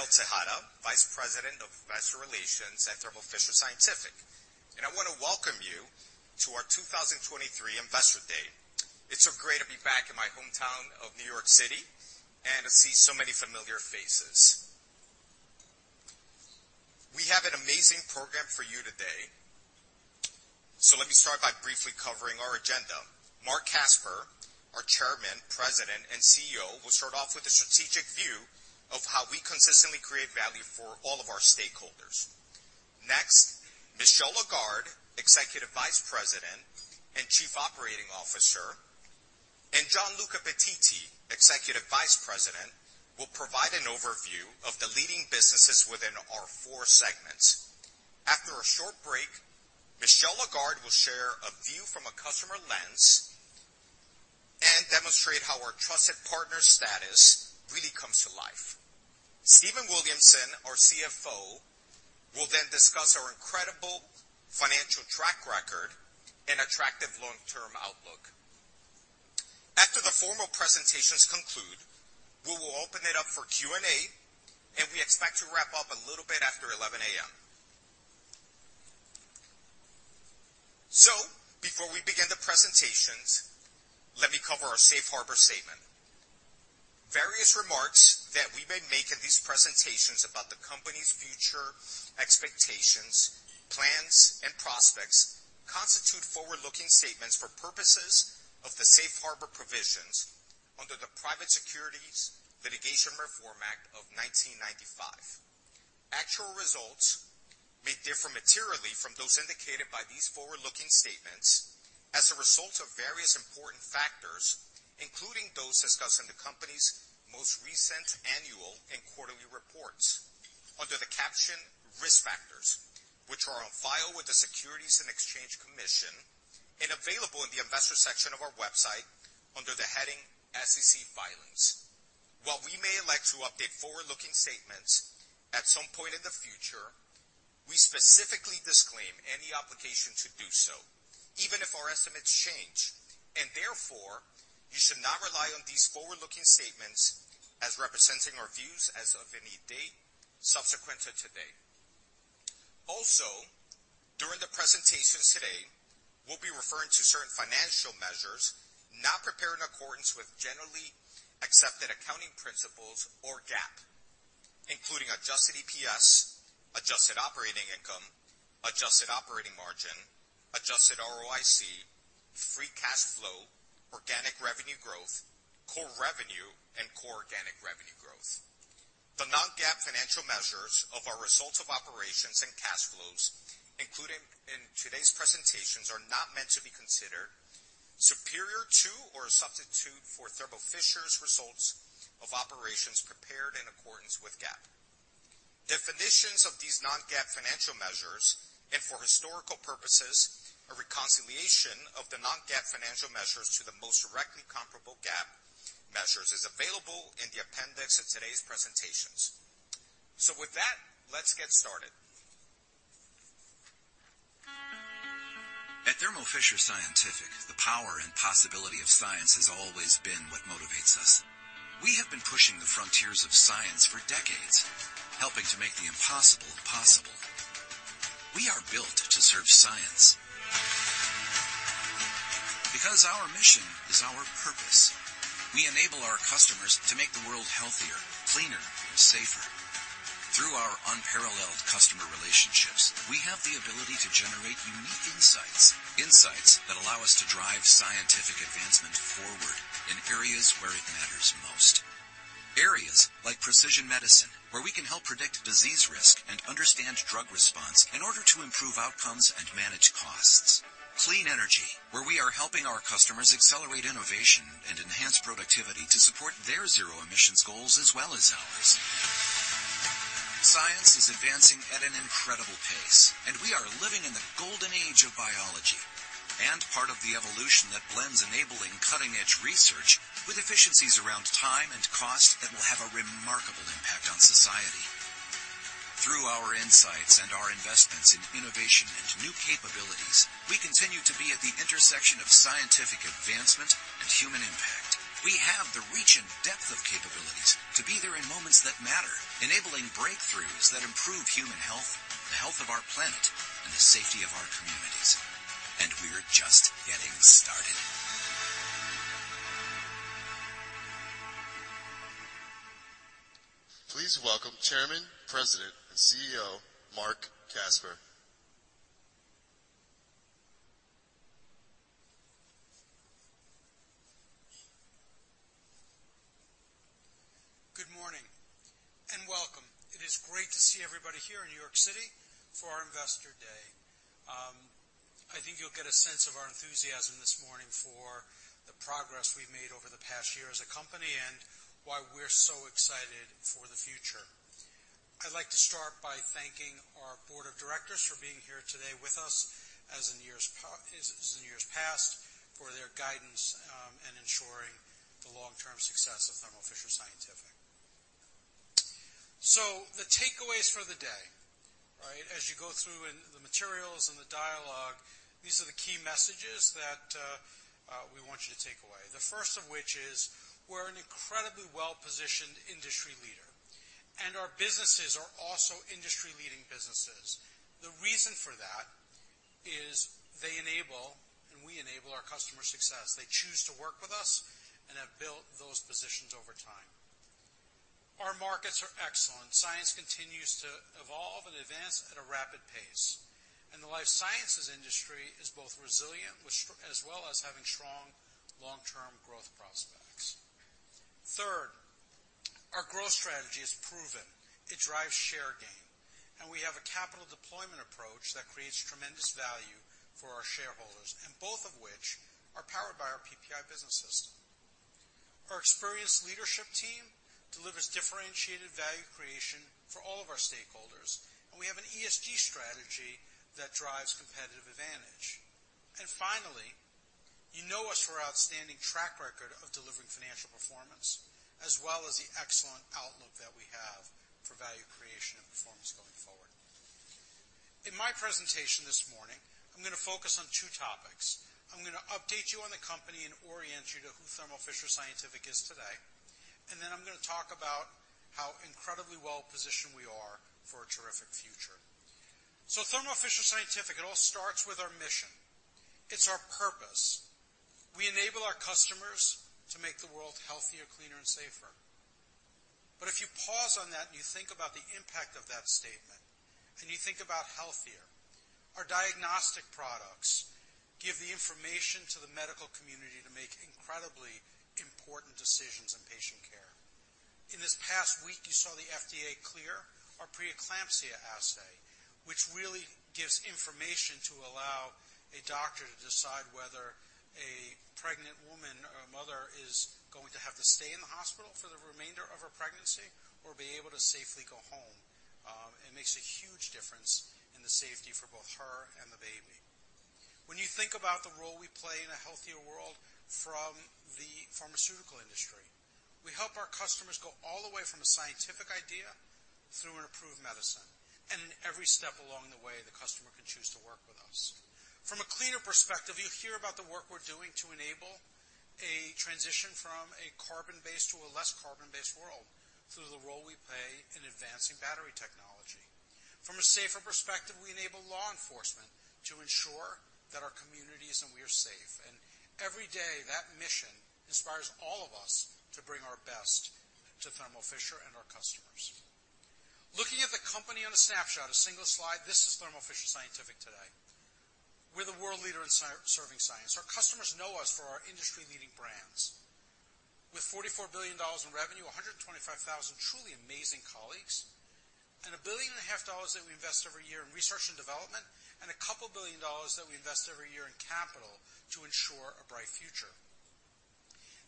Good morning. I'm Rafael Tejada, Vice President of Investor Relations at Thermo Fisher Scientific. I want to welcome you to our 2023 Investor Day. It's so great to be back in my hometown of New York City and to see so many familiar faces. We have an amazing program for you today. Let me start by briefly covering our agenda. Marc Casper, our Chairman, President, and CEO, will start off with a strategic view of how we consistently create value for all of our stakeholders. Next, Michel Lagarde, Executive Vice President and Chief Operating Officer, and Gianluca Pettiti, Executive Vice President, will provide an overview of the leading businesses within our four segments. After a short break, Michel Lagarde will share a view from a customer lens and demonstrate how our trusted partner status really comes to life. Stephen Williamson, our CFO, will then discuss our incredible financial track record and attractive long-term outlook. After the formal presentations conclude, we will open it up for Q&A, and we expect to wrap up a little bit after 11:00 A.M. Before we begin the presentations, let me cover our safe harbor statement. Various remarks that we may make in these presentations about the company's future expectations, plans, and prospects constitute forward-looking statements for purposes of the safe harbor provisions under The Private Securities Litigation Reform Act of 1995. Actual results may differ materially from those indicated by these forward-looking statements as a result of various important factors, including those discussed in the company's most recent annual and quarterly reports under the caption Risk Factors, which are on file with the Securities and Exchange Commission and available in the investor section of our website under the heading SEC Filings. While we may elect to update forward-looking statements at some point in the future, we specifically disclaim any obligation to do so, even if our estimates change, and therefore, you should not rely on these forward-looking statements as representing our views as of any date subsequent to today. Also, during the presentations today, we'll be referring to certain financial measures not prepared in accordance with generally accepted accounting principles or GAAP, including adjusted EPS, adjusted operating income, adjusted operating margin, adjusted ROIC, free cash flow, organic revenue growth, core revenue, and core organic revenue growth. The non-GAAP financial measures of our results of operations and cash flows included in today's presentations are not meant to be considered superior to or a substitute for Thermo Fisher Scientific's results of operations prepared in accordance with GAAP. Definitions of these non-GAAP financial measures and for historical purposes, a reconciliation of the non-GAAP financial measures to the most directly comparable GAAP measures is available in the appendix of today's presentations. With that, let's get started. At Thermo Fisher Scientific, the power and possibility of science has always been what motivates us. We have been pushing the frontiers of science for decades, helping to make the impossible possible. We are built to serve science. Because our mission is our purpose, we enable our customers to make the world healthier, cleaner, safer. Through our unparalleled customer relationships, we have the ability to generate unique insights that allow us to drive scientific advancement forward in areas where it matters most. Areas like precision medicine, where we can help predict disease risk and understand drug response in order to improve outcomes and manage costs. Clean energy, where we are helping our customers accelerate innovation and enhance productivity to support their zero emissions goals as well as ours. Science is advancing at an incredible pace, and we are living in the golden age of biology and part of the evolution that blends enabling cutting-edge research with efficiencies around time and cost that will have a remarkable impact on society. Through our insights and our investments in innovation and new capabilities, we continue to be at the intersection of scientific advancement and human impact. We have the reach and depth of capabilities to be there in moments that matter, enabling breakthroughs that improve human health, the health of our planet, and the safety of our communities, and we're just getting started. Please welcome Chairman, President, and CEO, Marc Casper. Good morning and welcome. It is great to see everybody here in New York City for our Investor Day. I think you'll get a sense of our enthusiasm this morning for the progress we've made over the past year as a company and why we're so excited for the future. I'd like to start by thanking our board of directors for being here today with us, as in years past, for their guidance and ensuring the long-term success of Thermo Fisher Scientific. The takeaways for the day, right? As you go through in the materials and the dialogue, these are the key messages that we want you to take away. The first of which is we're an incredibly well-positioned industry leader, and our businesses are also industry-leading businesses. The reason for that is they enable and we enable our customer success. They choose to work with us and have built those positions over time. Our markets are excellent. Science continues to evolve and advance at a rapid pace, and the life sciences industry is both resilient, as well as having strong long-term growth prospects. Third, our growth strategy is proven. It drives share gain, and we have a capital deployment approach that creates tremendous value for our shareholders, both of which are powered by our PPI Business System. Our experienced leadership team delivers differentiated value creation for all of our stakeholders, we have an ESG strategy that drives competitive advantage. Finally, you know us for our outstanding track record of delivering financial performance as well as the excellent outlook that we have for value creation and performance going forward. In my presentation this morning, I'm gonna focus on two topics. I'm gonna update you on the company and orient you to who Thermo Fisher Scientific is today. I'm gonna talk about how incredibly well-positioned we are for a terrific future. Thermo Fisher Scientific, it all starts with our mission. It's our purpose. We enable our customers to make the world healthier, cleaner, and safer. If you pause on that and you think about the impact of that statement, and you think about healthier, our diagnostic products give the information to the medical community to make incredibly important decisions in patient care. In this past week, you saw the FDA clear our preeclampsia assay, which really gives information to allow a doctor to decide whether a pregnant woman or mother is going to have to stay in the hospital for the remainder of her pregnancy or be able to safely go home. It makes a huge difference in the safety for both her and the baby. When you think about the role we play in a healthier world from the pharmaceutical industry, we help our customers go all the way from a scientific idea through an approved medicine, and in every step along the way, the customer can choose to work with us. From a cleaner perspective, you hear about the work we're doing to enable a transition from a carbon-based to a less carbon-based world through the role we play in advancing battery technology. From a safer perspective, we enable law enforcement to ensure that our communities and we are safe. Every day, that mission inspires all of us to bring our best to Thermo Fisher and our customers. Looking at the company on a snapshot, a single slide, this is Thermo Fisher Scientific today. We're the world leader in serving science. Our customers know us for our industry-leading brands. With $44 billion in revenue, 125,000 truly amazing colleagues, and a billion and a half dollars that we invest every year in research and development, and $2 billion that we invest every year in capital to ensure a bright future.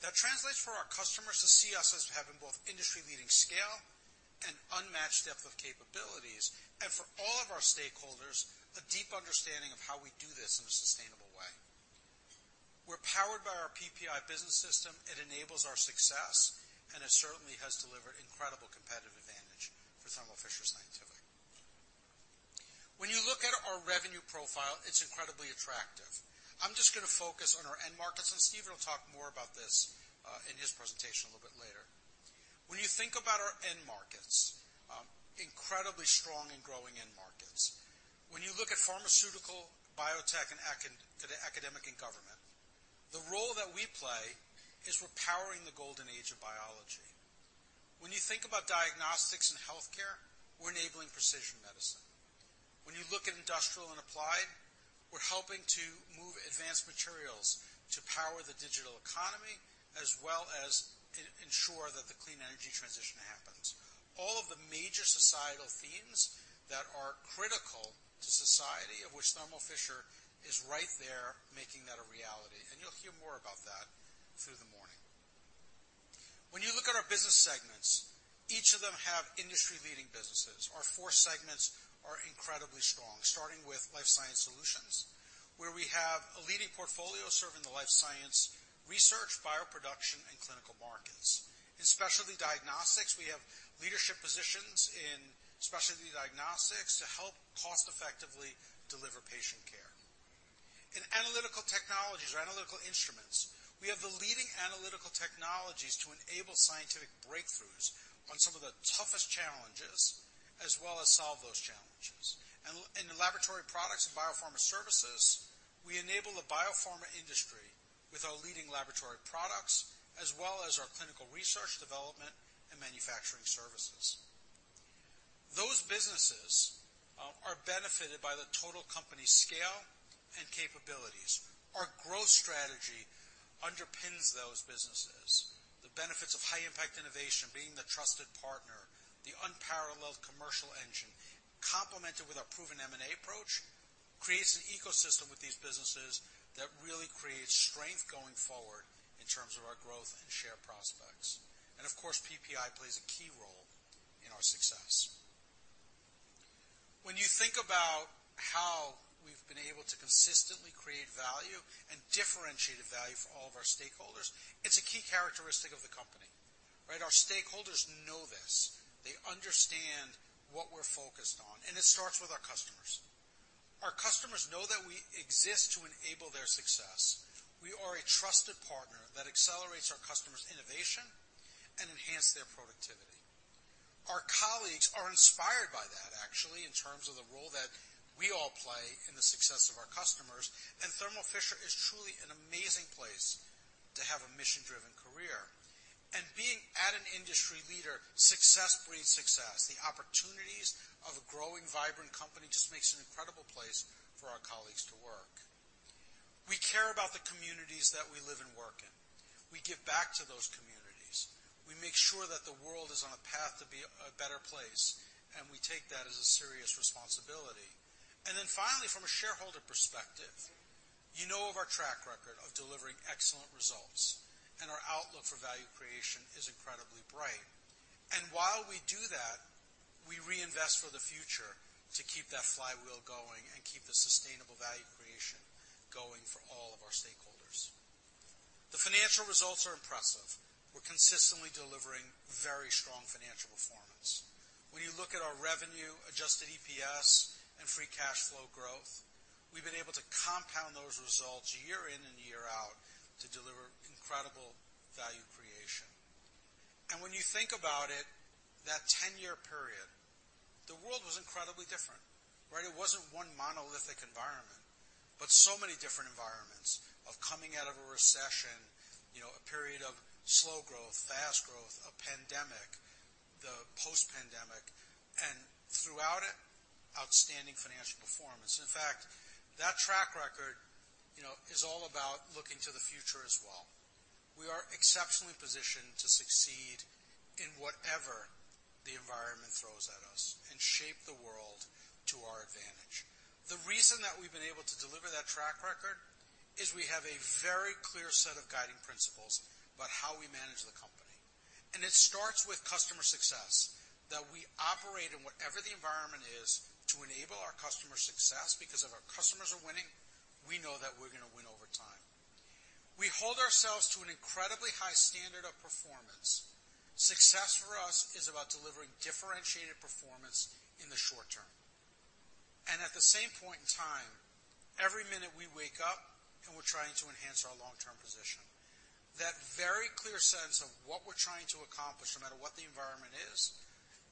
That translates for our customers to see us as having both industry-leading scale and unmatched depth of capabilities, and for all of our stakeholders, a deep understanding of how we do this in a sustainable way. We're powered by our PPI Business System. It enables our success, and it certainly has delivered incredible competitive advantage for Thermo Fisher Scientific. When you look at our revenue profile, it's incredibly attractive. I'm just gonna focus on our end markets. Stephen will talk more about this in his presentation a little bit later. When you think about our end markets, incredibly strong and growing end markets. When you look at pharmaceutical, biotech, and the academic and government, the role that we play is we're powering the golden age of biology. When you think about diagnostics and healthcare, we're enabling precision medicine. When you look at industrial and applied, we're helping to move advanced materials to power the digital economy, as well as ensure that the clean energy transition happens. All of the major societal themes that are critical to society, of which Thermo Fisher Scientific is right there, making that a reality, and you'll hear more about that through the morning. When you look at our business segments, each of them have industry-leading businesses. Our four segments are incredibly strong, starting with Life Sciences Solutions, where we have a leading portfolio serving the life science, research, bioproduction, and clinical markets. In Specialty Diagnostics, we have leadership positions in specialty diagnostics to help cost-effectively deliver patient care. In Analytical Technologies or Analytical Instruments, we have the leading analytical technologies to enable scientific breakthroughs on some of the toughest challenges, as well as solve those challenges. In the Laboratory Products and Biopharma Services, we enable the biopharma industry with our leading laboratory products as well as our clinical research, development, and manufacturing services. Those businesses are benefited by the total company scale and capabilities. Our growth strategy underpins those businesses. The benefits of high impact innovation, being the trusted partner, the unparalleled commercial engine, complemented with our proven M&A approach, creates an ecosystem with these businesses that really creates strength going forward in terms of our growth and share prospects. Of course, PPI plays a key role in our success. When you think about how we've been able to consistently create value and differentiated value for all of our stakeholders, it's a key characteristic of the company, right? Our stakeholders know this. They understand what we're focused on, and it starts with our customers. Our customers know that we exist to enable their success. We are a trusted partner that accelerates our customers' innovation and enhance their productivity. Our colleagues are inspired by that actually, in terms of the role that we all play in the success of our customers. Thermo Fisher is truly an amazing place to have a mission-driven career. Being at an industry leader, success breeds success. The opportunities of a growing, vibrant company just makes an incredible place for our colleagues to work. We care about the communities that we live and work in. We give back to those communities. We make sure that the world is on a path to be a better place, and we take that as a serious responsibility. Finally, from a shareholder perspective, you know of our track record of delivering excellent results, and our outlook for value creation is incredibly bright. While we do that, we reinvest for the future to keep that flywheel going and keep the sustainable value creation going for all of our stakeholders. The financial results are impressive. We're consistently delivering very strong financial performance. When you look at our revenue, adjusted EPS, and free cash flow growth, we've been able to compound those results year in and year out to deliver incredible value creation. When you think about it, that 10-year period, the world was incredibly different, right? It wasn't one monolithic environment, but so many different environments of coming out of a recession, you know, a period of slow growth, fast growth, a pandemic, the post-pandemic, and throughout it, outstanding financial performance. That track record, you know, is all about looking to the future as well. We are exceptionally positioned to succeed in whatever the environment throws at us and shape the world to our advantage. The reason that we've been able to deliver that track record is we have a very clear set of guiding principles about how we manage the company. It starts with customer success, that we operate in whatever the environment is to enable our customer success. Because if our customers are winning, we know that we're gonna win over time. We hold ourselves to an incredibly high standard of performance. Success for us is about delivering differentiated performance in the short term. At the same point in time, every minute we wake up and we're trying to enhance our long-term position. That very clear sense of what we're trying to accomplish, no matter what the environment is,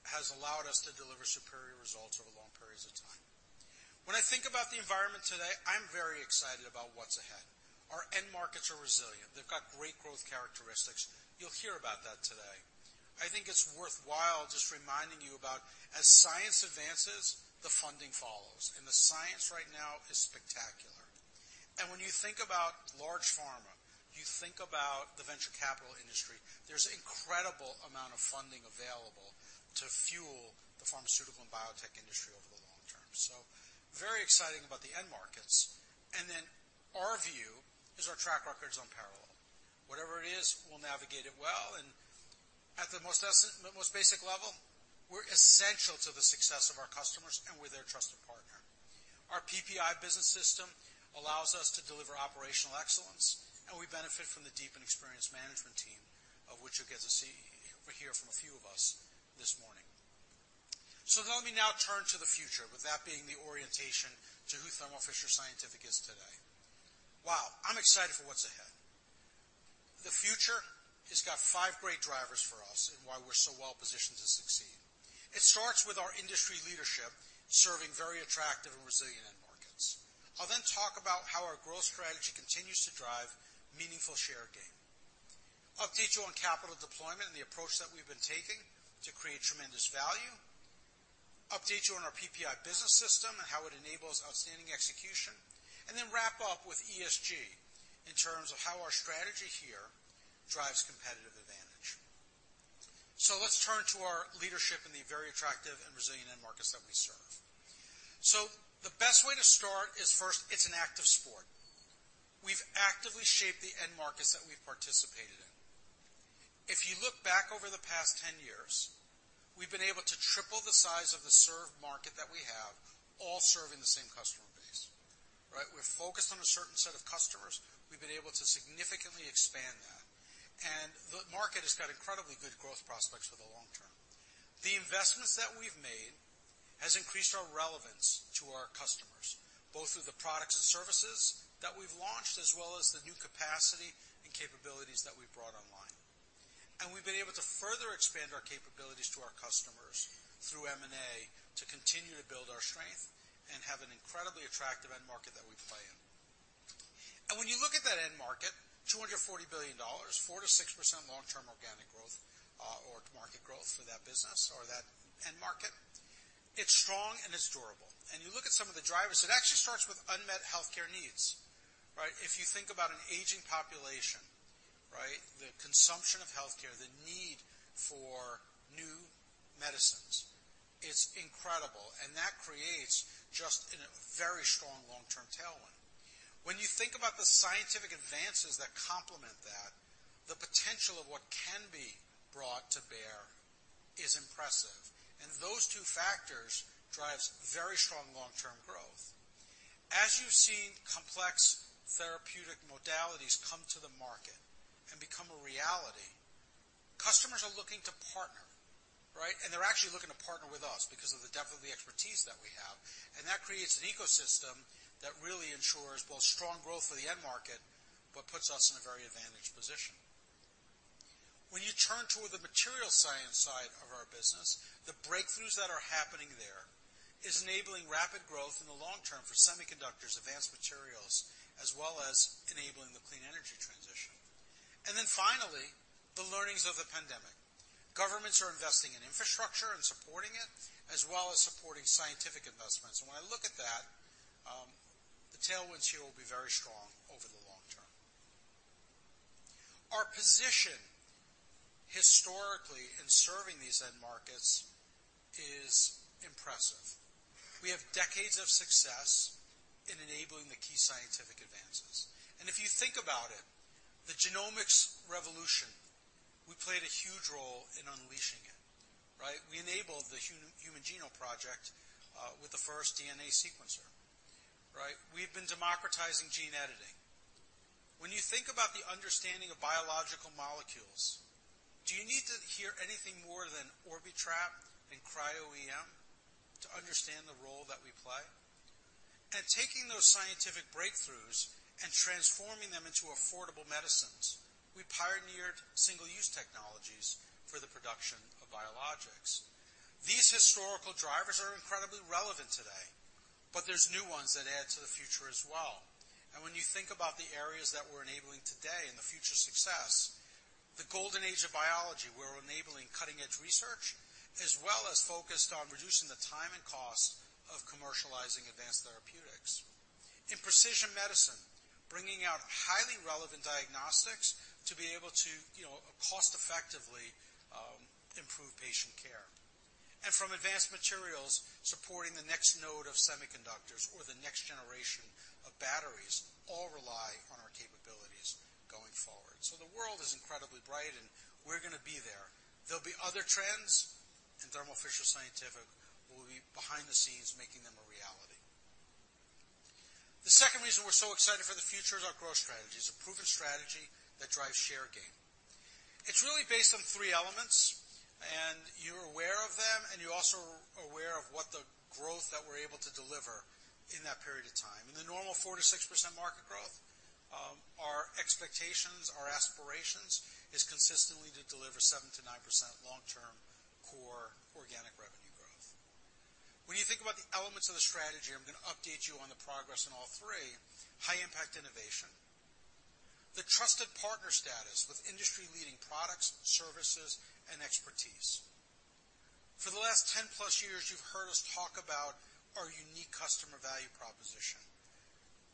has allowed us to deliver superior results over long periods of time. When I think about the environment today, I'm very excited about what's ahead. Our end markets are resilient. They've got great growth characteristics. You'll hear about that today. I think it's worthwhile just reminding you about as science advances, the funding follows, and the science right now is spectacular. When you think about large pharma, you think about the venture capital industry, there's incredible amount of funding available to fuel the pharmaceutical and biotech industry over the long term. Very exciting about the end markets. Our view is our track record is unparalleled. Whatever it is, we'll navigate it well, and at the most basic level, we're essential to the success of our customers, and we're their trusted partner. Our PPI Business System allows us to deliver operational excellence, and we benefit from the deep and experienced management team, of which you'll get to see or hear from a few of us this morning. Let me now turn to the future, with that being the orientation to who Thermo Fisher Scientific is today. Wow, I'm excited for what's ahead. The future has got five great drivers for us in why we're so well positioned to succeed. It starts with our industry leadership, serving very attractive and resilient end markets. I'll talk about how our growth strategy continues to drive meaningful share gain. Update you on capital deployment and the approach that we've been taking to create tremendous value, update you on our PPI Business System and how it enables outstanding execution, and then wrap up with ESG in terms of how our strategy here drives competitive advantage. Let's turn to our leadership in the very attractive and resilient end markets that we serve. The best way to start is, first, it's an active sport. We've actively shaped the end markets that we've participated in. If you look back over the past 10 years, we've been able to triple the size of the served market that we have, all serving the same customer base, right? We're focused on a certain set of customers. We've been able to significantly expand that, and the market has got incredibly good growth prospects for the long term. The investments that we've made has increased our relevance to our customers, both through the products and services that we've launched, as well as the new capacity and capabilities that we've brought online. We've been able to further expand our capabilities to our customers through M&A to continue to build our strength and have an incredibly attractive end market that we play in. When you look at that end market, $240 billion, 4%-6% long-term organic growth, or market growth for that business or that end market, it's strong and it's durable. You look at some of the drivers, it actually starts with unmet healthcare needs, right? If you think about an aging population, right, the consumption of healthcare, the need for new medicines, it's incredible, and that creates just, you know, a very strong long-term tailwind. When you think about the scientific advances that complement that, the potential of what can be brought to bear is impressive. Those two factors drives very strong long-term growth. As you've seen complex therapeutic modalities come to the market and become a reality, customers are looking to partner, right? They're actually looking to partner with us because of the depth of the expertise that we have. That creates an ecosystem that really ensures both strong growth for the end market, but puts us in a very advantaged position. When you turn toward the material science side of our business, the breakthroughs that are happening there is enabling rapid growth in the long term for semiconductors, advanced materials, as well as enabling the clean energy transition. Finally, the learnings of the pandemic. Governments are investing in infrastructure and supporting it, as well as supporting scientific investments. When I look at that, the tailwinds here will be very strong over the long term. Our position historically in serving these end markets is impressive. We have decades of success in enabling the key scientific advances. If you think about it, the genomics revolution, we played a huge role in unleashing it, right? We enabled the human genome project with the first DNA sequencer, right? We've been democratizing gene editing. When you think about the understanding of biological molecules, do you need to hear anything more than Orbitrap and Cryo-EM to understand the role that we play? Taking those scientific breakthroughs and transforming them into affordable medicines, we pioneered single-use technologies for the production of biologics. These historical drivers are incredibly relevant today, there's new ones that add to the future as well. When you think about the areas that we're enabling today and the future success, the golden age of biology, we're enabling cutting-edge research, as well as focused on reducing the time and cost of commercializing advanced therapeutics. In precision medicine, bringing out highly relevant diagnostics to be able to, you know, cost effectively, improve patient care. From advanced materials, supporting the next node of semiconductors or the next generation of batteries, all rely on our capabilities going forward. The world is incredibly bright and we're gonna be there. There'll be other trends, and Thermo Fisher Scientific will be behind the scenes, making them a reality. The second reason we're so excited for the future is our growth strategy. It's a proven strategy that drives share gain. It's really based on three elements, and you're aware of them, and you're also aware of what the growth that we're able to deliver in that period of time. In the normal 4%-6% market growth, our expectations, our aspirations, is consistently to deliver 7%-9% long-term core organic revenue growth. When you think about the elements of the strategy, I'm gonna update you on the progress in all three. High impact innovation. The trusted partner status with industry-leading products, services, and expertise. For the last 10 plus years, you've heard us talk about our unique customer value proposition,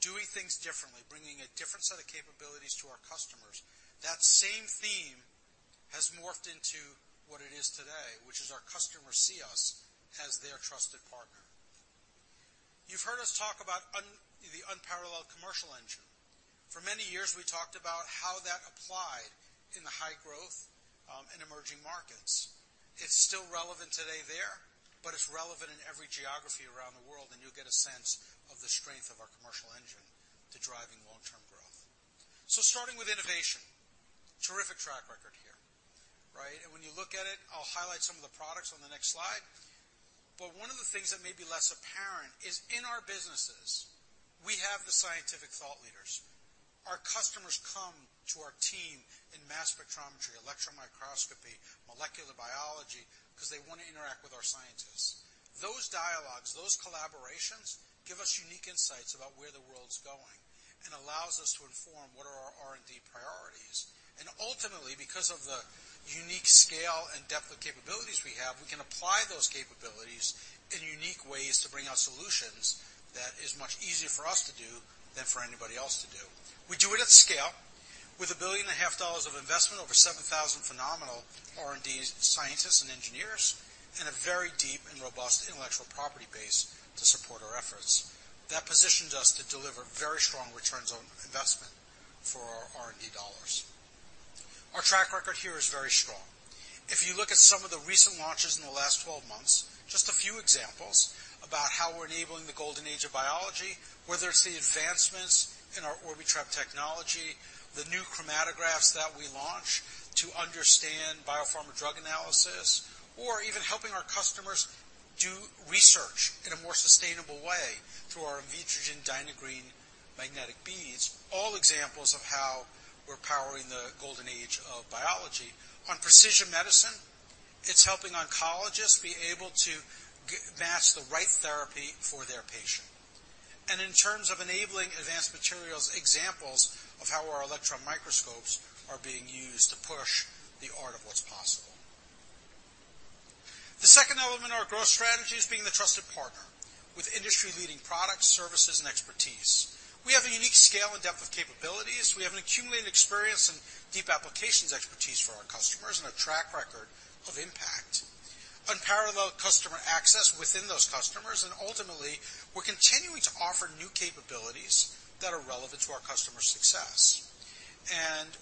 doing things differently, bringing a different set of capabilities to our customers. That same theme has morphed into what it is today, which is our customers see us as their trusted partner. You've heard us talk about the unparalleled commercial engine. For many years, we talked about how that applied in the high growth, and emerging markets. It's still relevant today there, but it's relevant in every geography around the world, and you'll get a sense of the strength of our commercial engine to driving long-term growth. Starting with innovation, terrific track record here, right? When you look at it, I'll highlight some of the products on the next slide. One of the things that may be less apparent is in our businesses, we have the scientific thought leaders. Our customers come to our team in mass spectrometry, electron microscopy, molecular biology, 'cause they wanna interact with our scientists. Those dialogues, those collaborations, give us unique insights about where the world's going and allows us to inform what are our R&D priorities. Ultimately, because of the unique scale and depth of capabilities we have, we can apply those capabilities in unique ways to bring out solutions that is much easier for us to do than for anybody else to do. We do it at scale with $1.5 billion of investment, over 7,000 phenomenal R&D scientists and engineers, a very deep and robust intellectual property base to support our efforts. That positions us to deliver very strong returns on investment for our R&D dollars. Our track record here is very strong. If you look at some of the recent launches in the last 12 months, just a few examples about how we're enabling the golden age of biology, whether it's the advancements in our Orbitrap technology. The new chromatographs that we launched to understand biopharma drug analysis, or even helping our customers do research in a more sustainable way through our Invitrogen Dynabeads magnetic beads, all examples of how we're powering the golden age of biology. On precision medicine, it's helping oncologists be able to match the right therapy for their patient. In terms of enabling advanced materials, examples of how our electron microscopes are being used to push the art of what's possible. The second element of our growth strategy is being the trusted partner with industry-leading products, services, and expertise. We have a unique scale and depth of capabilities. We have an accumulated experience in deep applications expertise for our customers and a track record of impact. Unparalleled customer access within those customers, and ultimately, we're continuing to offer new capabilities that are relevant to our customers' success.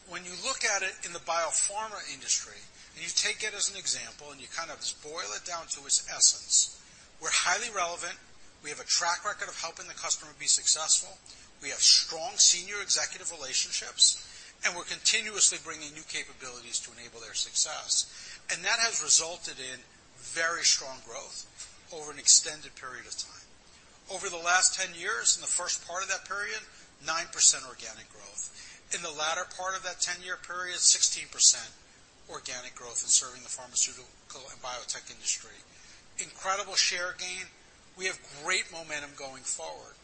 When you look at it in the biopharma industry, and you take it as an example, and you kind of just boil it down to its essence, we're highly relevant. We have a track record of helping the customer be successful. We have strong senior executive relationships, and we're continuously bringing new capabilities to enable their success. That has resulted in very strong growth over an extended period of time. Over the last 10 years, in the first part of that period, 9% organic growth. In the latter part of that 10-year period, 16% organic growth in serving the pharmaceutical and biotech industry. Incredible share gain. We have great momentum going forward.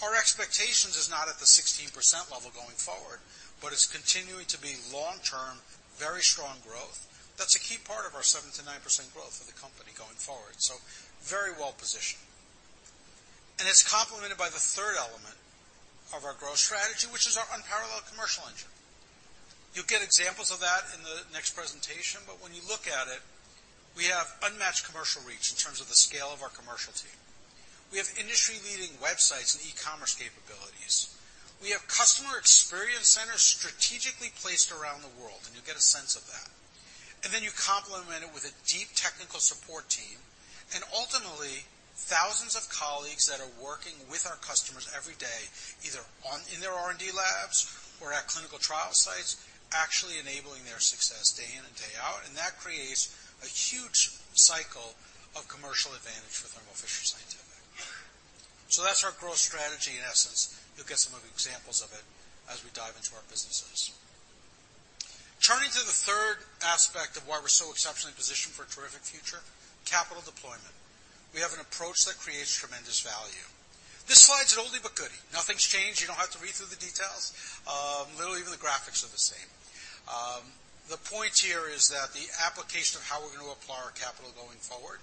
Our expectations is not at the 16% level going forward, but it's continuing to be long-term, very strong growth. That's a key part of our 7% to 9% growth for the company going forward. Very well-positioned. It's complemented by the third element of our growth strategy, which is our unparalleled commercial engine. You'll get examples of that in the next presentation. When you look at it, we have unmatched commercial reach in terms of the scale of our commercial team. We have industry-leading websites and e-commerce capabilities. We have customer experience centers strategically placed around the world, and you'll get a sense of that. Then you complement it with a deep technical support team and ultimately thousands of colleagues that are working with our customers every day, either in their R&D labs or at clinical trial sites, actually enabling their success day in and day out. That creates a huge cycle of commercial advantage for Thermo Fisher Scientific. That's our growth strategy in essence. You'll get some of the examples of it as we dive into our businesses. Turning to the third aspect of why we're so exceptionally positioned for a terrific future, capital deployment. We have an approach that creates tremendous value. This slide's an oldie but goodie. Nothing's changed. You don't have to read through the details. Literally, even the graphics are the same. The point here is that the application of how we're gonna apply our capital going forward,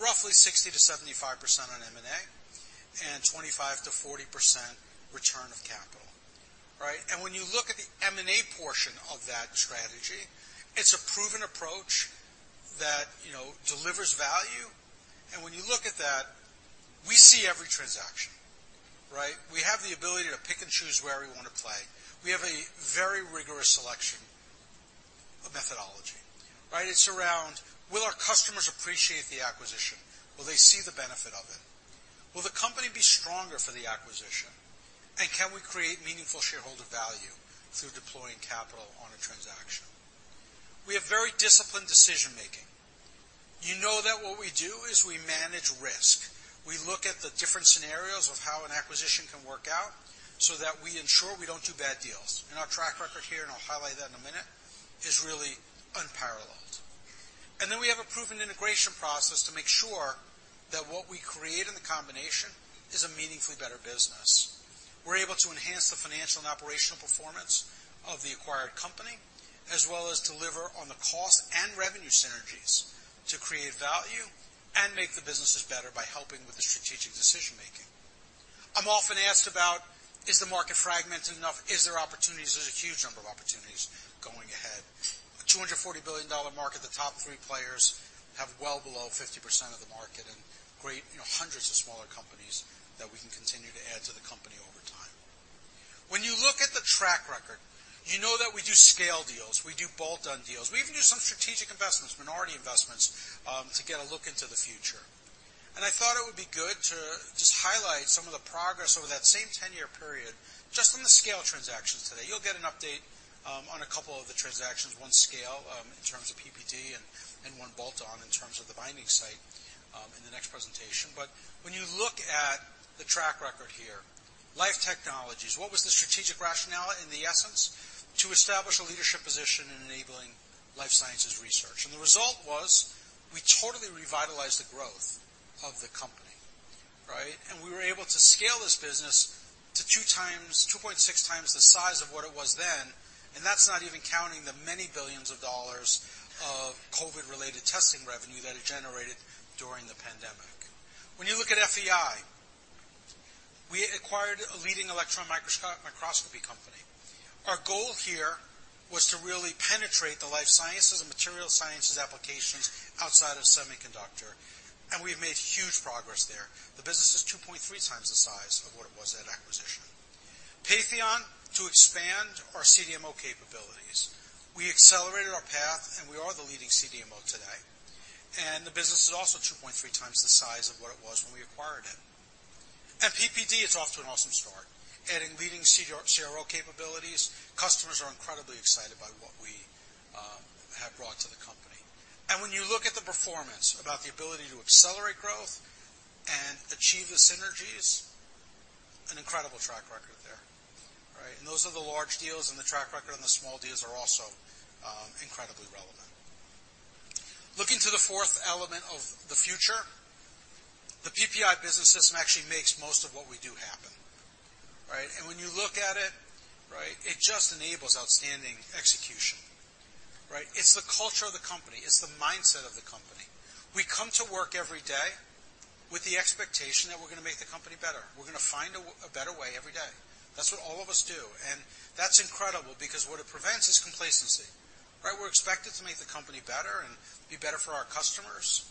roughly 60%-75% on M&A and 25%-40% return of capital, right. When you look at the M&A portion of that strategy, it's a proven approach that, you know, delivers value. When you look at that, we see every transaction, right. We have the ability to pick and choose where we wanna play. We have a very rigorous selection of methodology, right. It's around will our customers appreciate the acquisition? Will they see the benefit of it? Will the company be stronger for the acquisition? Can we create meaningful shareholder value through deploying capital on a transaction? We have very disciplined decision-making. You know that what we do is we manage risk. We look at the different scenarios of how an acquisition can work out so that we ensure we don't do bad deals. Our track record here, and I'll highlight that in a minute, is really unparalleled. Then we have a proven integration process to make sure that what we create in the combination is a meaningfully better business. We're able to enhance the financial and operational performance of the acquired company, as well as deliver on the cost and revenue synergies to create value and make the businesses better by helping with the strategic decision-making. I'm often asked about, is the market fragmented enough? Is there opportunities? There's a huge number of opportunities going ahead. A $240 billion market, the top three players have well below 50% of the market and great, you know, hundreds of smaller companies that we can continue to add to the company over time. When you look at the track record, you know that we do scale deals, we do bolt-on deals. We even do some strategic investments, minority investments, to get a look into the future. I thought it would be good to just highlight some of the progress over that same 10-year period, just on the scale transactions today. You'll get an update on a couple of the transactions, one scale in terms of PPD and one bolt-on in terms of The Binding Site in the next presentation. When you look at the track record here, Life Technologies, what was the strategic rationale in the essence? To establish a leadership position in enabling life sciences research. The result was we totally revitalized the growth of the company, right? We were able to scale this business to 2.6 times the size of what it was then, and that's not even counting the many billions of dollars of COVID-related testing revenue that it generated during the pandemic. When you look at FEI, we acquired a leading electron microscopy company. Our goal here was to really penetrate the life sciences and material sciences applications outside of semiconductor, and we've made huge progress there. The business is 2.3 times the size of what it was at acquisition. Patheon, to expand our CDMO capabilities. We accelerated our path. We are the leading CDMO today, and the business is also 2.3 times the size of what it was when we acquired it. PPD is off to an awesome start, adding leading CRO capabilities. Customers are incredibly excited by what we have brought to the company. When you look at the performance about the ability to accelerate growth and achieve the synergies, an incredible track record there, right? Those are the large deals and the track record, and the small deals are also incredibly relevant. Looking to the fourth element of the future, the PPI Business System actually makes most of what we do happen, right? When you look at it, right, it just enables outstanding execution, right? It's the culture of the company. It's the mindset of the company. We come to work every day. With the expectation that we're gonna make the company better. We're gonna find a better way every day. That's what all of us do. That's incredible because what it prevents is complacency, right? We're expected to make the company better and be better for our customers,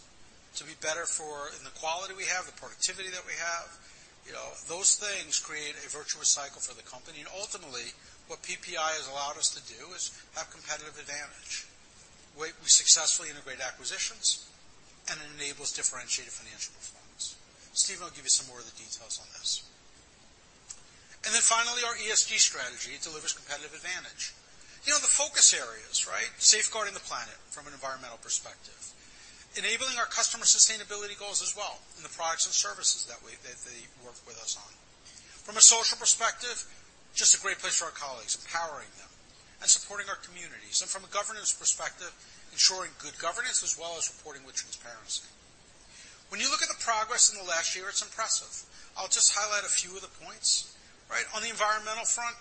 to be better for in the quality we have, the productivity that we have. You know, those things create a virtuous cycle for the company. Ultimately, what PPI has allowed us to do is have competitive advantage. We successfully integrate acquisitions. It enables differentiated financial performance. Stephen will give you some more of the details on this. Finally, our ESG strategy delivers competitive advantage. You know the focus areas, right? Safeguarding the planet from an environmental perspective. Enabling our customer sustainability goals as well in the products and services that they work with us on. From a social perspective, just a great place for our colleagues, empowering them and supporting our communities. From a governance perspective, ensuring good governance as well as reporting with transparency. When you look at the progress in the last year, it's impressive. I'll just highlight a few of the points, right? On the environmental front,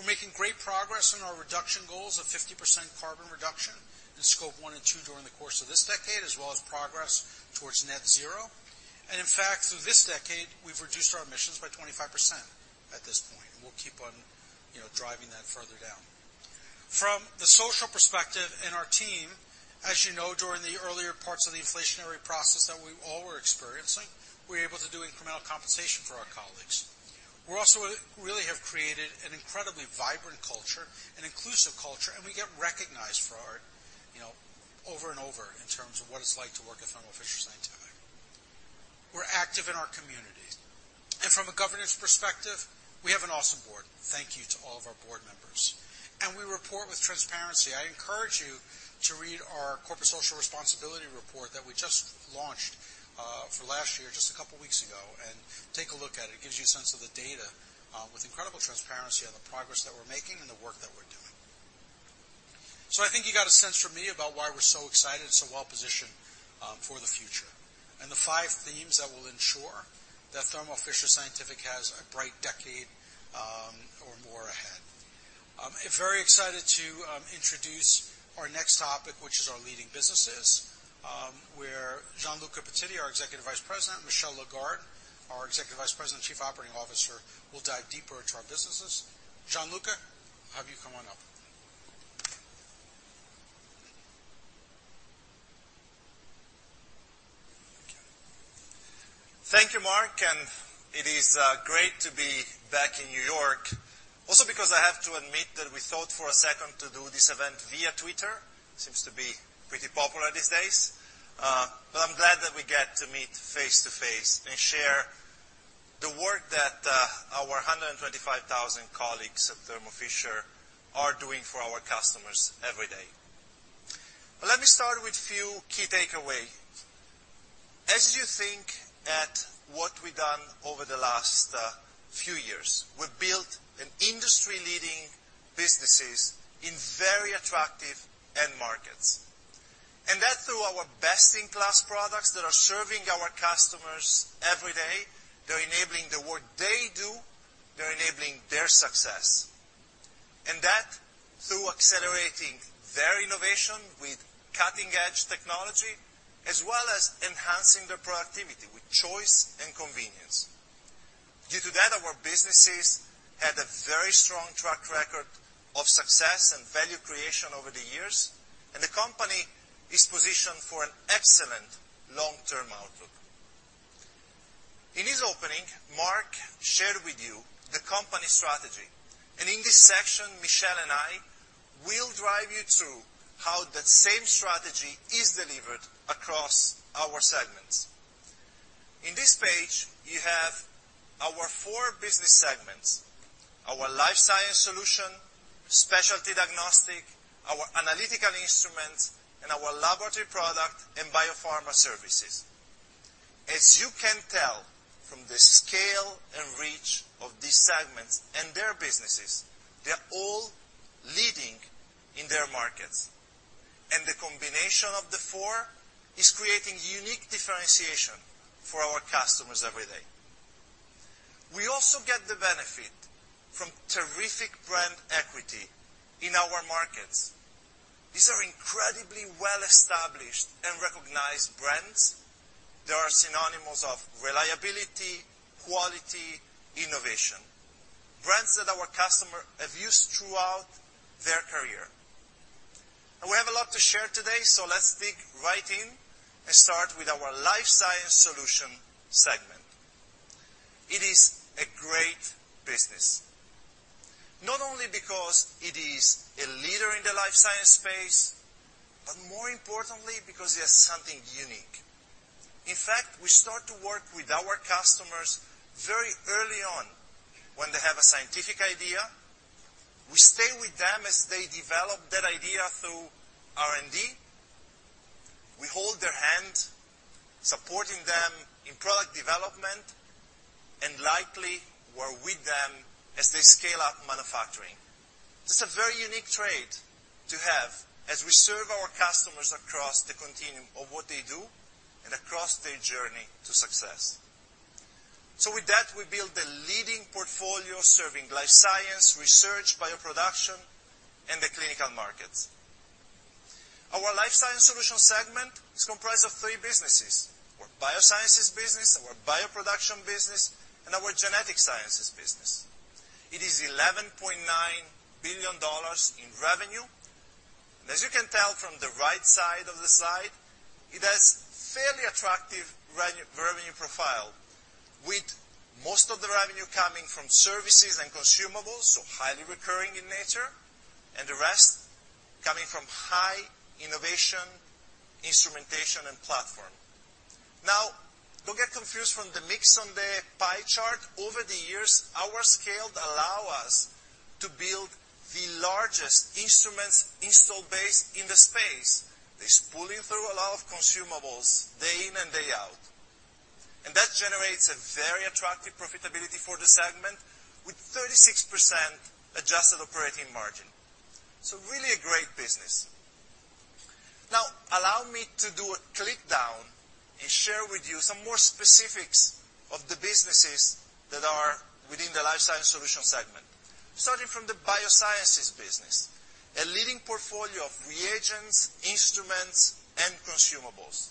we're making great progress on our reduction goals of 50% carbon reduction in Scope 1 and 2 during the course of this decade, as well as progress towards net zero. In fact, through this decade, we've reduced our emissions by 25% at this point, and we'll keep on, you know, driving that further down. From the social perspective in our team, as you know, during the earlier parts of the inflationary process that we all were experiencing, we were able to do incremental compensation for our colleagues. We also really have created an incredibly vibrant culture, an inclusive culture, and we get recognized for our, you know, over and over in terms of what it's like to work at Thermo Fisher Scientific. We're active in our communities. From a governance perspective, we have an awesome board. Thank you to all of our board members. We report with transparency. I encourage you to read our corporate social responsibility report that we just launched for last year just a couple weeks ago, and take a look at it. It gives you a sense of the data with incredible transparency on the progress that we're making and the work that we're doing. I think you got a sense from me about why we're so excited, so well-positioned for the future, and the five themes that will ensure that Thermo Fisher Scientific has a bright decade or more ahead. Very excited to introduce our next topic, which is our leading businesses, where Gianluca Pettiti, our Executive Vice President, Michel Lagarde, our Executive Vice President, Chief Operating Officer, will dive deeper into our businesses. Gianluca, have you come on up. Thank you, Marc, and it is great to be back in New York. Also because I have to admit that we thought for a second to do this event via Twitter. Seems to be pretty popular these days. But I'm glad that we get to meet face to face and share the work that our 125,000 colleagues at Thermo Fisher are doing for our customers every day. Let me start with few key takeaway. As you think at what we've done over the last few years, we've built an industry-leading businesses in very attractive end markets. That through our best-in-class products that are serving our customers every day, they're enabling the work they do, they're enabling their success. That through accelerating their innovation with cutting-edge technology, as well as enhancing their productivity with choice and convenience. Due to that, our businesses had a very strong track record of success and value creation over the years. The company is positioned for an excellent long-term outlook. In his opening, Marc shared with you the company strategy. In this section, Michel and I will drive you through how that same strategy is delivered across our segments. In this page, you have our four business segments: our Life Sciences Solutions, Specialty Diagnostics, Analytical Instruments, and Laboratory Products and Biopharma Services. As you can tell from the scale and reach of these segments and their businesses, they're all leading in their markets. The combination of the four is creating unique differentiation for our customers every day. We also get the benefit from terrific brand equity in our markets. These are incredibly well-established and recognized brands that are synonymous of reliability, quality, innovation. Brands that our customer have used throughout their career. We have a lot to share today, so let's dig right in and start with our Life Sciences Solutions segment. It is a great business, not only because it is a leader in the life science space, but more importantly because it has something unique. In fact, we start to work with our customers very early on when they have a scientific idea. We stay with them as they develop that idea through R&D. We hold their hand, supporting them in product development, and likely we're with them as they scale up manufacturing. This is a very unique trait to have as we serve our customers across the continuum of what they do and across their journey to success. With that, we build the leading portfolio serving life science, research, bioproduction, and the clinical markets. Our Life Sciences Solutions segment is comprised of three businesses, our biosciences business, our bioproduction business, and our genetic sciences business. It is $11.9 billion in revenue. As you can tell from the right side of the slide, it has fairly attractive revenue profile, with most of the revenue coming from services and consumables, so highly recurring in nature, and the rest coming from high innovation, instrumentation and platform. Don't get confused from the mix on the pie chart. Over the years, our scale allow us to build the largest instruments install base in the space. It's pulling through a lot of consumables day in and day out, and that generates a very attractive profitability for the segment with 36% adjusted operating margin. Really a great business. Now allow me to do a click down and share with you some more specifics of the businesses that are within the Life Sciences Solutions segment. Starting from the biosciences business, a leading portfolio of reagents, instruments, and consumables.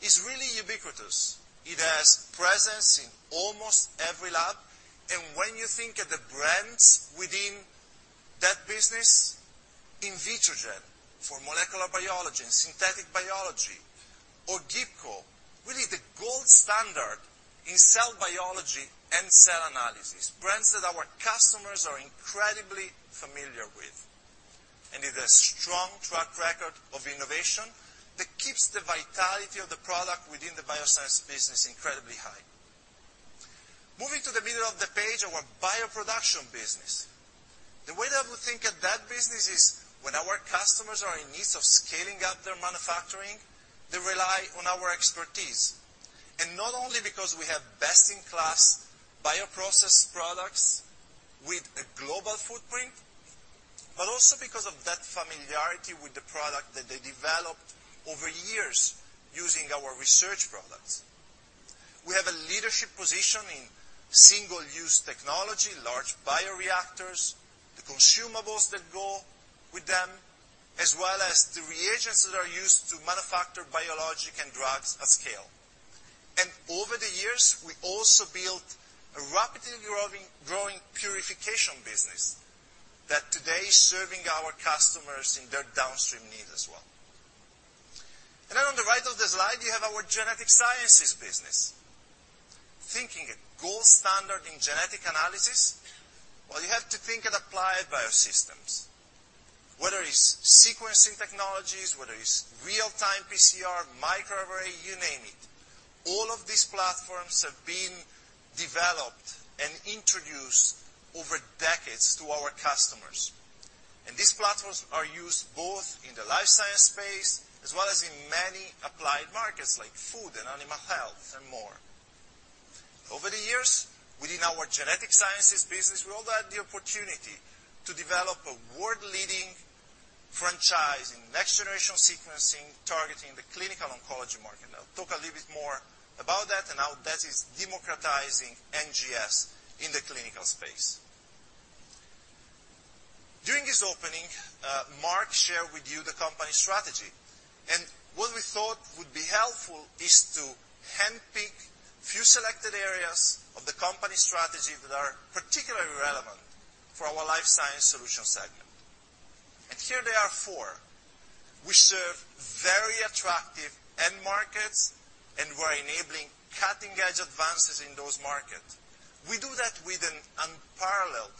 It's really ubiquitous. It has presence in almost every lab. When you think of the brands within that business, Invitrogen for molecular biology and synthetic biology or Gibco, really the gold standard in cell biology and cell analysis, brands that our customers are incredibly familiar with. It has strong track record of innovation that keeps the vitality of the product within the bioscience business incredibly high. Moving to the middle of the page, our bioproduction business. The way that we think of that business is when our customers are in need of scaling up their manufacturing, they rely on our expertise, and not only because we have best in class bioprocess products with a global footprint, but also because of that familiarity with the product that they developed over years using our research products. We have a leadership position in single-use technology, large bioreactors, the consumables that go with them, as well as the reagents that are used to manufacture biologic and drugs at scale. Over the years, we also built a rapidly growing purification business that today is serving our customers in their downstream need as well. On the right of the slide, you have our genetic sciences business. Thinking a gold standard in genetic analysis, well, you have to think of Applied Biosystems. Whether it's sequencing technologies, whether it's real-time PCR, microarray, you name it, all of these platforms have been developed and introduced over decades to our customers. These platforms are used both in the life science space as well as in many applied markets like food and animal health and more. Over the years, within our genetic sciences business, we've also had the opportunity to develop a world leading franchise in Next-Generation Sequencing targeting the clinical oncology market. I'll talk a little bit more about that and how that is democratizing NGS in the clinical space. During his opening, Marc shared with you the company strategy, and what we thought would be helpful is to handpick few selected areas of the company strategy that are particularly relevant for our Life Sciences Solutions segment. Here there are four. We serve very attractive end markets, and we're enabling cutting-edge advances in those markets. We do that with an unparalleled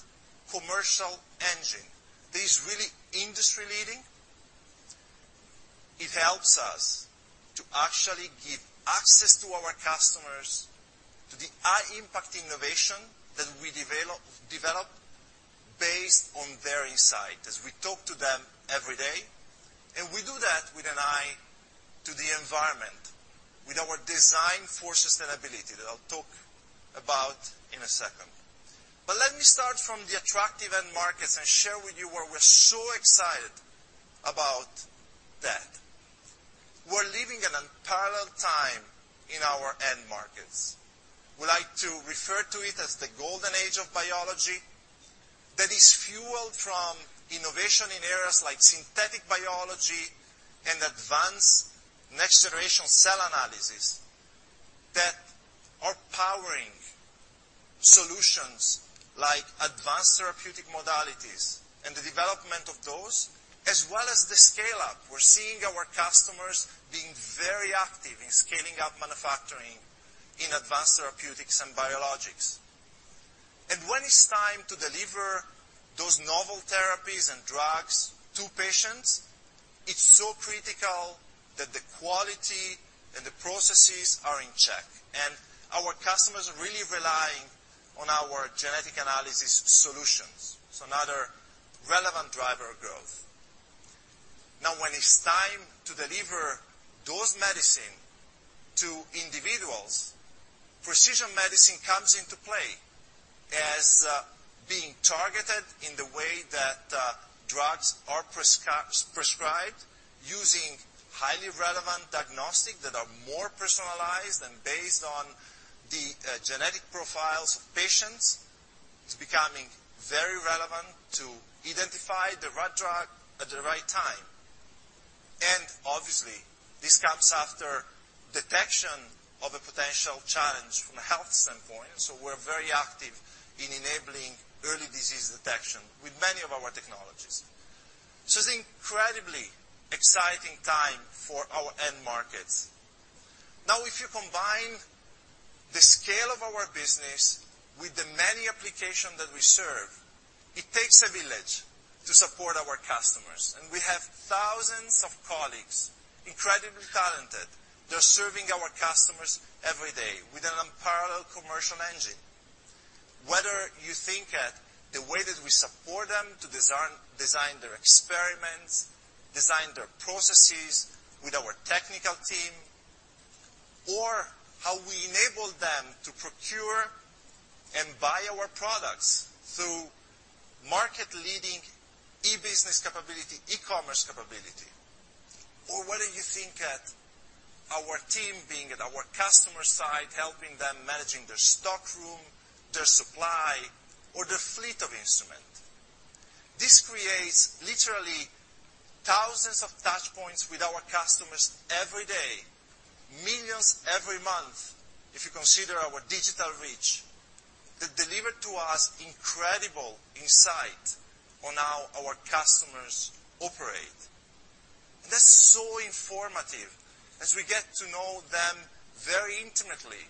commercial engine that is really industry leading. It helps us to actually give access to our customers to the high impact innovation that we develop based on their insight as we talk to them every day, and we do that with an eye to the environment, with our design for sustainability that I'll talk about in a second. Let me start from the attractive end markets and share with you why we're so excited about that. We're living an unparalleled time in our end markets. We like to refer to it as the golden age of biology that is fueled from innovation in areas like synthetic biology and advanced next generation cell analysis that are powering solutions like advanced therapeutic modalities and the development of those, as well as the scale up. We're seeing our customers being very active in scaling up manufacturing in advanced therapeutics and biologics. When it's time to deliver those novel therapies and drugs to patients, it's so critical that the quality and the processes are in check, and our customers are really relying on our genetic analysis solutions, so another relevant driver of growth. When it's time to deliver those medicine to individuals, precision medicine comes into play as being targeted in the way that drugs are prescribed using highly relevant diagnostic that are more personalized and based on the genetic profiles of patients. It's becoming very relevant to identify the right drug at the right time. Obviously, this comes after detection of a potential challenge from a health standpoint, we're very active in enabling early disease detection with many of our technologies. It's incredibly exciting time for our end markets. Now, if you combine the scale of our business with the many application that we serve, it takes a village to support our customers. We have thousands of colleagues, incredibly talented, they're serving our customers every day with an unparalleled commercial engine. Whether you think at the way that we support them to design their experiments, design their processes with our technical team, or how we enable them to procure and buy our products through market-leading e-business capability, e-commerce capability. Whether you think at our team being at our customer side, helping them managing their stockroom, their supply, or their fleet of instrument. This creates literally thousands of touchpoints with our customers every day, millions every month if you consider our digital reach, that deliver to us incredible insight on how our customers operate. That's so informative as we get to know them very intimately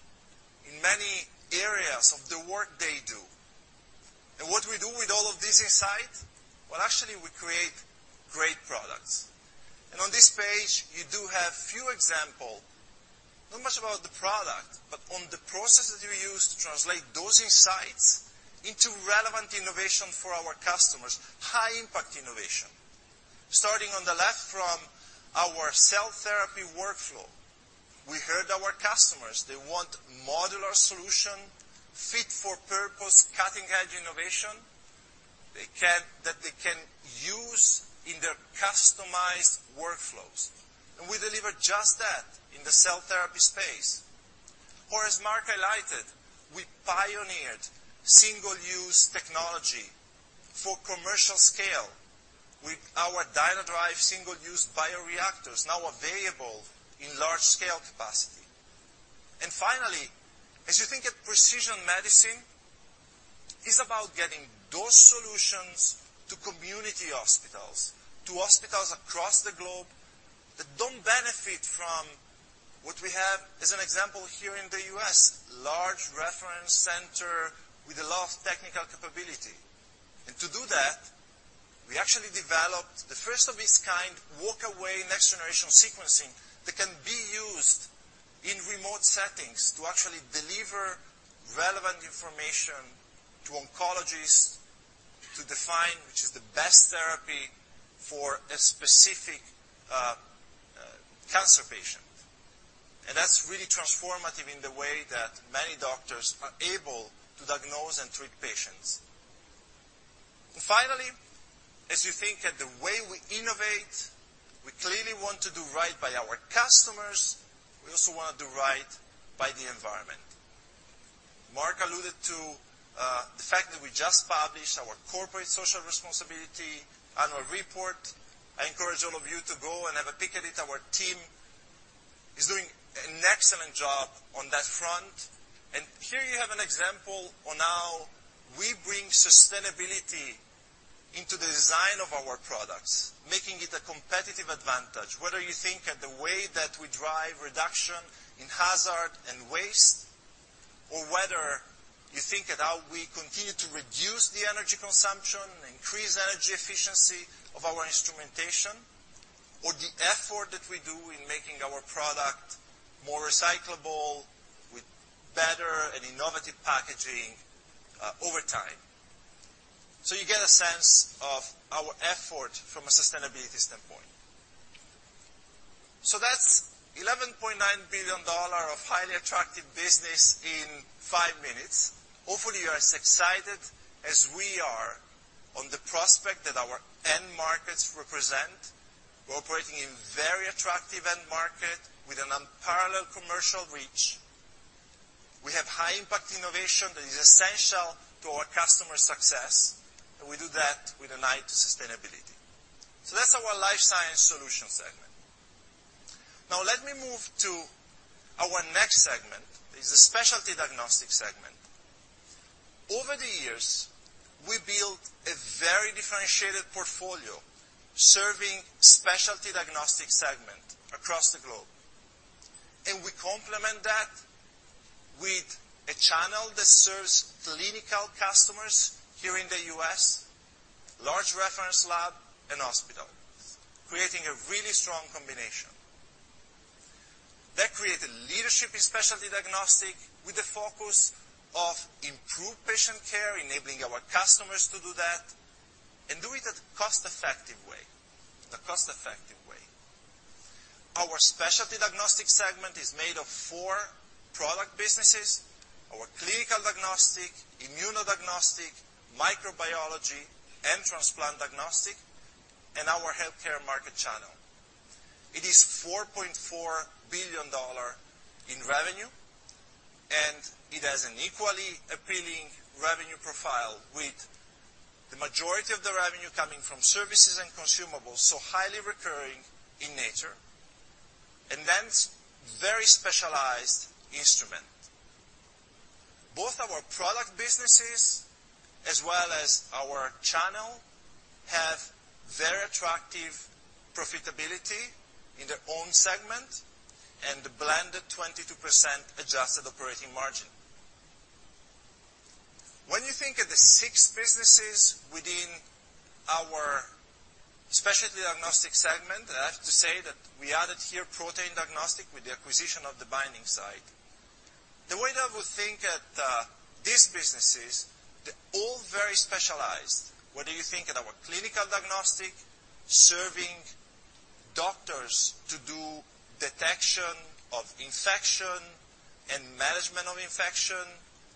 in many areas of the work they do. What we do with all of this insight? Well, actually, we create great products. On this page, you do have few example, not much about the product, but on the process that we use to translate those insights into relevant innovation for our customers, high-impact innovation. Starting on the left from our cell therapy workflow, we heard our customers, they want modular solution fit for purpose, cutting-edge innovation they can. That they can use in their customized workflows, we deliver just that in the cell therapy space. As Marc highlighted, we pioneered single-use technology for commercial scale with our DynaDrive single-use bioreactors now available in large-scale capacity. Finally, as you think of precision medicine, it's about getting those solutions to community hospitals, to hospitals across the globe that don't benefit from what we have as an example here in the U.S., large reference center with a lot of technical capability. To do that, we actually developed the first of its kind walk away Next-Generation Sequencing that can be used in remote settings to actually deliver relevant information to oncologists to define which is the best therapy for a specific cancer patient. That's really transformative in the way that many doctors are able to diagnose and treat patients. Finally, as you think at the way we innovate, we clearly want to do right by our customers, we also wanna do right by the environment. Marc alluded to the fact that we just published our corporate social responsibility annual report. I encourage all of you to go and have a pick at it. Our team is doing an excellent job on that front. Here you have an example on how we bring sustainability into the design of our products, making it a competitive advantage, whether you think at the way that we drive reduction in hazard and waste, or whether you think at how we continue to reduce the energy consumption, increase energy efficiency of our instrumentation, or the effort that we do in making our product more recyclable with better and innovative packaging over time. You get a sense of our effort from a sustainability standpoint. That's $11.9 billion of highly attractive business in 5 minutes. Hopefully, you are as excited as we are on the prospect that our end markets represent. We're operating in very attractive end market with an unparalleled commercial reach. We have high-impact innovation that is essential to our customer success, and we do that with an eye to sustainability. That's our Life Sciences Solutions segment. Let me move to our next segment, is the Specialty Diagnostics segment. Over the years, we built a very differentiated portfolio serving Specialty Diagnostics segment across the globe. We complement that with a channel that serves clinical customers here in the U.S., large reference lab and hospital, creating a really strong combination. That created leadership in Specialty Diagnostics with the focus of improved patient care, enabling our customers to do that, and do it at cost-effective way. Our Specialty Diagnostics segment is made of four product businesses. Our clinical diagnostic, immunodiagnostic, microbiology and transplant diagnostic, and our healthcare market channel. It is $4.4 billion in revenue. It has an equally appealing revenue profile, with the majority of the revenue coming from services and consumables, highly recurring in nature, very specialized instrument. Both our product businesses as well as our channel have very attractive profitability in their own segment and a blended 22% adjusted operating margin. When you think of the six businesses within our Specialty Diagnostics segment, I have to say that we added here protein diagnostic with the acquisition of The Binding Site. The way that we think at these businesses, they're all very specialized, whether you think at our clinical diagnostic, serving doctors to do detection of infection and management of infection,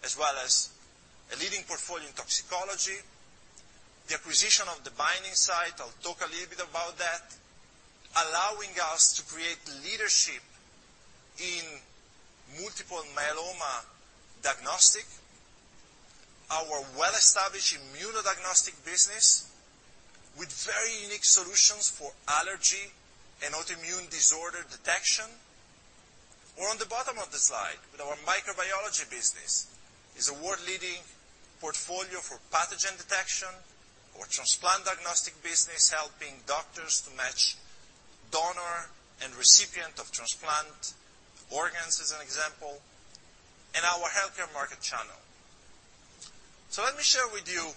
as well as a leading portfolio in toxicology. The acquisition of The Binding Site, I'll talk a little bit about that, allowing us to create leadership in multiple myeloma diagnostic. Our well-established immunodiagnostic business with very unique solutions for allergy and autoimmune disorder detection. On the bottom of the slide with our microbiology business is a world leading portfolio for pathogen detection. Our transplant diagnostic business, helping doctors to match donor and recipient of transplant organs, as an example. Our healthcare market channel. Let me share with you,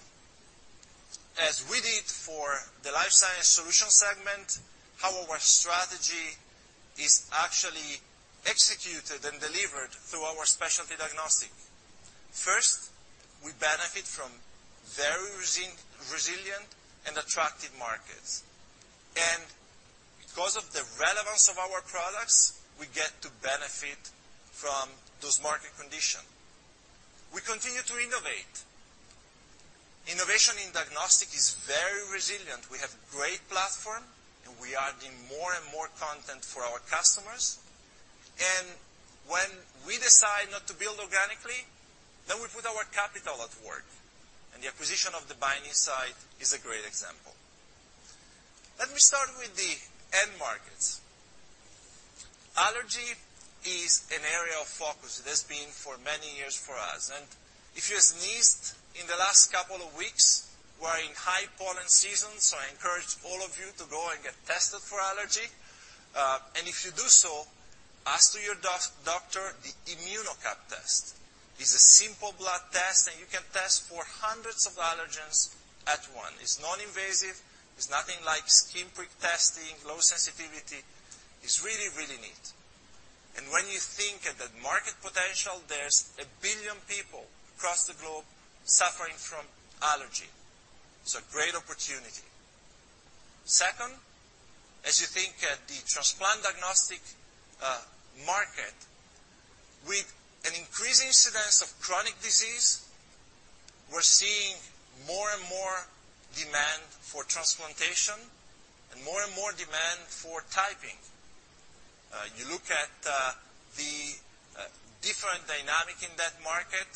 as we did for the Life Sciences Solutions segment, how our strategy is actually executed and delivered through our Specialty Diagnostics. First, we benefit from very resilient and attractive markets. Because of the relevance of our products, we get to benefit from those market condition. We continue to innovate. Innovation in diagnostic is very resilient. We have great platform, we are adding more and more content for our customers. When we decide not to build organically, then we put our capital at work. The acquisition of The Binding Site is a great example. Let me start with the end markets. Allergy is an area of focus. It has been for many years for us. If you sneezed in the last couple of weeks, we're in high pollen season, so I encourage all of you to go and get tested for allergy. If you do so, ask to your doctor the ImmunoCAP test. It's a simple blood test. You can test for hundreds of allergens at once. It's non-invasive. It's nothing like skin prick testing, low sensitivity. It's really neat. When you think at that market potential, there's 1 billion people across the globe suffering from allergy. Great opportunity. Second, as you think at the transplant diagnostic market, with an increased incidence of chronic disease, we're seeing more and more demand for transplantation and more and more demand for typing. You look at the different dynamic in that market,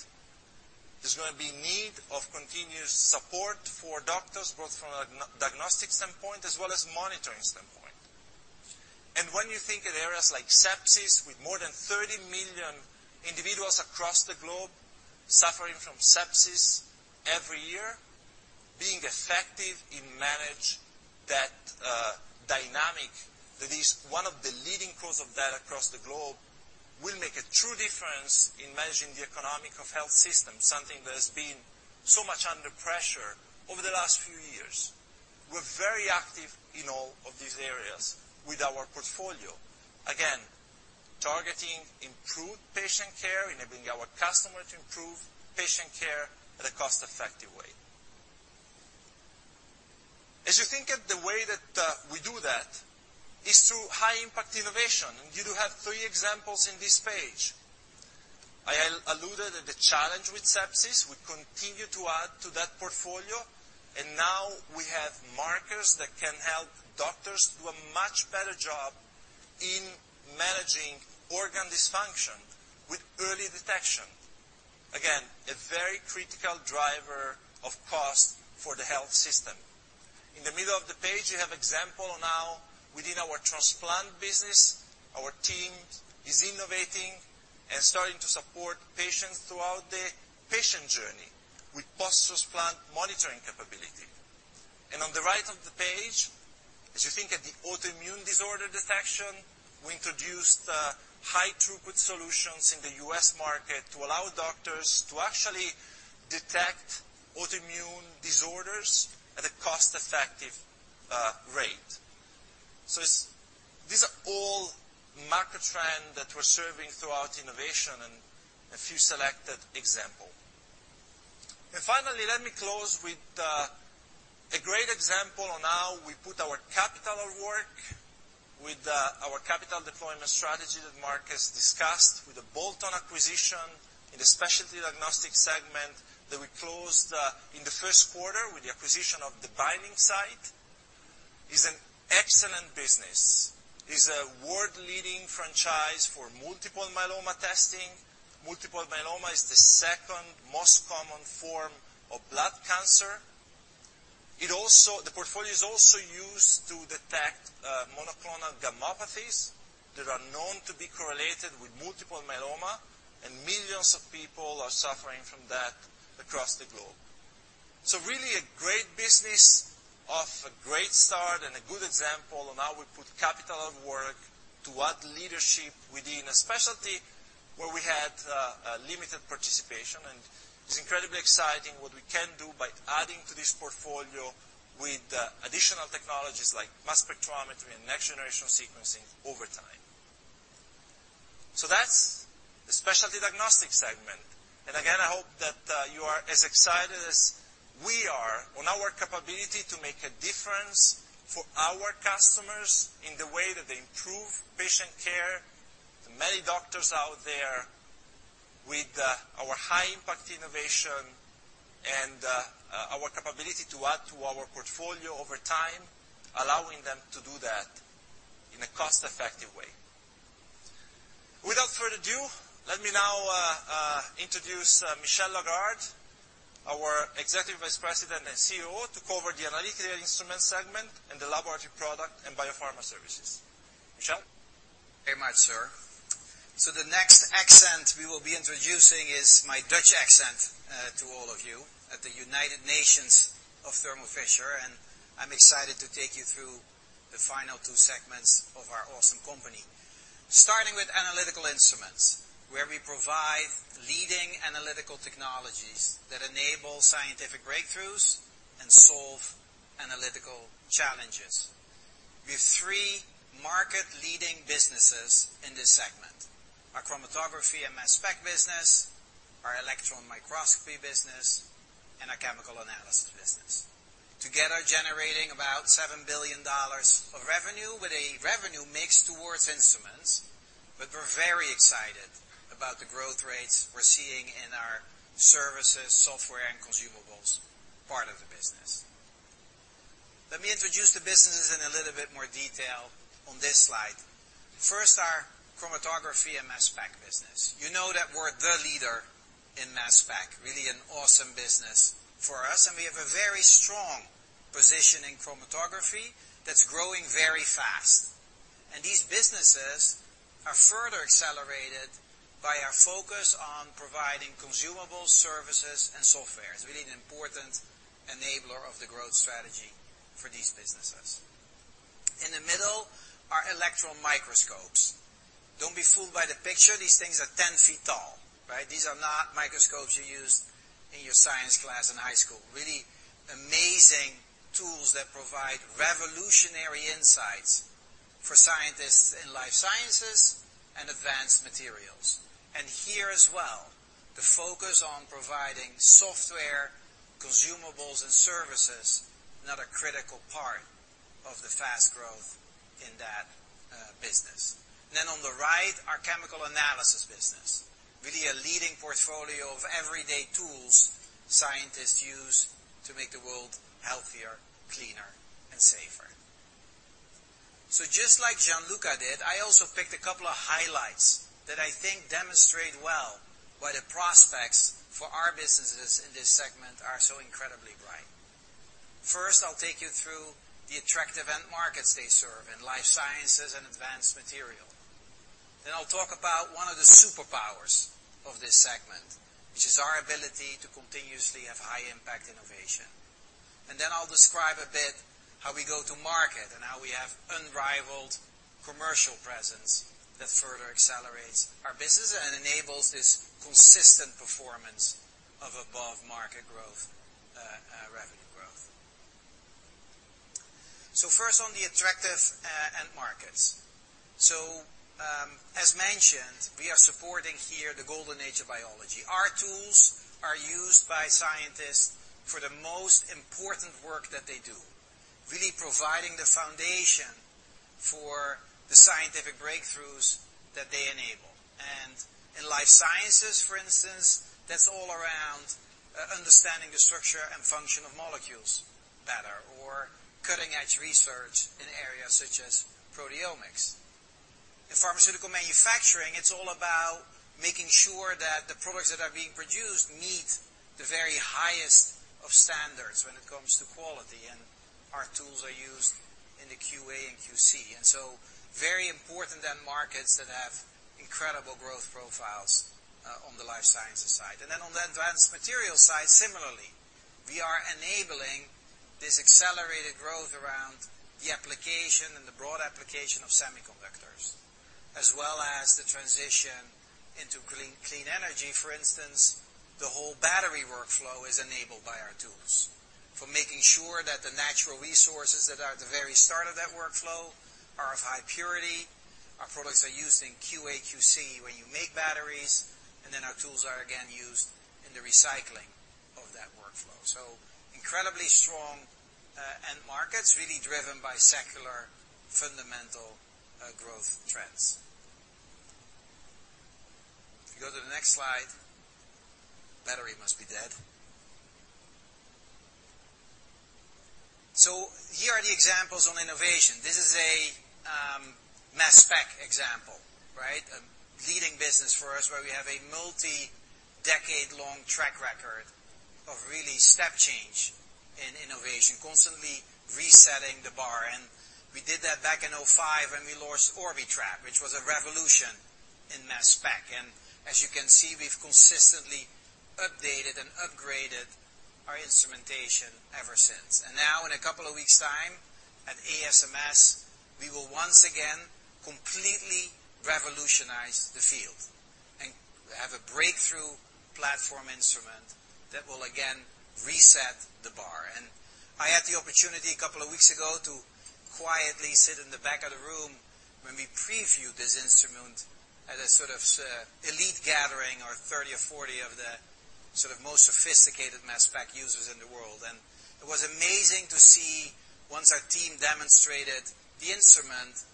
there's gonna be need of continuous support for doctors, both from a diagnostic standpoint as well as monitoring standpoint. When you think of areas like sepsis, with more than 30 million individuals across the globe suffering from sepsis every year, being effective in manage that dynamic, that is one of the leading cause of death across the globe, will make a true difference in managing the economic of health system, something that has been so much under pressure over the last few years. We're very active in all of these areas with our portfolio. Again, targeting improved patient care, enabling our customer to improve patient care at a cost-effective way. As you think of the way that we do that is through high impact innovation. You do have three examples in this page. I alluded at the challenge with sepsis. We continue to add to that portfolio. Now we have markers that can help doctors do a much better job in managing organ dysfunction with early detection. Again, a very critical driver of cost for the health system. In the middle of the page, you have example now within our transplant business, our team is innovating and starting to support patients throughout the patient journey with post-transplant monitoring capability. On the right of the page, as you think at the autoimmune disorder detection, we introduced high-throughput solutions in the U.S. market to allow doctors to actually detect autoimmune disorders at a cost-effective rate. These are all market trend that we're serving throughout innovation and a few selected example. Finally, let me close with a great example on how we put our capital at work with our capital deployment strategy that Marc discussed with the bolt-on acquisition in the Specialty Diagnostics segment that we closed in the first quarter with the acquisition of The Binding Site. It's an excellent business. It's a world-leading franchise for multiple myeloma testing. Multiple myeloma is the second most common form of blood cancer. The portfolio is also used to detect monoclonal gammopathies that are known to be correlated with multiple myeloma, and millions of people are suffering from that across the globe. Really a great business, off to a great start, and a good example on how we put capital at work to add leadership within a specialty where we had limited participation. It's incredibly exciting what we can do by adding to this portfolio with additional technologies like mass spectrometry and next-generation sequencing over time. That's the Specialty Diagnostics segment. Again, I hope that you are as excited as we are on our capability to make a difference for our customers in the way that they improve patient care, the many doctors out there, with our high-impact innovation and our capability to add to our portfolio over time, allowing them to do that in a cost-effective way. Without further ado, let me now introduce Michel Lagarde, our Executive Vice President and COO, to cover the Analytical Instruments segment and the Laboratory Products and Biopharma Services. Michel. Very much, sir. The next accent we will be introducing is my Dutch accent, to all of you at the United Nations of Thermo Fisher, and I'm excited to take you through the final two segments of our awesome company. Starting with Analytical Instruments, where we provide leading analytical technologies that enable scientific breakthroughs and solve analytical challenges. We have three market-leading businesses in this segment: our chromatography and mass spec business, our electron microscopy business, and our chemical analysis business. Together, generating about $7 billion of revenue with a revenue mix towards instruments, but we're very excited about the growth rates we're seeing in our services, software, and consumables part of the business. Let me introduce the businesses in a little bit more detail on this slide. First, our chromatography and mass spec business. You know that we're the leader in mass spec, really an awesome business for us. We have a very strong position in chromatography that's growing very fast. These businesses are further accelerated by our focus on providing consumables, services, and software. It's really an important enabler of the growth strategy for these businesses. In the middle are electron microscopes. Don't be fooled by the picture. These things are 10 feet tall, right? These are not microscopes you use in your science class in high school. Really amazing tools that provide revolutionary insights for scientists in Life Sciences and advanced materials. Here as well, the focus on providing software, consumables, and services, another critical part of the fast growth in that business. On the right, our chemical analysis business. Really a leading portfolio of everyday tools scientists use to make the world healthier, cleaner, and safer. Just like Gianluca did, I also picked a couple of highlights that I think demonstrate well why the prospects for our businesses in this segment are so incredibly bright. First, I'll take you through the attractive end markets they serve in life sciences and advanced material. I'll talk about one of the superpowers of this segment, which is our ability to continuously have high-impact innovation. I'll describe a bit how we go to market and how we have unrivaled commercial presence that further accelerates our business and enables this consistent performance of above-market growth, revenue growth. First on the attractive end markets. As mentioned, we are supporting here the golden age of biology. Our tools are used by scientists for the most important work that they do, really providing the foundation for the scientific breakthroughs that they enable. In life sciences, for instance, that's all around understanding the structure and function of molecules better or cutting-edge research in areas such as proteomics. In pharmaceutical manufacturing, it's all about making sure that the products that are being produced meet the very highest of standards when it comes to quality, and our tools are used in the QA and QC. Very important end markets that have incredible growth profiles on the life sciences side. On the advanced materials side, similarly, we are enabling this accelerated growth around the application and the broad application of semiconductors, as well as the transition into clean energy. For instance, the whole battery workflow is enabled for making sure that the natural resources that are at the very start of that workflow are of high purity. Our products are used in QA/QC, where you make batteries, then our tools are again used in the recycling of that workflow. Incredibly strong end markets really driven by secular fundamental growth trends. If you go to the next slide. Battery must be dead. Here are the examples on innovation. This is a mass spec example, right? A leading business for us where we have a multi-decade long track record of really step change in innovation, constantly resetting the bar. We did that back in 2005 when we launched Orbitrap, which was a revolution in mass spec. As you can see, we've consistently updated and upgraded our instrumentation ever since. Now in a couple of weeks' time at ASMS, we will once again completely revolutionize the field and have a breakthrough platform instrument that will again reset the bar. I had the opportunity a couple of weeks ago to quietly sit in the back of the room when we previewed this instrument at a sort of, elite gathering, or 30 or 40 of the sort of most sophisticated mass spec users in the world. It was amazing to see, once our team demonstrated the instrument,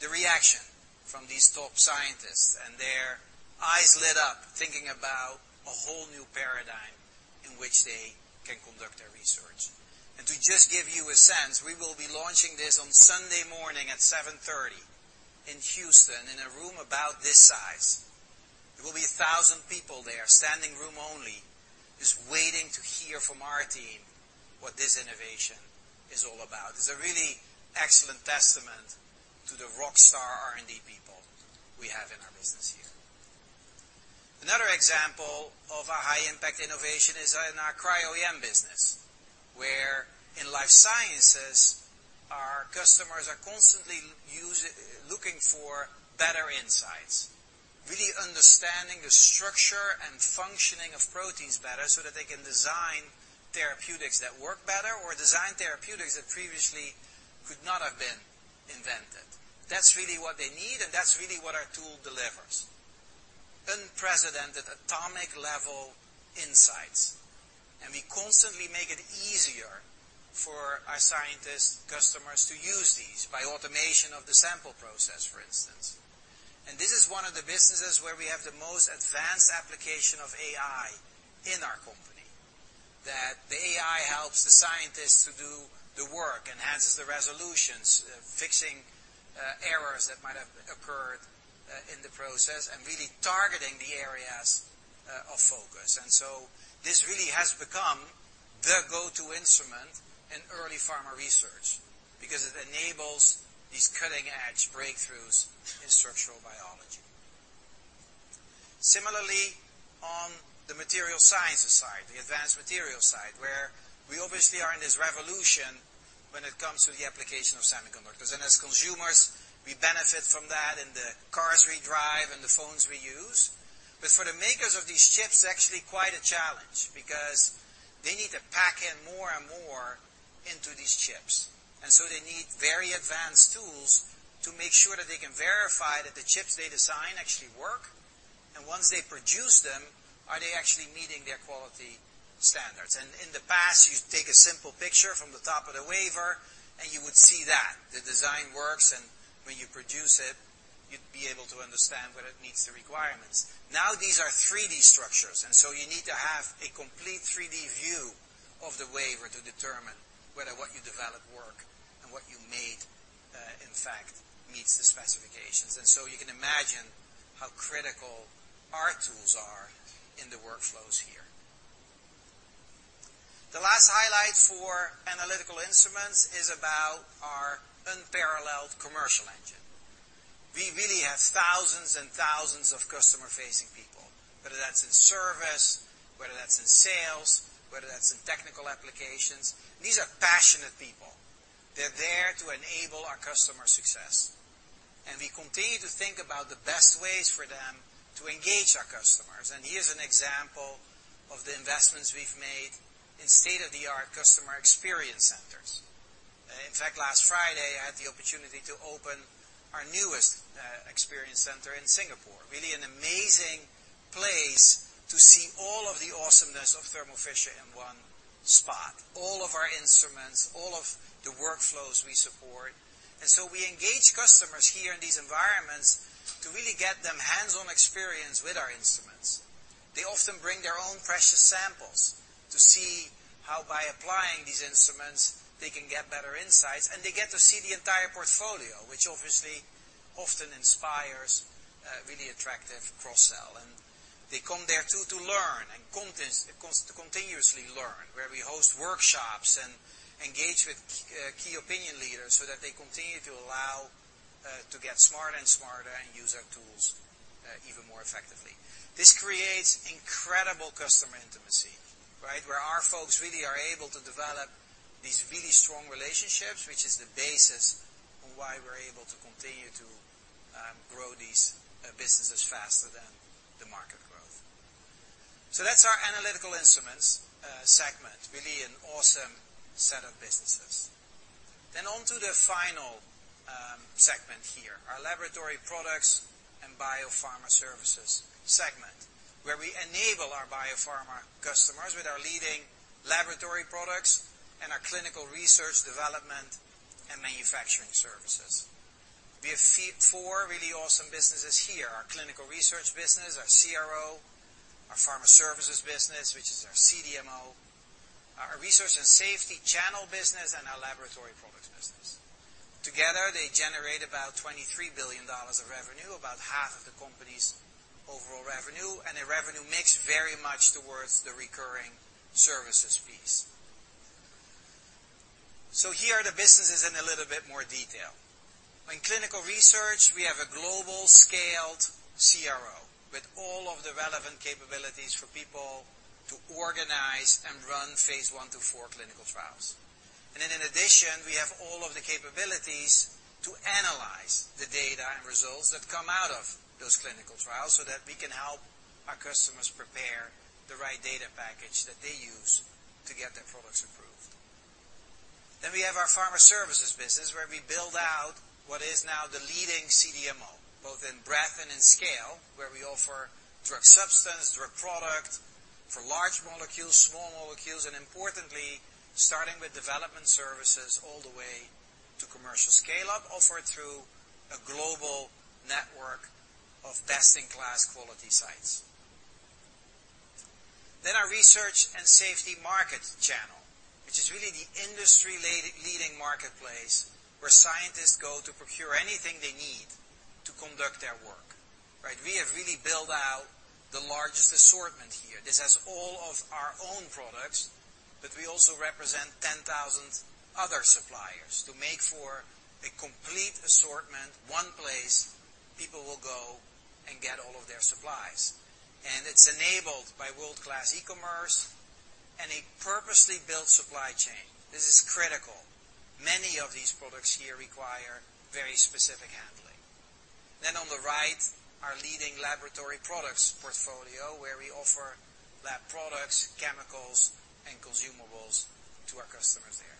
the reaction from these top scientists, and their eyes lit up thinking about a whole new paradigm in which they can conduct their research. To just give you a sense, we will be launching this on Sunday morning at 7:30 A.M. in Houston in a room about this size. There will be 1,000 people there, standing room only, just waiting to hear from our team what this innovation is all about. It's a really excellent testament to the rock star R&D people we have in our business here. Another example of a high impact innovation is in our Cryo-EM business, where in life sciences, our customers are constantly looking for better insights, really understanding the structure and functioning of proteins better so that they can design therapeutics that work better or design therapeutics that previously could not have been invented. That's really what they need, and that's really what our tool delivers. Unprecedented atomic-level insights. We constantly make it easier for our scientist customers to use these by automation of the sample process, for instance. This is one of the businesses where we have the most advanced application of AI in our company, that the AI helps the scientists to do the work, enhances the resolutions, fixing errors that might have occurred in the process and really targeting the areas of focus. This really has become the go-to instrument in early pharma research because it enables these cutting-edge breakthroughs in structural biology. Similarly, on the material sciences side, the advanced materials side, where we obviously are in this revolution when it comes to the application of semiconductors. As consumers, we benefit from that in the cars we drive and the phones we use. For the makers of these chips, it's actually quite a challenge because they need to pack in more and more into these chips. They need very advanced tools to make sure that they can verify that the chips they design actually work. Once they produce them, are they actually meeting their quality standards? In the past, you take a simple picture from the top of the wafer, and you would see that the design works, and when you produce it, you'd be able to understand whether it meets the requirements. Now, these are 3D structures, and so you need to have a complete 3D view of the wafer to determine whether what you developed work and what you made, in fact, meets the specifications. You can imagine how critical our tools are in the workflows here. The last highlight for Analytical Instruments is about our unparalleled commercial engine. We really have thousands and thousands of customer-facing people, whether that's in service, whether that's in sales, whether that's in technical applications. These are passionate people. They're there to enable our customer success, and we continue to think about the best ways for them to engage our customers. Here's an example of the investments we've made in state-of-the-art customer experience centers. In fact, last Friday, I had the opportunity to open our newest experience center in Singapore. Really an amazing place to see all of the awesomeness of Thermo Fisher in one spot. All of our instruments, all of the workflows we support. We engage customers here in these environments to really get them hands-on experience with our instruments. They often bring their own precious samples to see how, by applying these instruments, they can get better insights, and they get to see the entire portfolio, which obviously often inspires really attractive cross-sell. They come there too, to learn and to continuously learn, where we host workshops and engage with key opinion leaders so that they continue to allow to get smarter and smarter and use our tools even more effectively. This creates incredible customer intimacy, right? Where our folks really are able to develop these really strong relationships, which is the basis of why we're able to continue to grow these businesses faster than the market. That's our Analytical Instruments segment. Really an awesome set of businesses. On to the final segment here, our Laboratory Products and Biopharma Services segment, where we enable our biopharma customers with our leading laboratory products and our clinical research development and manufacturing services. We have four really awesome businesses here: our clinical research business, our CRO, our pharma services business, which is our CDMO, our research and safety channel business, and our laboratory products business. Together, they generate about $23 billion of revenue, about half of the company's overall revenue, and a revenue mix very much towards the recurring services piece. Here are the businesses in a little bit more detail. In clinical research, we have a global scaled CRO with all of the relevant capabilities for people to organize and run phase I to IV clinical trials. In addition, we have all of the capabilities to analyze the data and results that come out of those clinical trials so that we can help our customers prepare the right data package that they use to get their products approved. We have our pharma services business where we build out what is now the leading CDMO, both in breadth and in scale, where we offer drug substance, drug product for large molecules, small molecules, and importantly, starting with development services all the way to commercial scale-up, offered through a global network of best-in-class quality sites. Our research and safety market channel, which is really the industry-leading marketplace where scientists go to procure anything they need to conduct their work. Right? We have really built out the largest assortment here. This has all of our own products, but we also represent 10,000 other suppliers to make for a complete assortment, one place people will go and get all of their supplies. It's enabled by world-class e-commerce and a purposely built supply chain. This is critical. Many of these products here require very specific handling. On the right, our leading laboratory products portfolio, where we offer lab products, chemicals, and consumables to our customers there.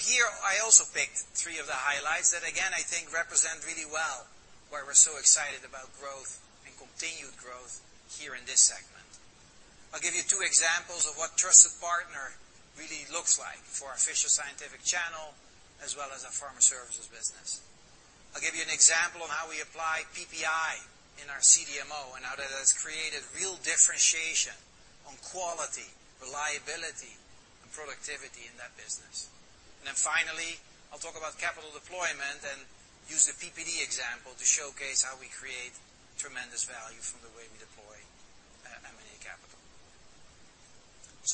Here, I also picked three of the highlights that, again, I think represent really well why we're so excited about growth and continued growth here in this segment. I'll give you two examples of what trusted partner really looks like for our Fisher Scientific channel, as well as our pharma services business. I'll give you an example of how we apply PPI in our CDMO and how that has created real differentiation on quality, reliability, and productivity in that business. Finally, I'll talk about capital deployment and use the PPD example to showcase how we create tremendous value from the way we deploy M&A capital.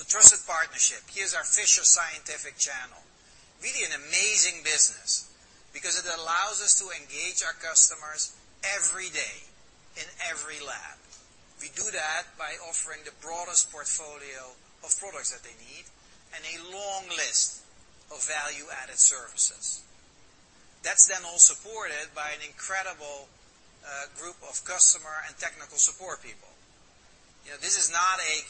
Trusted partnership. Here's our Fisher Scientific channel. Really an amazing business because it allows us to engage our customers every day in every lab. We do that by offering the broadest portfolio of products that they need and a long list of value-added services. That's then all supported by an incredible group of customer and technical support people. You know, this is not a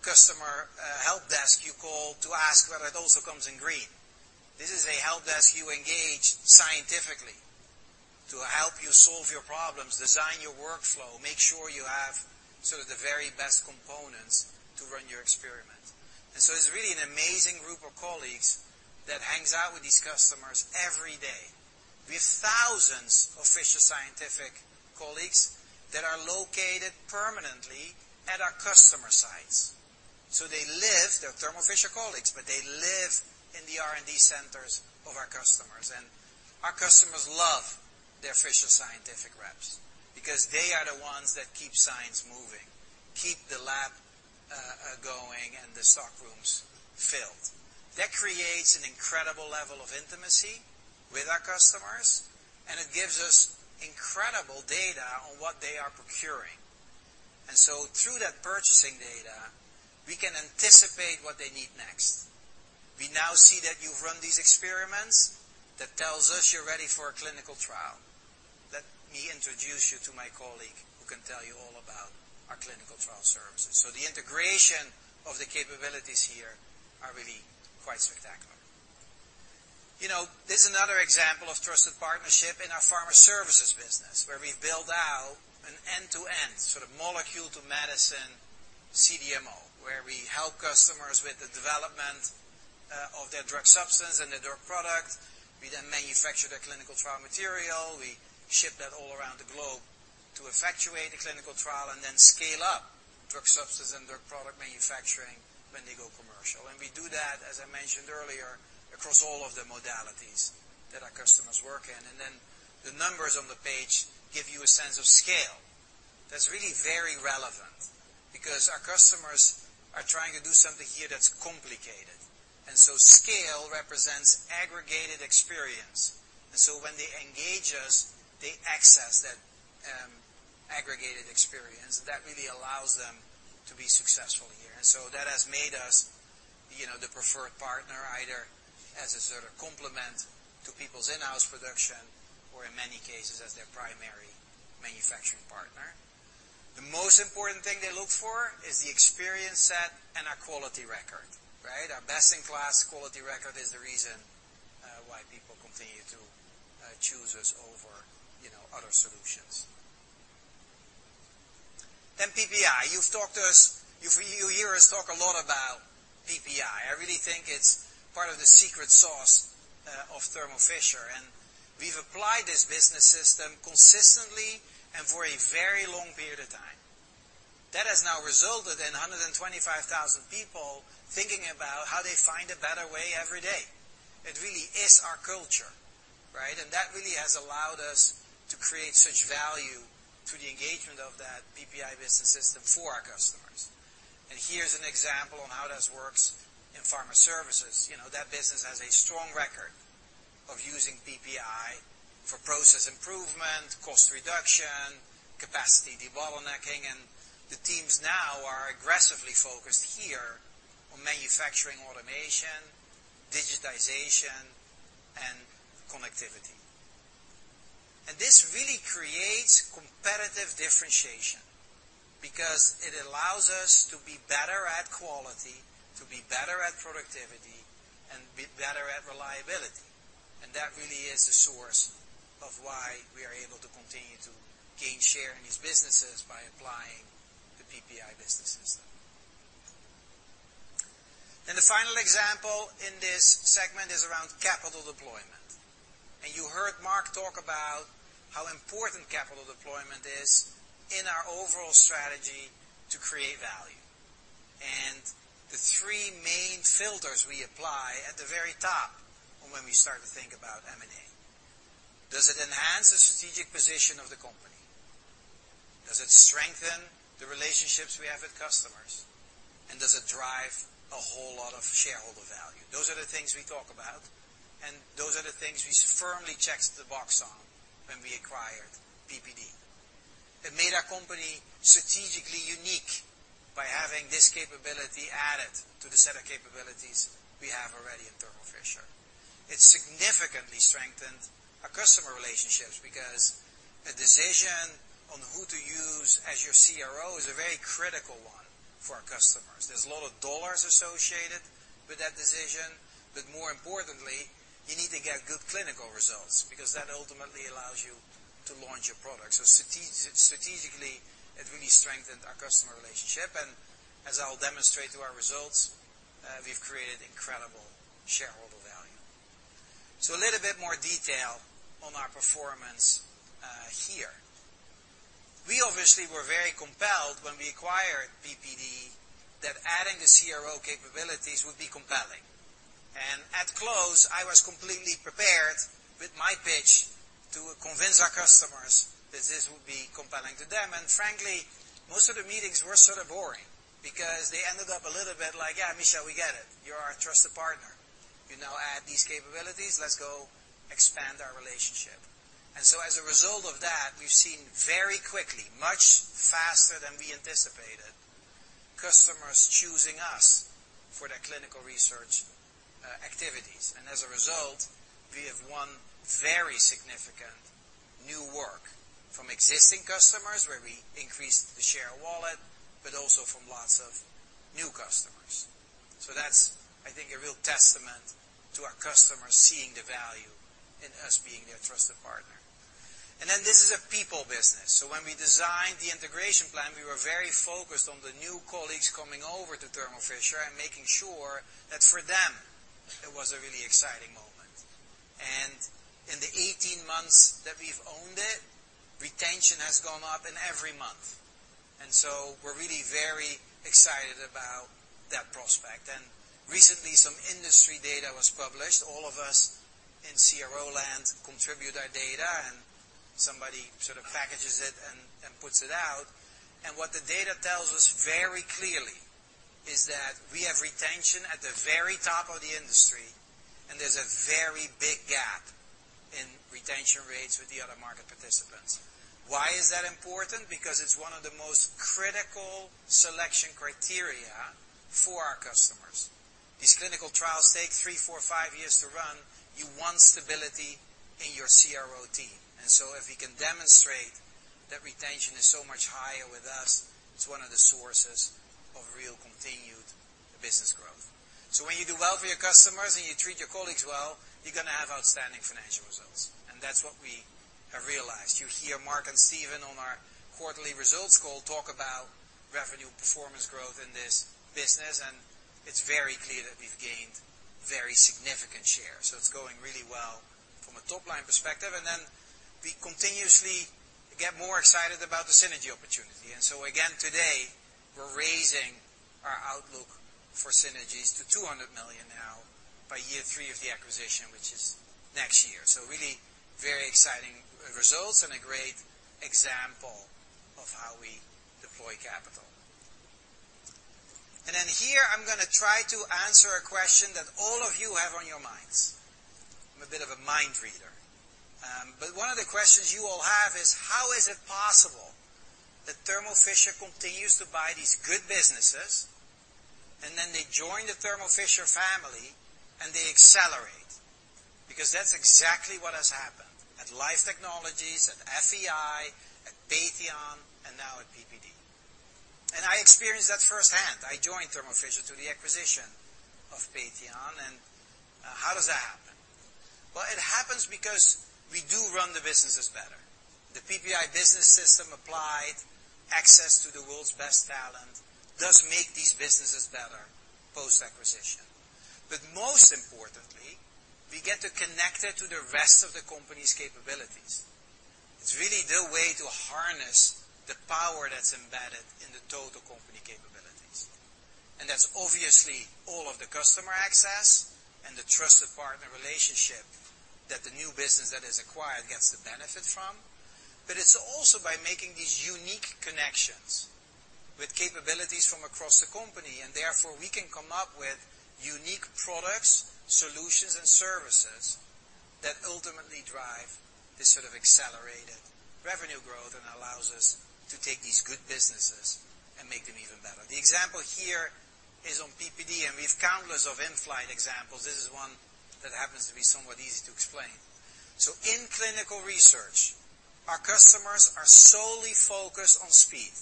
customer helpdesk you call to ask whether it also comes in green. This is a helpdesk you engage scientifically to help you solve your problems, design your workflow, make sure you have sort of the very best components to run your experiment. It's really an amazing group of colleagues that hangs out with these customers every day. We have thousands of Fisher Scientific colleagues that are located permanently at our customer sites. They live, they're Thermo Fisher colleagues, but they live in the R&D centers of our customers. Our customers love their Fisher Scientific reps because they are the ones that keep science moving, keep the lab going and the stock rooms filled. That creates an incredible level of intimacy with our customers, and it gives us incredible data on what they are procuring. Through that purchasing data, we can anticipate what they need next. We now see that you've run these experiments. That tells us you're ready for a clinical trial. Let me introduce you to my colleague who can tell you all about our clinical trial services. The integration of the capabilities here are really quite spectacular. You know, this is another example of trusted partnership in our pharma services business, where we build out an end-to-end, sort of molecule to medicine CDMO, where we help customers with the development of their drug substance and their drug product. We manufacture their clinical trial material. We ship that all around the globe to effectuate the clinical trial and scale up drug substance and drug product manufacturing when they go commercial. We do that, as I mentioned earlier, across all of the modalities that our customers work in. The numbers on the page give you a sense of scale. That's really very relevant because our customers are trying to do something here that's complicated. Scale represents aggregated experience. When they engage us, they access that aggregated experience, and that really allows them to be successful here. That has made us, you know, the preferred partner, either as a sort of complement to people's in-house production or in many cases as their primary manufacturing partner. The most important thing they look for is the experience set and our quality record, right? Our best-in-class quality record is the reason why people continue to choose us over, you know, other solutions. PPI. You hear us talk a lot about PPI. I really think it's part of the secret sauce of Thermo Fisher, and we've applied this business system consistently and for a very long period of time. That has now resulted in 125,000 people thinking about how they find a better way every day. It really is our culture, right? That really has allowed us to create such value through the engagement of that PPI Business System for our customers. Here's an example on how this works in pharma services. You know, that business has a strong record of using PPI for process improvement, cost reduction, capacity debottlenecking, and the teams now are aggressively focused here on manufacturing automation, digitization, and connectivity. This really creates competitive differentiation because it allows us to be better at quality, to be better at productivity and be better at reliability. That really is the source of why we are able to continue to gain share in these businesses by applying the PPI Business System. The final example in this segment is around capital deployment. You heard Marc talk about how important capital deployment is in our overall strategy to create value. The three main filters we apply at the very top when we start to think about M&A, does it enhance the strategic position of the Company? Does it strengthen the relationships we have with customers? Does it drive a whole lot of shareholder value? Those are the things we talk about, and those are the things we firmly checked the box on when we acquired PPD. It made our Company strategically unique by having this capability added to the set of capabilities we have already in Thermo Fisher. It significantly strengthened our customer relationships because a decision on who to use as your CRO is a very critical one for our customers. There's a lot of dollars associated with that decision, but more importantly, you need to get good clinical results because that ultimately allows you to launch a product. Strategically, it really strengthened our customer relationship, and as I'll demonstrate through our results, we've created incredible shareholder value. A little bit more detail on our performance here. We obviously were very compelled when we acquired PPD that adding the CRO capabilities would be compelling. At close, I was completely prepared with my pitch to convince our customers that this would be compelling to them. Frankly, most of the meetings were sort of boring because they ended up a little bit like, "Yeah, Michel, we get it. You're our trusted partner. You now add these capabilities. Let's go expand our relationship." As a result of that, we've seen very quickly, much faster than we anticipated, customers choosing us for their clinical research activities. As a result, we have won very significant new work from existing customers, where we increased the share of wallet, but also from lots of new customers. That's, I think, a real testament to our customers seeing the value in us being their trusted partner. This is a people business. When we designed the integration plan, we were very focused on the new colleagues coming over to Thermo Fisher and making sure that for them it was a really exciting moment. In the 18 months that we've owned it, retention has gone up in every month. We're really very excited about that prospect. Recently, some industry data was published. All of us in CRO land contribute our data, and somebody sort of packages it and puts it out. What the data tells us very clearly is that we have retention at the very top of the industry, and there's a very big gap in retention rates with the other market participants. Why is that important? Because it's one of the most critical selection criteria for our customers. These clinical trials take three, four, five years to run. You want stability in your CRO team. If we can demonstrate that retention is so much higher with us, it's one of the sources of real continued business growth. When you do well for your customers and you treat your colleagues well, you're gonna have outstanding financial results. That's what we have realized. You hear Marc and Stephen on our quarterly results call talk about revenue performance growth in this business, it's very clear that we've gained very significant share. It's going really well from a top-line perspective. We continuously get more excited about the synergy opportunity. Again today, we're raising our outlook for synergies to $200 million now by year 3 of the acquisition, which is next year. Really very exciting results and a great example of how we deploy capital. Here, I'm gonna try to answer a question that all of you have on your minds. I'm a bit of a mind reader. One of the questions you all have is, how is it possible that Thermo Fisher continues to buy these good businesses, and then they join the Thermo Fisher family, and they accelerate? That's exactly what has happened at Life Technologies, at FEI, at Patheon, and now at PPD. I experienced that firsthand. I joined Thermo Fisher through the acquisition of Patheon, and how does that happen? Well, it happens because we do run the businesses better. The PPI Business System applied, access to the world's best talent, does make these businesses better post-acquisition. Most importantly, we get to connect it to the rest of the company's capabilities. It's really the way to harness the power that's embedded in the total company capabilities. That's obviously all of the customer access and the trusted partner relationship that the new business that is acquired gets the benefit from. It's also by making these unique connections with capabilities from across the company, and therefore, we can come up with unique products, solutions, and services that ultimately drive this sort of accelerated revenue growth and allows us to take these good businesses and make them even better. The example here is on PPD. We have countless of in-flight examples. This is one that happens to be somewhat easy to explain. In clinical research, our customers are solely focused on speed.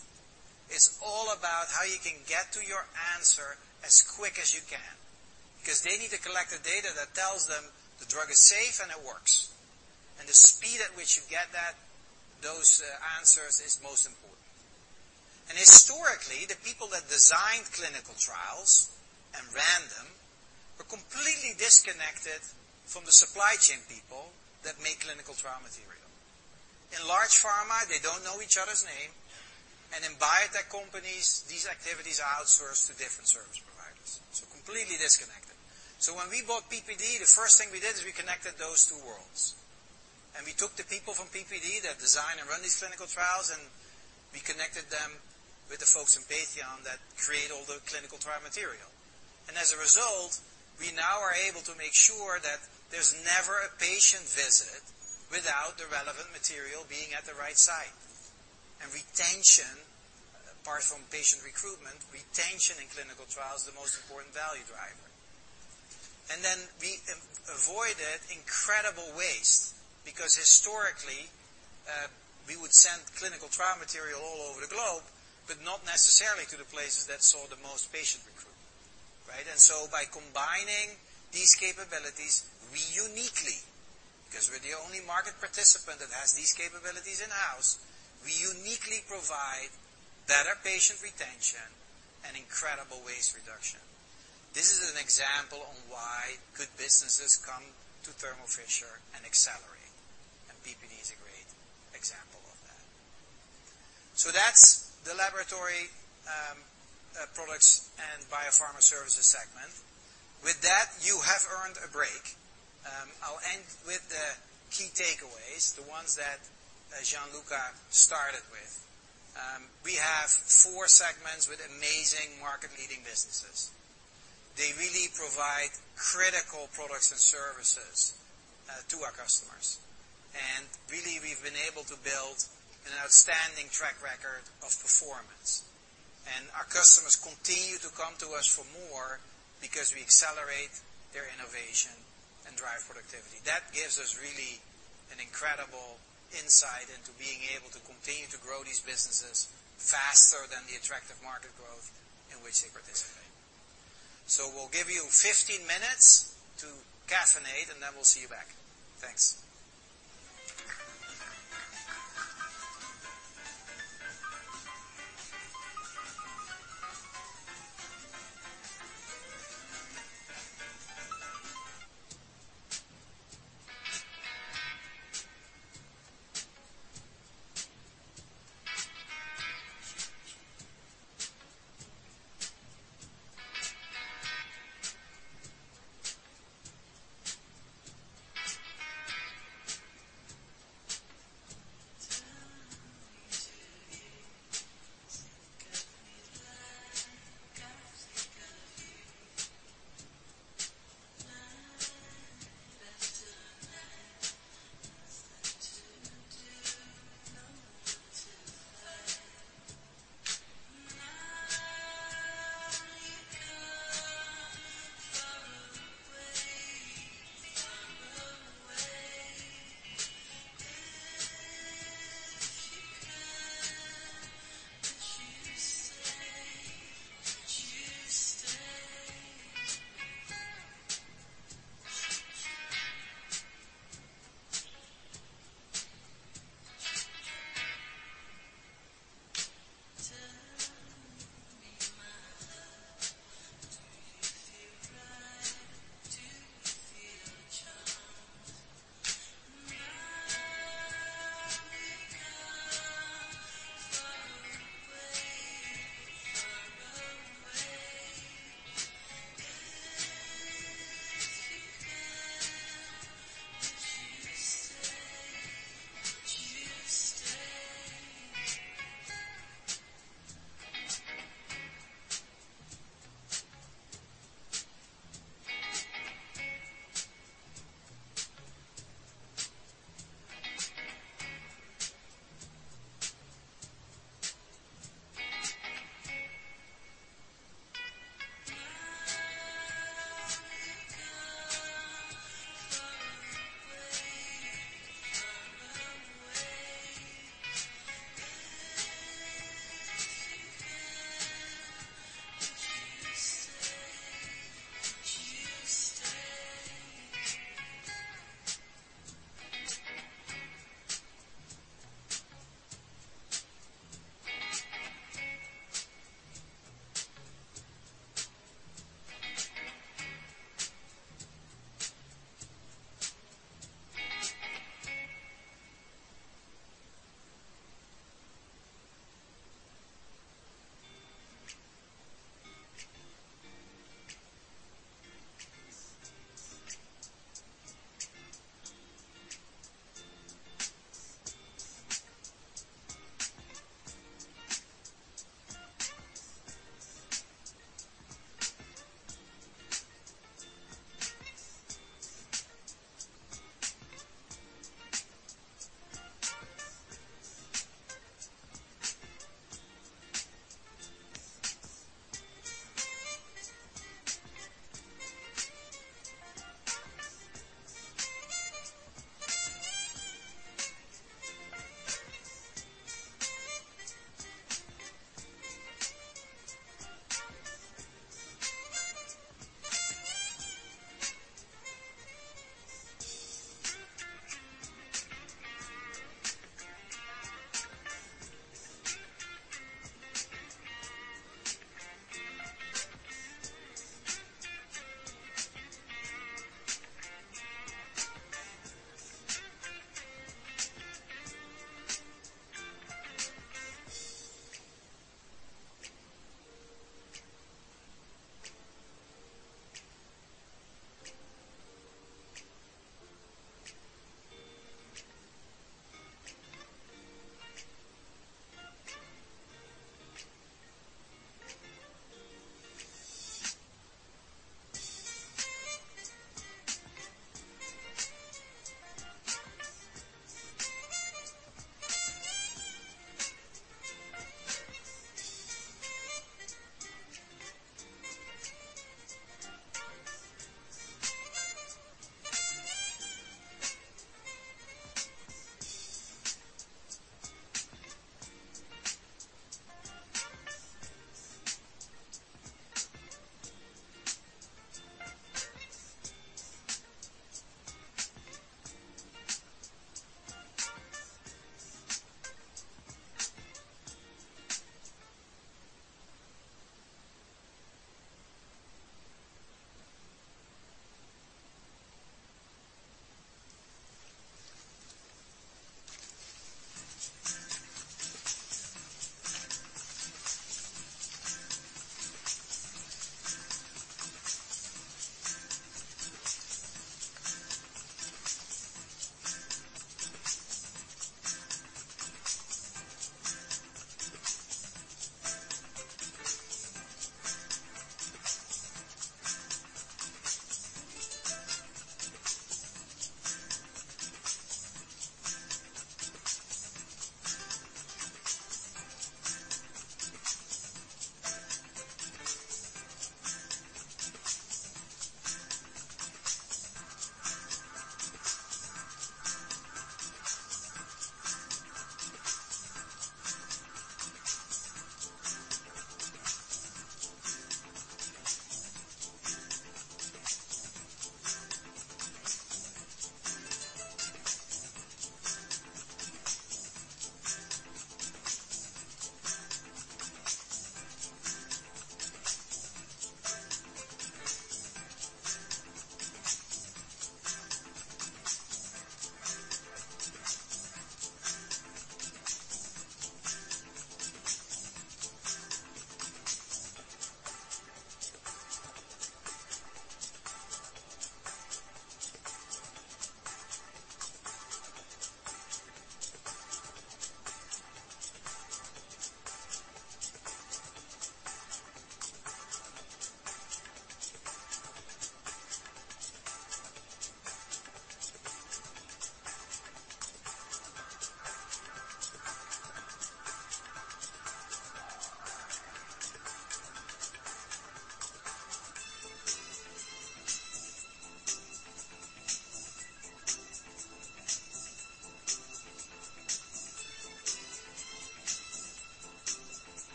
It's all about how you can get to your answer as quick as you can because they need to collect the data that tells them the drug is safe and it works. The speed at which you get those answers is most important. Historically, the people that designed clinical trials and ran them were completely disconnected from the supply chain people that make clinical trial material. In large pharma, they don't know each other's name, and in biotech companies, these activities are outsourced to different service providers, so completely disconnected. When we bought PPD, the first thing we did is we connected those two worlds, we took the people from PPD that design and run these clinical trials, and we connected them with the folks in Patheon that create all the clinical trial material. As a result, we now are able to make sure that there's never a patient visit without the relevant material being at the right site. Retention, apart from patient recruitment, retention in clinical trial is the most important value driver. Then we avoided incredible waste because historically, we would send clinical trial material all over the globe, but not necessarily to the places that saw the most patient recruitment, right? By combining these capabilities, we uniquely, because we're the only market participant that has these capabilities in-house, we uniquely provide better patient retention and incredible waste reduction. This is an example on why good businesses come to Thermo Fisher and accelerate, and PPD is a great example of that. That's the Laboratory Products and Biopharma Services segment. With that, you have earned a break. I'll end with the key takeaways, the ones that Gianluca started with. We have four segments with amazing market-leading businesses. They really provide critical products and services to our customers. Really, we've been able to build an outstanding track record of performance. Our customers continue to come to us for more because we accelerate their innovation and drive productivity. That gives us really an incredible insight into being able to continue to grow these businesses faster than the attractive market growth in which they participate. We'll give you 15 minutes to caffeinate, and then we'll see you back. Thanks.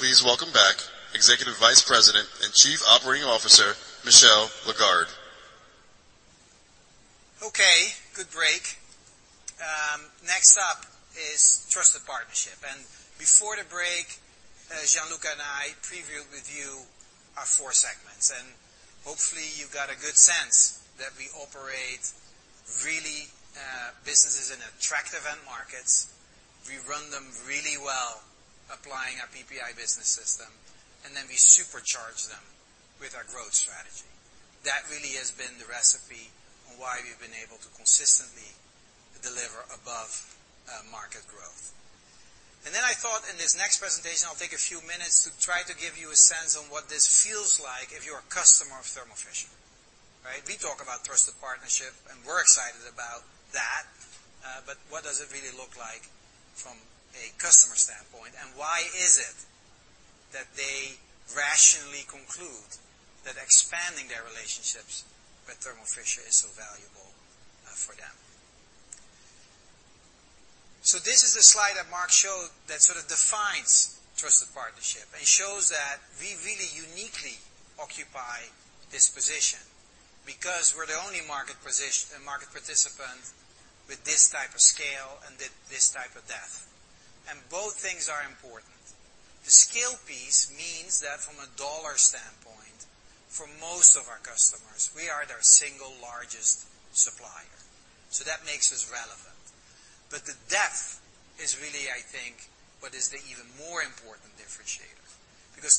Now please welcome back Executive Vice President and Chief Operating Officer, Michel Lagarde. Okay. Good break. Next up is trusted partnership. Before the break, Gianluca and I previewed with you our four segments, and hopefully you've got a good sense that we operate really businesses in attractive end markets. We run them really well, applying our PPI Business System, and then we supercharge them with our growth strategy. That really has been the recipe on why we've been able to consistently deliver above market growth. Then I thought in this next presentation, I'll take a few minutes to try to give you a sense on what this feels like if you're a customer of Thermo Fisher, right? We talk about trusted partnership, and we're excited about that. What does it really look like from a customer standpoint, and why is it that they rationally conclude that expanding their relationships with Thermo Fisher is so valuable for them? This is a slide that Marc showed that sort of defines trusted partnership and shows that we really uniquely occupy this position because we're the only market participant with this type of scale and this type of depth. Both things are important. The scale piece means that from a dollar standpoint, for most of our customers, we are their single largest supplier. That makes us relevant. The depth is really, I think, what is the even more important differentiator.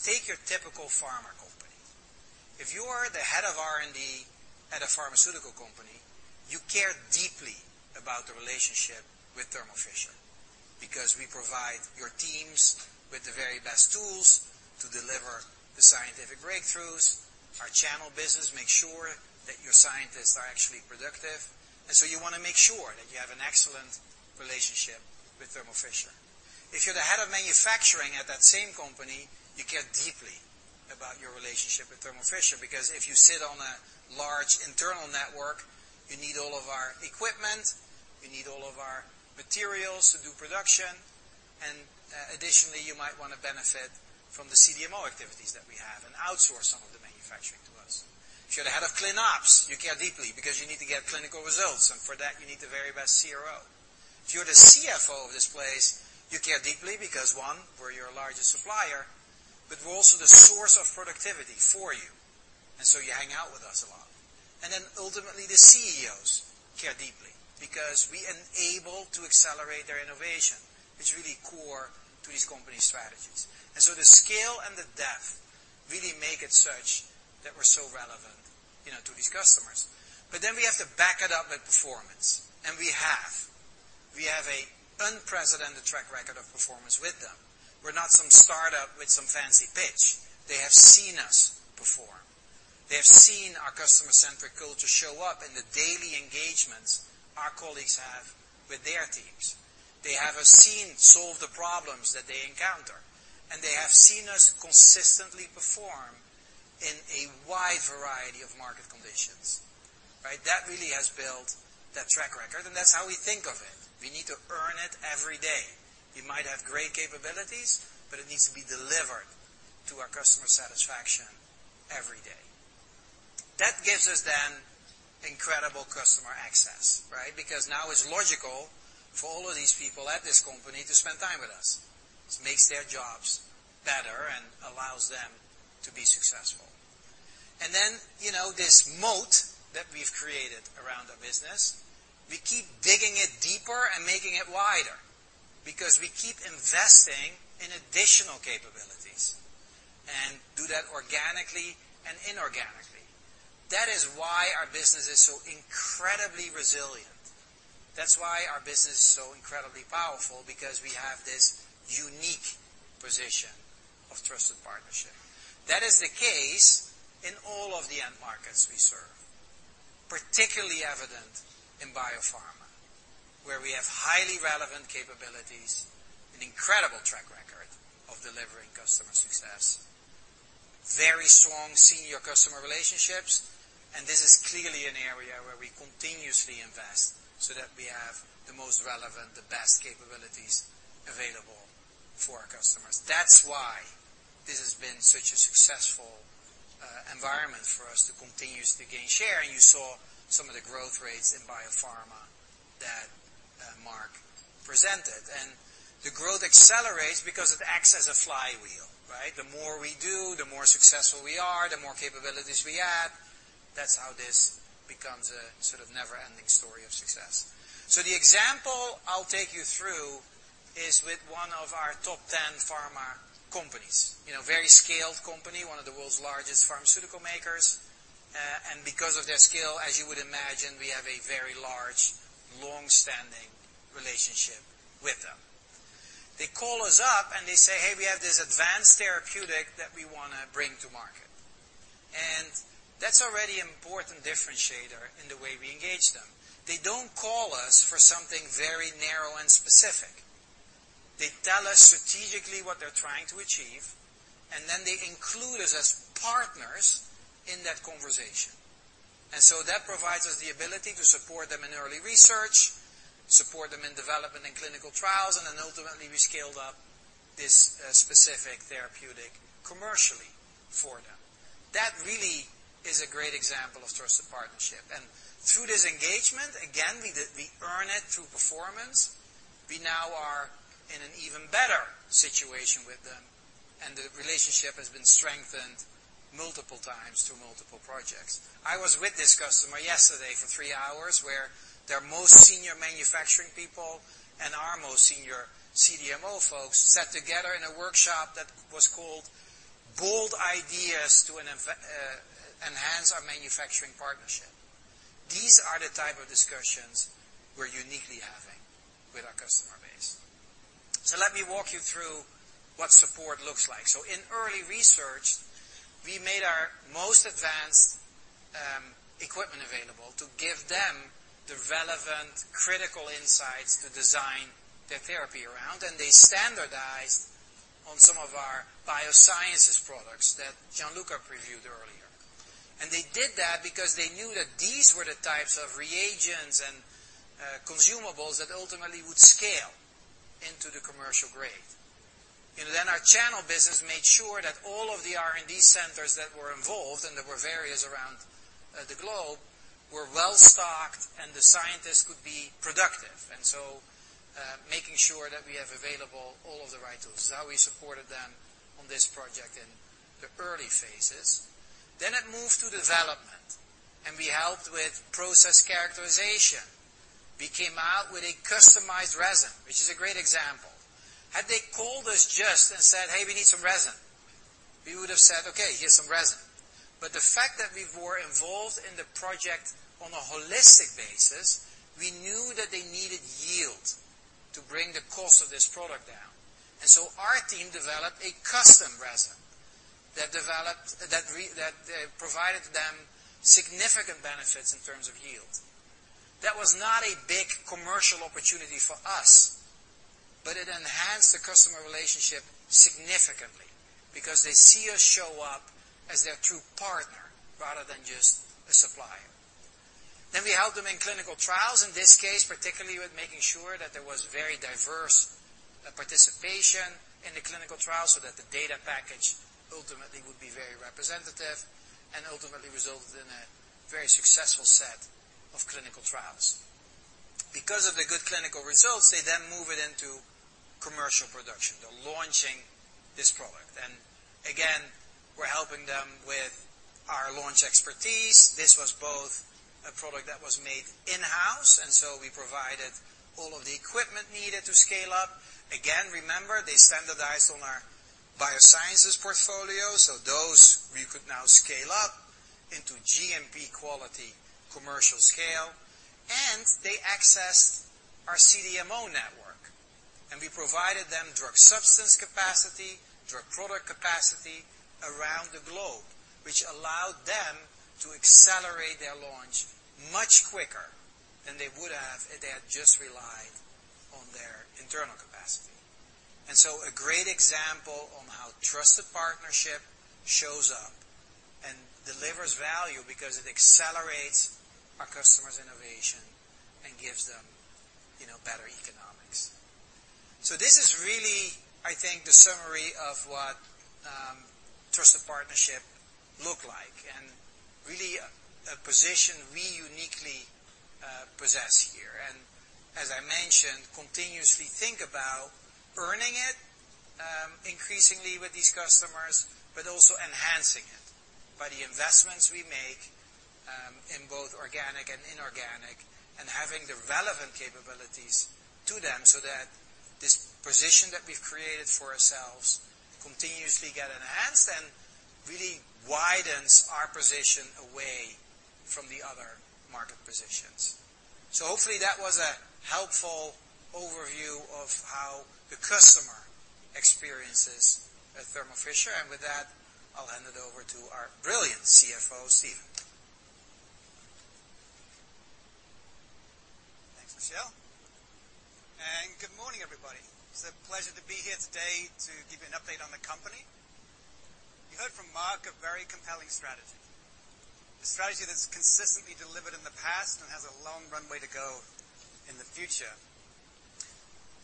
Take your typical pharma company. If you are the head of R&D at a pharmaceutical company, you care deeply about the relationship with Thermo Fisher because we provide your teams with the very best tools to deliver the scientific breakthroughs. Our channel business makes sure that your scientists are actually productive, and so you wanna make sure that you have an excellent relationship with Thermo Fisher. If you're the head of manufacturing at that same company, you care deeply about your relationship with Thermo Fisher, because if you sit on a large internal network, you need all of our equipment, you need all of our materials to do production, and additionally, you might wanna benefit from the CDMO activities that we have and outsource some of the manufacturing to us. If you're the head of clin ops, you care deeply because you need to get clinical results, and for that, you need the very best CRO. If you're the CFO of this place, you care deeply because, one, we're your largest supplier, but we're also the source of productivity for you, and so you hang out with us a lot. Ultimately, the CEOs care deeply because we enable to accelerate their innovation. It's really core to these companies' strategies. The scale and the depth really make it such that we're so relevant, you know, to these customers. We have to back it up with performance, and we have. We have a unprecedented track record of performance with them. We're not some startup with some fancy pitch. They have seen us perform. They have seen our customer-centric culture show up in the daily engagements our colleagues have with their teams. They have seen us solve the problems that they encounter. They have seen us consistently perform in a wide variety of market conditions, right? That really has built that track record. That's how we think of it. We need to earn it every day. We might have great capabilities. It needs to be delivered to our customer satisfaction every day. That gives us incredible customer access, right? Now it's logical for all of these people at this company to spend time with us. It makes their jobs better and allows them to be successful. You know, this moat that we've created around our business, we keep digging it deeper and making it wider because we keep investing in additional capabilities and do that organically and inorganically. That is why our business is so incredibly resilient. That's why our business is so incredibly powerful because we have this unique position of trusted partnership. That is the case in all of the end markets we serve, particularly evident in biopharma, where we have highly relevant capabilities, an incredible track record of delivering customer success, very strong senior customer relationships, and this is clearly an area where we continuously invest so that we have the most relevant, the best capabilities available for our customers. That's why this has been such a successful environment for us to continuously gain share. You saw some of the growth rates in biopharma that Marc presented. The growth accelerates because it acts as a flywheel, right? The more we do, the more successful we are, the more capabilities we add. That's how this becomes a sort of never-ending story of success. The example I'll take you through is with one of our top 10 pharma companies. You know, very scaled company, one of the world's largest pharmaceutical makers. Because of their scale, as you would imagine, we have a very large, long-standing relationship with them. They call us up, and they say, "Hey, we have this advanced therapeutic that we wanna bring to market." That's already important differentiator in the way we engage them. They don't call us for something very narrow and specific. They tell us strategically what they're trying to achieve, and then they include us as partners in that conversation. That provides us the ability to support them in early research, support them in development and clinical trials, and then ultimately we scaled up this specific therapeutic commercially for them. That really is a great example of trusted partnership. Through this engagement, again, we earn it through performance. We now are in an even better situation with them. The relationship has been strengthened multiple times through multiple projects. I was with this customer yesterday for three hours, where their most senior manufacturing people and our most senior CDMO folks sat together in a workshop that was called Bold Ideas to Enhance Our Manufacturing Partnership. These are the type of discussions we're uniquely having with our customer base. Let me walk you through what support looks like. In early research, we made our most advanced equipment available to give them the relevant critical insights to design their therapy around, and they standardized on some of our biosciences products that Gianluca previewed earlier. They did that because they knew that these were the types of reagents and consumables that ultimately would scale into the commercial grade. Our channel business made sure that all of the R&D centers that were involved, and there were various around the globe, were well-stocked, and the scientists could be productive. Making sure that we have available all of the right tools. That's how we supported them on this project in the early phases. It moved to development, and we helped with process characterization. We came out with a customized resin, which is a great example. Had they called us just and said, "Hey, we need some resin," we would have said, "Okay, here's some resin." The fact that we were involved in the project on a holistic basis, we knew that they needed yield to bring the cost of this product down. Our team developed a custom resin that provided them significant benefits in terms of yield. That was not a big commercial opportunity for us, but it enhanced the customer relationship significantly because they see us show up as their true partner rather than just a supplier. We helped them in clinical trials, in this case, particularly with making sure that there was very diverse participation in the clinical trial so that the data package ultimately would be very representative and ultimately resulted in a very successful set of clinical trials. Because of the good clinical results, they then move it into commercial production. They're launching this product. Again, we're helping them with our launch expertise. This was both a product that was made in-house, we provided all of the equipment needed to scale up. Again, remember, they standardized on our biosciences portfolio, those we could now scale up into GMP quality commercial scale. They accessed our CDMO network, we provided them drug substance capacity, drug product capacity around the globe, which allowed them to accelerate their launch much quicker than they would have if they had just relied on their internal capacity. A great example on how trusted partnership shows up and delivers value because it accelerates our customers' innovation and gives them, you know, better economics. This is really, I think, the summary of what trusted partnership look like, and really a position we uniquely possess here. As I mentioned, continuously think about earning it increasingly with these customers, but also enhancing it by the investments we make in both organic and inorganic, and having the relevant capabilities to them so that this position that we've created for ourselves continuously get enhanced and really widens our position away from the other market positions. Hopefully that was a helpful overview of how the customer experiences at Thermo Fisher. With that, I'll hand it over to our brilliant CFO, Stephen. Thanks, Michel. Good morning, everybody. It's a pleasure to be here today to give you an update on the company. You heard from Marc, a very compelling strategy. A strategy that's consistently delivered in the past and has a long runway to go in the future.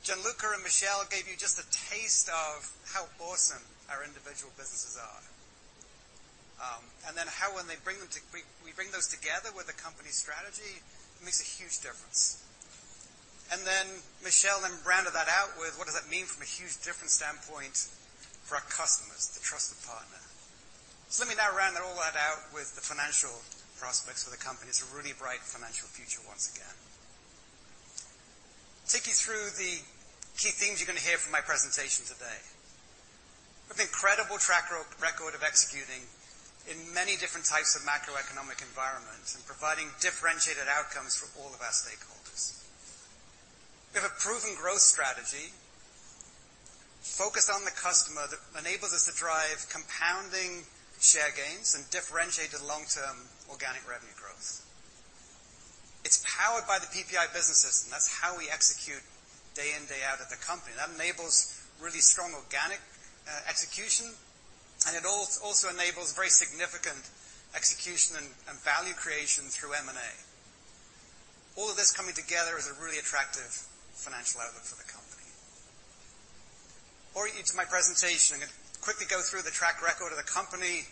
Gianluca and Michel gave you just a taste of how awesome our individual businesses are. Then how when we bring those together with the company strategy, it makes a huge difference. Michel then rounded that out with what does that mean from a huge different standpoint for our customers, the trusted partner. Let me now round that out with the financial prospects for the company. It's a really bright financial future once again. Take you through the key things you're going to hear from my presentation today. We have an incredible record of executing in many different types of macroeconomic environments and providing differentiated outcomes for all of our stakeholders. We have a proven growth strategy focused on the customer that enables us to drive compounding share gains and differentiated long-term organic revenue growth. It's powered by the PPI Business System. That's how we execute day in, day out at the company. That enables really strong organic execution, and it also enables very significant execution and value creation through M&A. All of this coming together is a really attractive financial outlook for the company. Before I get to my presentation, I'm gonna quickly go through the track record of the company.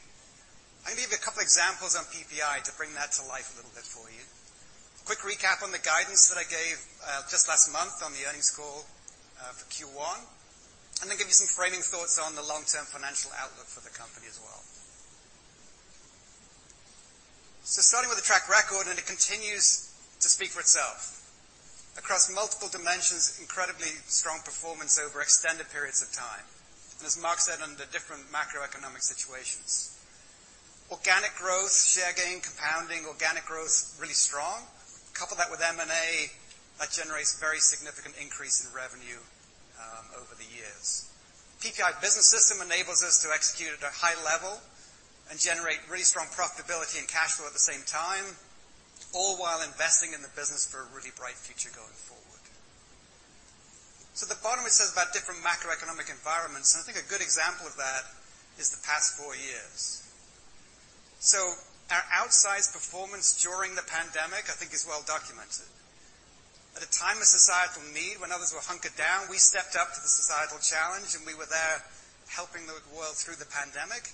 I can give you a couple examples on PPI to bring that to life a little bit for you. Quick recap on the guidance that I gave just last month on the earnings call for Q1, and then give you some framing thoughts on the long-term financial outlook for the company as well. Starting with the track record, it continues to speak for itself. Across multiple dimensions, incredibly strong performance over extended periods of time, and as Marc said, under different macroeconomic situations. Organic growth, share gain, compounding organic growth, really strong. Couple that with M&A, that generates very significant increases in revenue over the years. PPI Business System enables us to execute at a high level and generate really strong profitability and cash flow at the same time, all while investing in the business for a really bright future going forward. At the bottom, it says about different macroeconomic environments, and I think a good example of that is the past four years. Our outsized performance during the pandemic, I think, is well documented. At a time of societal need, when others were hunkered down, we stepped up to the societal challenge, and we were there helping the world through the pandemic,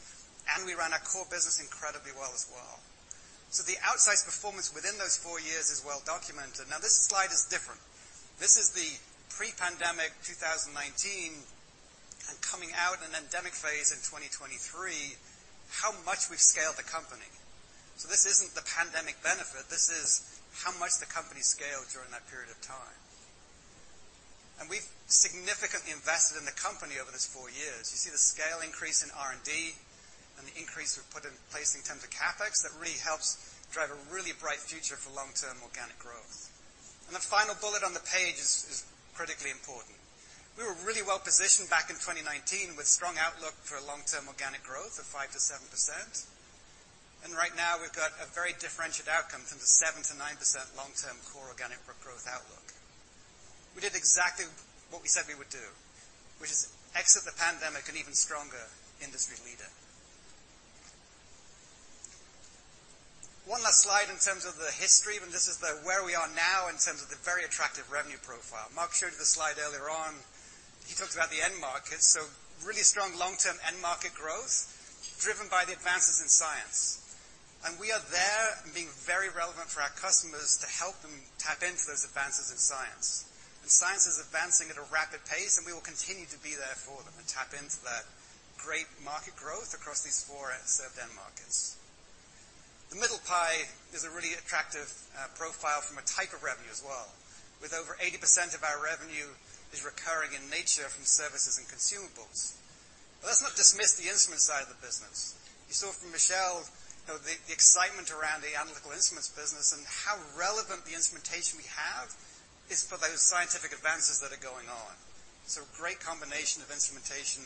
and we ran our core business incredibly well as well. The outsized performance within those four years is well documented. Now, this slide is different. This is the pre-pandemic 2019 and coming out in an endemic phase in 2023, how much we've scaled the company. This isn't the pandemic benefit. This is how much the company scaled during that period of time. We've significantly invested in the company over this four years. You see the scale increase in R&D and the increase we've put in place in terms of CapEx. That really helps drive a really bright future for long-term organic growth. The final bullet on the page is critically important. We were really well positioned back in 2019 with strong outlook for a long-term organic growth of 5%-7%. Right now, we've got a very differentiated outcome from the 7%-9% long-term core organic growth outlook. We did exactly what we said we would do, which is exit the pandemic an even stronger industry leader. One last slide in terms of the history, this is the where we are now in terms of the very attractive revenue profile. Marc showed you the slide earlier on. He talked about the end market. Really strong long-term end market growth driven by the advances in science. We are there and being very relevant for our customers to help them tap into those advances in science. Science is advancing at a rapid pace, and we will continue to be there for them and tap into that great market growth across these four end-to-end markets. The middle pie is a really attractive profile from a type of revenue as well, with over 80% of our revenue is recurring in nature from services and consumables. Let's not dismiss the instrument side of the business. You saw from Michel the excitement around the Analytical Instruments business and how relevant the instrumentation we have is for those scientific advances that are going on. Great combination of instrumentation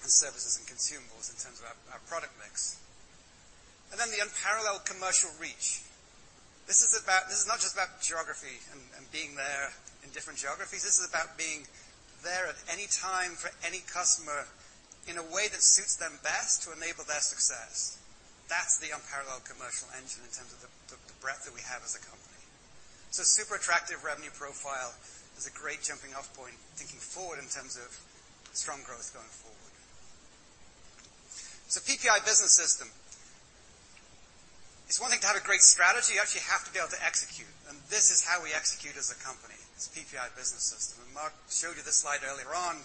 and services and consumables in terms of our product mix. The unparalleled commercial reach. This is not just about geography and being there in different geographies. This is about being there at any time for any customer in a way that suits them best to enable their success. That's the unparalleled commercial engine in terms of the breadth that we have as a company. Super attractive revenue profile is a great jumping off point thinking forward in terms of strong growth going forward. PPI Business System. It's one thing to have a great strategy. You actually have to be able to execute, and this is how we execute as a company, this PPI Business System. Marc showed you this slide earlier on.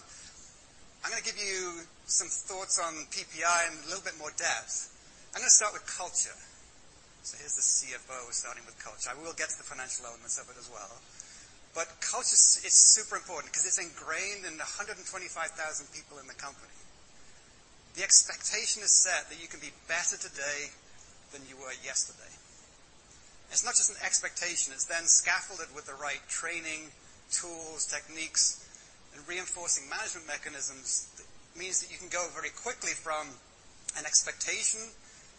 I'm going to give you some thoughts on PPI in a little bit more depth. I'm going to start with culture. Here's the CFO starting with culture. I will get to the financial elements of it as well. Culture is super important 'cause it's ingrained in the 125,000 people in the company. The expectation is set that you can be better today than you were yesterday. It's not just an expectation. It's scaffolded with the right training, tools, techniques, and reinforcing management mechanisms. That means that you can go very quickly from an expectation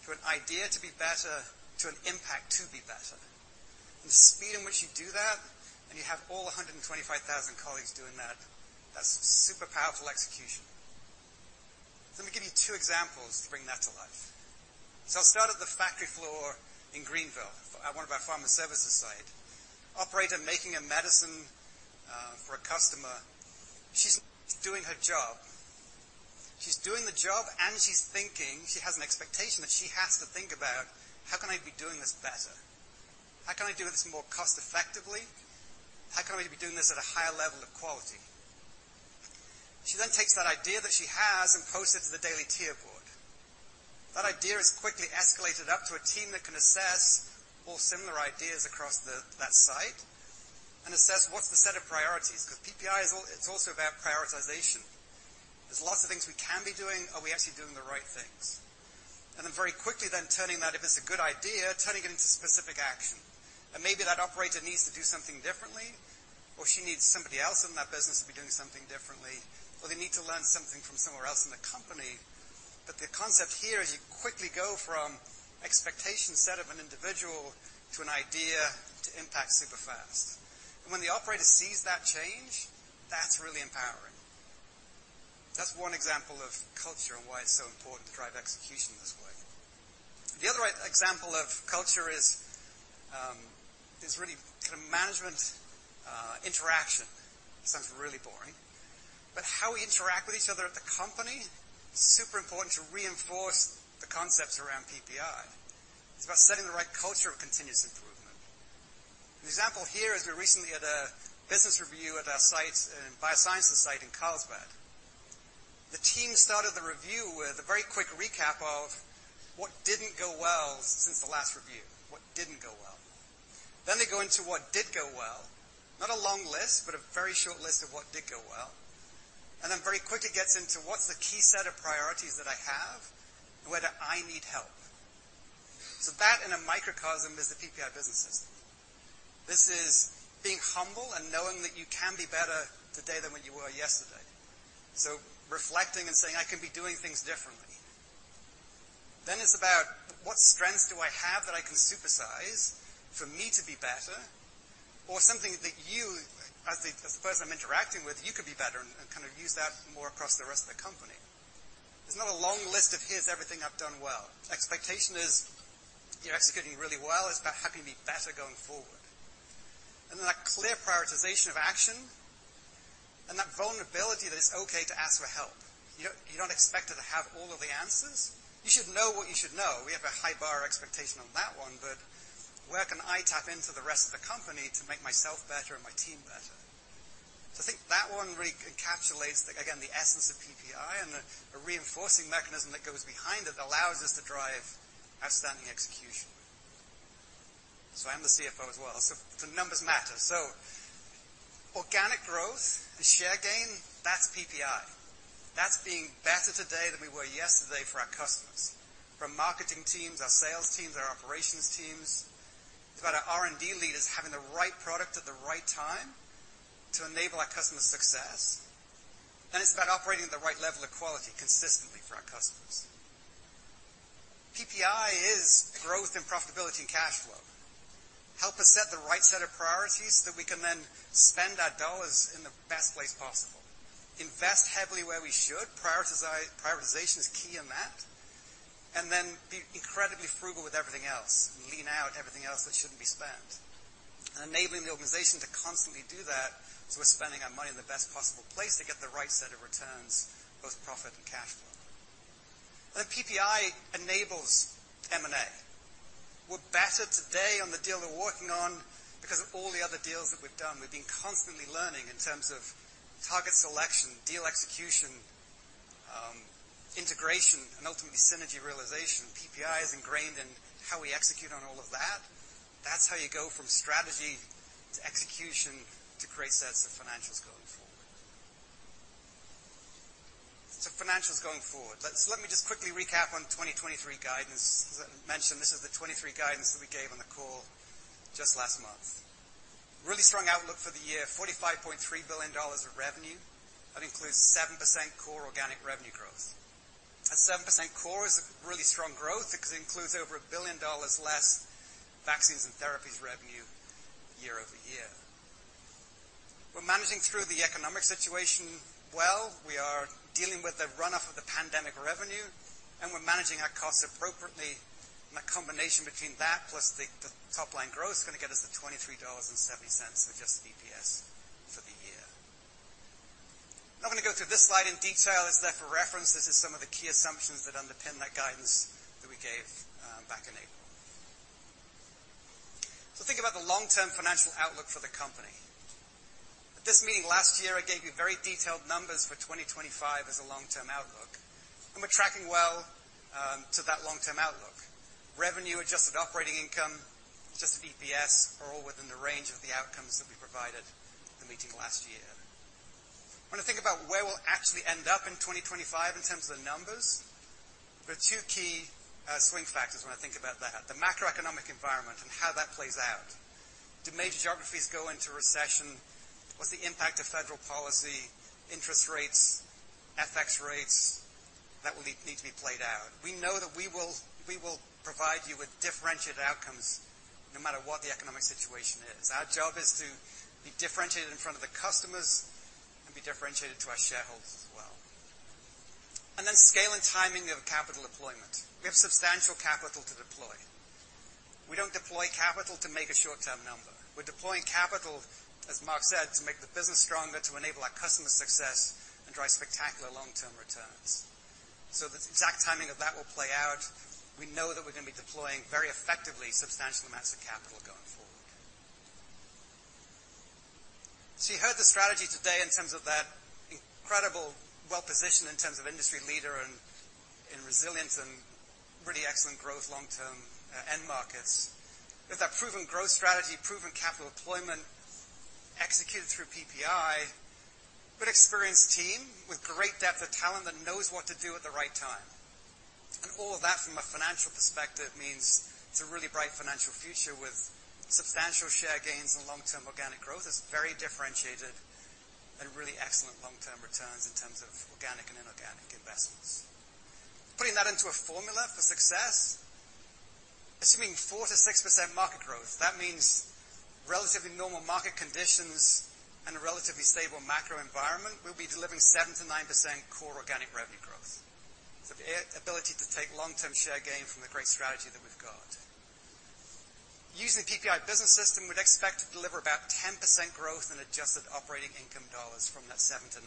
to an idea to be better, to an impact to be better. The speed in which you do that, and you have all 125,000 colleagues doing that's super powerful execution. Let me give you 2 examples to bring that to life. I'll start at the factory floor in Greenville at one of our pharma services site. Operator making a medicine for a customer. She's doing her job. She's doing the job, and she's thinking. She has an expectation that she has to think about, "How can I be doing this better? How can I do this more cost-effectively? How can we be doing this at a higher level of quality?" She takes that idea that she has and posts it to the daily tier board. That idea is quickly escalated up to a team that can assess all similar ideas across that site and assess what's the set of priorities. 'Cause PPI is also about prioritization. There's lots of things we can be doing. Are we actually doing the right things? Very quickly then turning that, if it's a good idea, turning it into specific action. Maybe that operator needs to do something differently, or she needs somebody else in that business to be doing something differently, or they need to learn something from somewhere else in the company. The concept here is you quickly go from expectation set of an individual to an idea to impact super fast. When the operator sees that change, that's really empowering. That's one example of culture and why it's so important to drive execution this way. The other example of culture is really kind of management interaction. Sounds really boring. How we interact with each other at the company, super important to reinforce the concepts around PPI. It's about setting the right culture of continuous improvement. An example here is we recently had a business review at our biosciences site in Carlsbad. The team started the review with a very quick recap of what didn't go well since the last review. What didn't go well. Then they go into what did go well. Not a long list, but a very short list of what did go well. Very quickly gets into what's the key set of priorities that I have and whether I need help. That in a microcosm is the PPI Business System. This is being humble and knowing that you can be better today than what you were yesterday. Reflecting and saying, "I could be doing things differently." It's about what strengths do I have that I can supersize for me to be better or something that you as the person I'm interacting with, you could be better and kind of use that more across the rest of the company. It's not a long list of here's everything I've done well. Expectation is you're executing really well. It's about how can you be better going forward. That clear prioritization of action and that vulnerability that it's okay to ask for help. You don't expect to have all of the answers. You should know what you should know. We have a high bar expectation on that one, but where can I tap into the rest of the company to make myself better and my team better? I think that one really encapsulates, again, the essence of PPI and the reinforcing mechanism that goes behind it that allows us to drive outstanding execution. I'm the CFO as well. The numbers matter. Organic growth, the share gain, that's PPI. That's being better today than we were yesterday for our customers. From marketing teams, our sales teams, our operations teams. It's about our R&D leaders having the right product at the right time to enable our customer success, and it's about operating at the right level of quality consistently for our customers. PPI is growth and profitability and cash flow. Help us set the right set of priorities, so we can then spend our dollars in the best place possible. Invest heavily where we should. Prioritization is key in that. Be incredibly frugal with everything else and lean out everything else that shouldn't be spent. Enabling the organization to constantly do that, so we're spending our money in the best possible place to get the right set of returns, both profit and cash flow. PPI enables M&A. We're better today on the deal we're working on because of all the other deals that we've done. We've been constantly learning in terms of target selection, deal execution, integration, and ultimately synergy realization. PPI is ingrained in how we execute on all of that. That's how you go from strategy to execution to great sets of financials going forward. Financials going forward. Let me just quickly recap on 2023 guidance. As I mentioned, this is the 2023 guidance that we gave on the call just last month. Really strong outlook for the year. $45.3 billion of revenue. That includes 7% core organic revenue growth. A 7% core is a really strong growth because it includes over $1 billion less vaccines and therapies revenue year-over-year. We're managing through the economic situation well. We are dealing with the runoff of the pandemic revenue, and we're managing our costs appropriately. A combination between that plus the top-line growth is gonna get us to $23.70 adjusted EPS for the year. Not gonna go through this slide in detail. It's there for reference. This is some of the key assumptions that underpin that guidance that we gave back in April. Think about the long-term financial outlook for the company. At this meeting last year, I gave you very detailed numbers for 2025 as a long-term outlook. We're tracking well to that long-term outlook. Revenue, adjusted operating income, adjusted EPS are all within the range of the outcomes that we provided in the meeting last year. When I think about where we'll actually end up in 2025 in terms of the numbers, there are two key swing factors when I think about that. The macroeconomic environment and how that plays out. Do major geographies go into recession? What's the impact of federal policy, interest rates, FX rates? That will need to be played out. We know that we will provide you with differentiated outcomes no matter what the economic situation is. Our job is to be differentiated in front of the customers and be differentiated to our shareholders as well. Scale and timing of capital deployment. We have substantial capital to deploy. We don't deploy capital to make a short-term number. We're deploying capital, as Marc said, to make the business stronger, to enable our customer success and drive spectacular long-term returns. The exact timing of that will play out. We know that we're gonna be deploying very effectively substantial amounts of capital going forward. You heard the strategy today in terms of that incredible well-positioned in terms of industry leader and in resilience and really excellent growth long-term end markets. With that proven growth strategy, proven capital deployment executed through PPI, good experienced team with great depth of talent that knows what to do at the right time. All of that from a financial perspective means it's a really bright financial future with substantial share gains and long-term organic growth that's very differentiated and really excellent long-term returns in terms of organic and inorganic investments. Putting that into a formula for success, assuming 4%-6% market growth, that means relatively normal market conditions and a relatively stable macro environment, we'll be delivering 7%-9% core organic revenue growth. The ability to take long-term share gain from the great strategy that we've got. Using the PPI Business System, we'd expect to deliver about 10% growth in adjusted operating income dollars from that 7%-9%.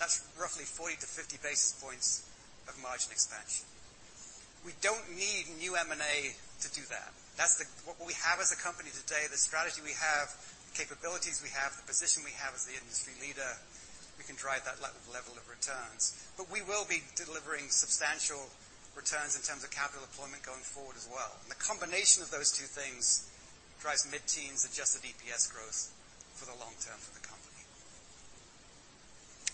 That's roughly 40-50 basis points of margin expansion. We don't need new M&A to do that. That's what we have as a company today, the strategy we have, the capabilities we have, the position we have as the industry leader, we can drive that level of returns. We will be delivering substantial returns in terms of capital deployment going forward as well. The combination of those two things drives mid-teens adjusted EPS growth for the long term for the company.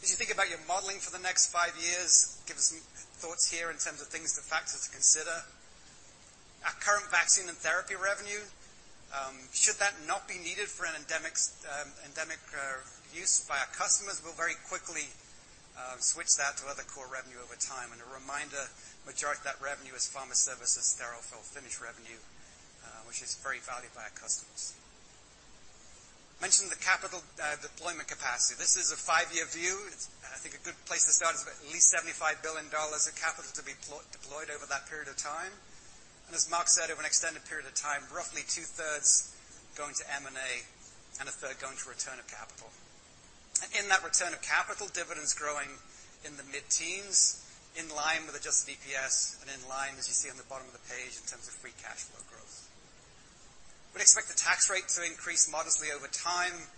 As you think about your modeling for the next five years, give some thoughts here in terms of things and factors to consider. Our current vaccine and therapy revenue, should that not be needed for an endemic use by our customers, we'll very quickly switch that to other core revenue over time. A reminder, majority of that revenue is pharma services, sterile fill finish revenue, which is very valued by our customers. Mentioned the capital deployment capacity. This is a five-year view. I think a good place to start is at least $75 billion of capital to be deployed over that period of time. As Marc said, over an extended period of time, roughly two-thirds going to M&A and a third going to return of capital.In that return of capital, dividends growing in the mid-teens, in line with adjusted EPS and in line, as you see on the bottom of the page, in terms of free cash flow growth. We'd expect the tax rate to increase modestly over time.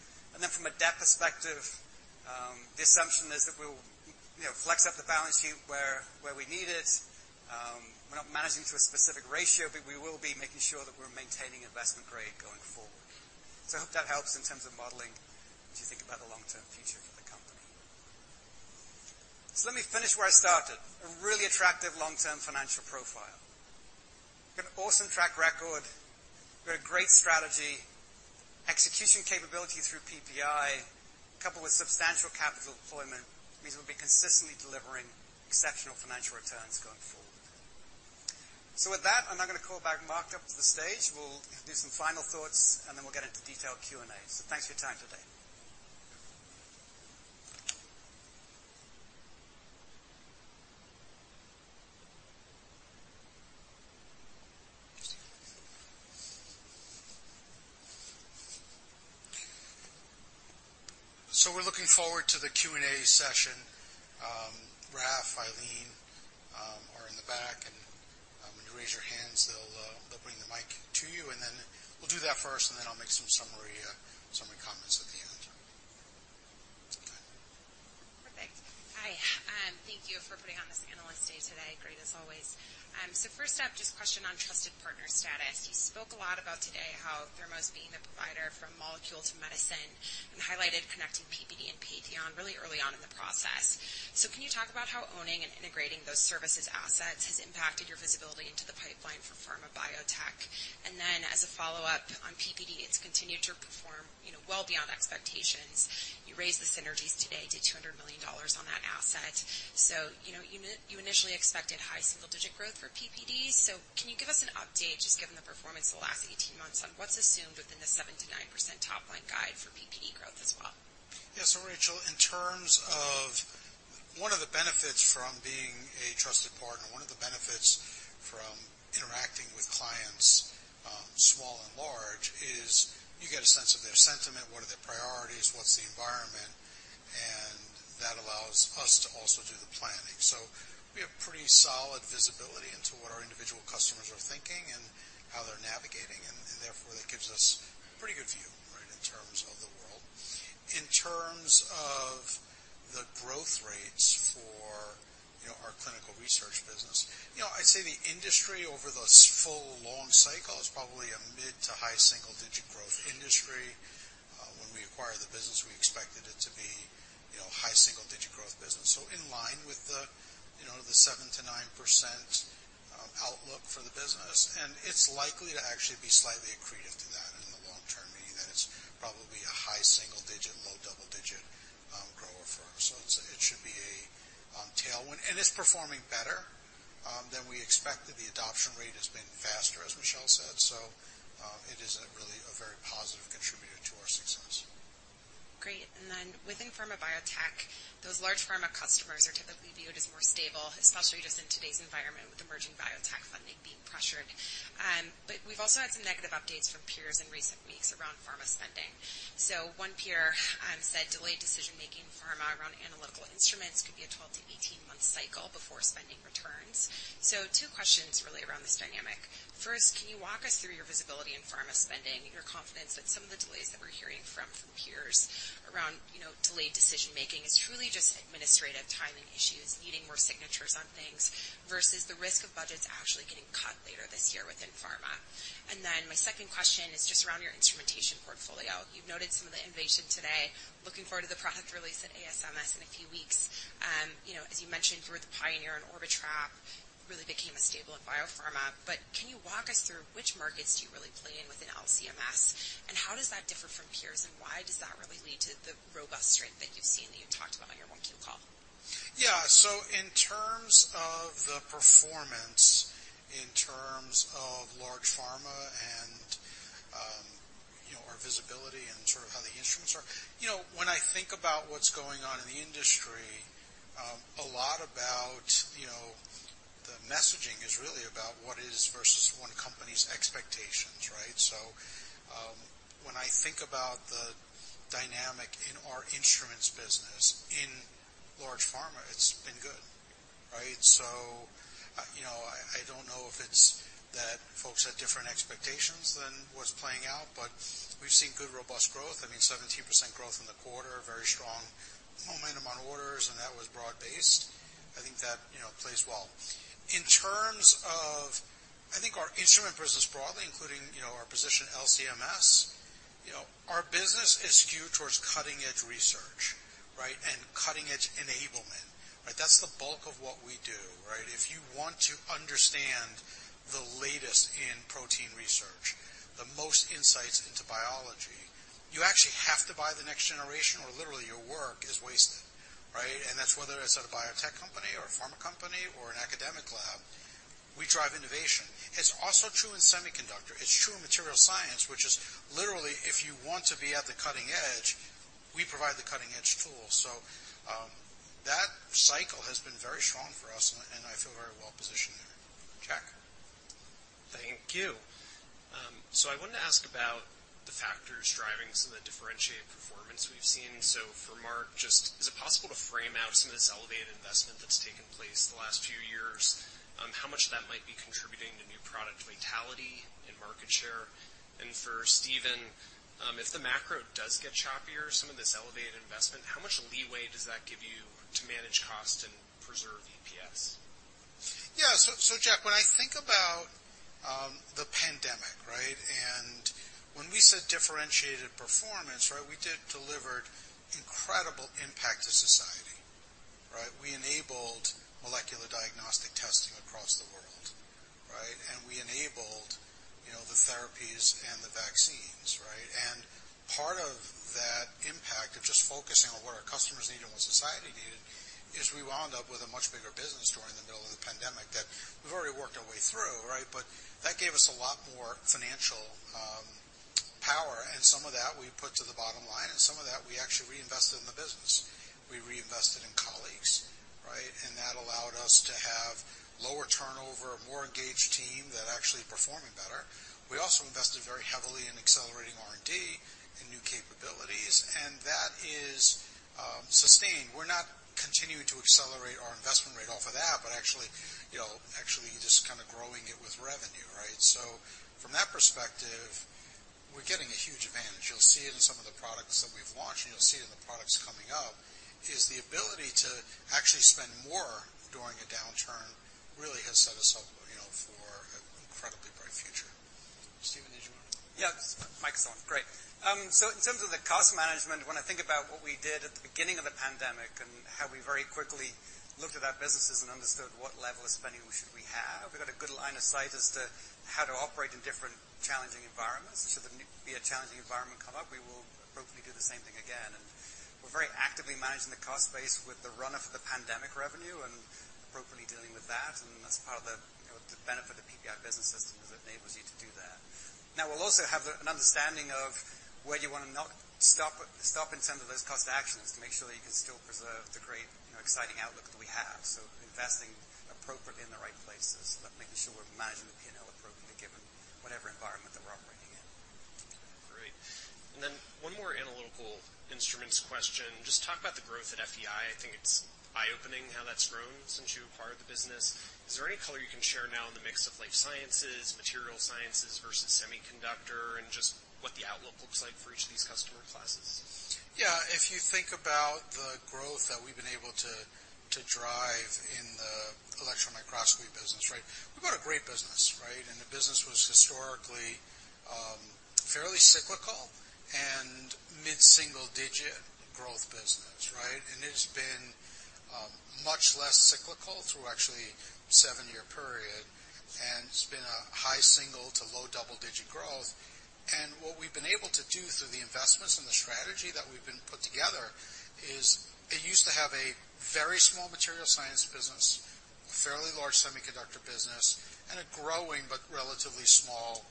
From a debt perspective, the assumption is that we'll flex up the balance sheet where we need it. We're not managing to a specific ratio, but we will be making sure that we're maintaining investment grade going forward. I hope that helps in terms of modeling as you think about the long-term future for the company. Let me finish where I started, a really attractive long-term financial profile. We've got an awesome track record. We've got a great strategy, execution capability through PPI, coupled with substantial capital deployment, means we'll be consistently delivering exceptional financial returns going forward. With that, I'm now gonna call back Marc up to the stage. We'll do some final thoughts, and then we'll get into detailed Q&A. Thanks for your time today. We're looking forward to the Q&A session. Raph, Eileen, are in the back, and when you raise your hands, they'll bring the mic to you. Then we'll do that first, and then I'll make some summary comments at the end. Go ahead. Perfect. Hi. Thank you for putting on this analyst day today. Great as always. First up, just a question on trusted partner status. You spoke a lot about today how Thermo's being the provider from molecule to medicine and highlighted connecting PPD and Patheon really early on in the process. Can you talk about how owning and integrating those services assets has impacted your visibility into the pipeline for pharma biotech? As a follow-up on PPD, it's continued to perform, you know, well beyond expectations. You raised the synergies today to $200 million on that asset. You know, you initially expected high single-digit growth for PPD. Can you give us an update, just given the performance the last 18 months, on what's assumed within the 7%-9% top line guide for PPD growth as well? Rachel, in terms of one of the benefits from being a trusted partner, one of the benefits from interacting with clients, small and large, is you get a sense of their sentiment, what are their priorities, what's the environment, and that allows us to also do the planning. We have pretty solid visibility into what our individual customers are thinking and how they're navigating, and therefore, that gives us a pretty good view, right? In terms of the world. In terms of the growth rates for, you know, our clinical research business. You know, I'd say the industry over the full long cycle is probably a mid to high single-digit growth industry. When we acquired the business, we expected it to be, you know, high single-digit growth business. In line with the, you know, the 7%-9% outlook for the business, and it's likely to actually be slightly accretive to that in the long term, meaning that it's probably a high single digit, low double digit grower firm. It should be a tailwind. It's performing better than we expected. The adoption rate has been faster, as Michel said. It is a really, a very positive contributor to our success. Great. Within pharma biotech, those large pharma customers are typically viewed as more stable, especially just in today's environment with emerging biotech funding being pressured. But we've also had some negative updates from peers in recent weeks around pharma spending. One peer said delayed decision making pharma around analytical instruments could be a 12-18 month cycle before spending returns. Two questions really around this dynamic. Can you walk us through your visibility in pharma spending, your confidence that some of the delays that we're hearing from peers around, you know, delayed decision making is truly just administrative timing issues, needing more signatures on things, versus the risk of budgets actually getting cut later this year within pharma. My second question is just around your instrumentation portfolio. You've noted some of the innovation today. Looking forward to the product release at ASMS in a few weeks. you know, as you mentioned, you were the pioneer in Orbitrap, really became a staple at Biopharma. Can you walk us through which markets do you really play in within LC-MS? How does that differ from peers, and why does that really lead to the robust strength that you've seen that you talked about on your 1Q call? In terms of the performance, in terms of large pharma and, you know, our visibility and sort of how the instruments are. You know, when I think about what's going on in the industry, a lot about, you know, the messaging is really about what is versus one company's expectations, right? When I think about the dynamic in our instruments business in large pharma, it's been good, right? I, you know, I don't know if it's that folks had different expectations than what's playing out, but we've seen good, robust growth. I mean, 17% growth in the quarter, very strong momentum on orders, and that was broad-based. I think that, you know, plays well. In terms of, I think our instrument business broadly, including, you know, our position LC-MS, you know, our business is skewed towards cutting-edge research, right? Cutting-edge enablement, right? That's the bulk of what we do, right? If you want to understand the latest in protein research, the most insights into biology, you actually have to buy the next generation, or literally your work is wasted, right? That's whether it's at a biotech company or a pharma company or an academic lab. We drive innovation. It's also true in semiconductor. It's true in material science, which is literally if you want to be at the cutting edge, we provide the cutting edge tools. That cycle has been very strong for us, and I feel very well positioned there. Jack. Thank you. I wanted to ask about the factors driving some of the differentiated performance we've seen. For Marc, just is it possible to frame out some of this elevated investment that's taken place the last few years? How much of that might be contributing to new product vitality and market share? For Stephen, if the macro does get choppier, some of this elevated investment, how much leeway does that give you to manage cost and preserve EPS? Jack, when I think about the pandemic, right? When we said differentiated performance, right? We delivered incredible impact to society, right? We enabled molecular diagnostic testing across the world, right? We enabled, you know, the therapies and the vaccines, right? Part of that impact of just focusing on what our customers needed and what society needed is we wound up with a much bigger business during the middle of the pandemic that we've already worked our way through, right? That gave us a lot more financial power, and some of that we put to the bottom line, and some of that we actually reinvested in the business. We reinvested in colleagues, right? That allowed us to have lower turnover, a more engaged team that actually performing better. We also invested very heavily in accelerating R&D and new capabilities. That is, sustained. We're not continuing to accelerate our investment rate off of that, but actually, you know, actually just kinda growing it with revenue, right. From that perspective, we're getting a huge advantage. You'll see it in some of the products that we've launched, and you'll see it in the products coming up. Is the ability to actually spend more during a downturn really has set us up, you know, for an incredibly bright future. Stephen, did you wanna? Yeah. Mic's still on. Great. In terms of the cost management, when I think about what we did at the beginning of the pandemic and how we very quickly looked at our businesses and understood what level of spending should we have. We've got a good line of sight as to how to operate in different challenging environments. Should there be a challenging environment come up, we will appropriately do the same thing again. We're very actively managing the cost base with the run of the pandemic revenue and appropriately dealing with that. That's part of the, you know, the benefit of PPI Business System is it enables you to do that. Now, we'll also have an understanding of where do you wanna not stop and send those cost actions to make sure that you can still preserve the great, you know, exciting outlook that we have. Investing appropriately in the right places, but making sure we're managing the P&L appropriately given whatever environment that we're operating in. Great. Then one more Analytical Instruments question. Just talk about the growth at FEI. I think it's eye-opening how that's grown since you were part of the business. Is there any color you can share now in the mix of life sciences, material sciences versus semiconductor, and just what the outlook looks like for each of these customer classes? Yeah. If you think about the growth that we've been able to drive in the electron microscopy business, right? We've got a great business, right? The business was historically fairly cyclical and mid-single-digit growth business, right? It's been much less cyclical through actually seven-year period, and it's been a high-single to low-double-digit growth. What we've been able to do through the investments and the strategy that we've been put together is it used to have a very small material science business, fairly large semiconductor business, and a growing but relatively small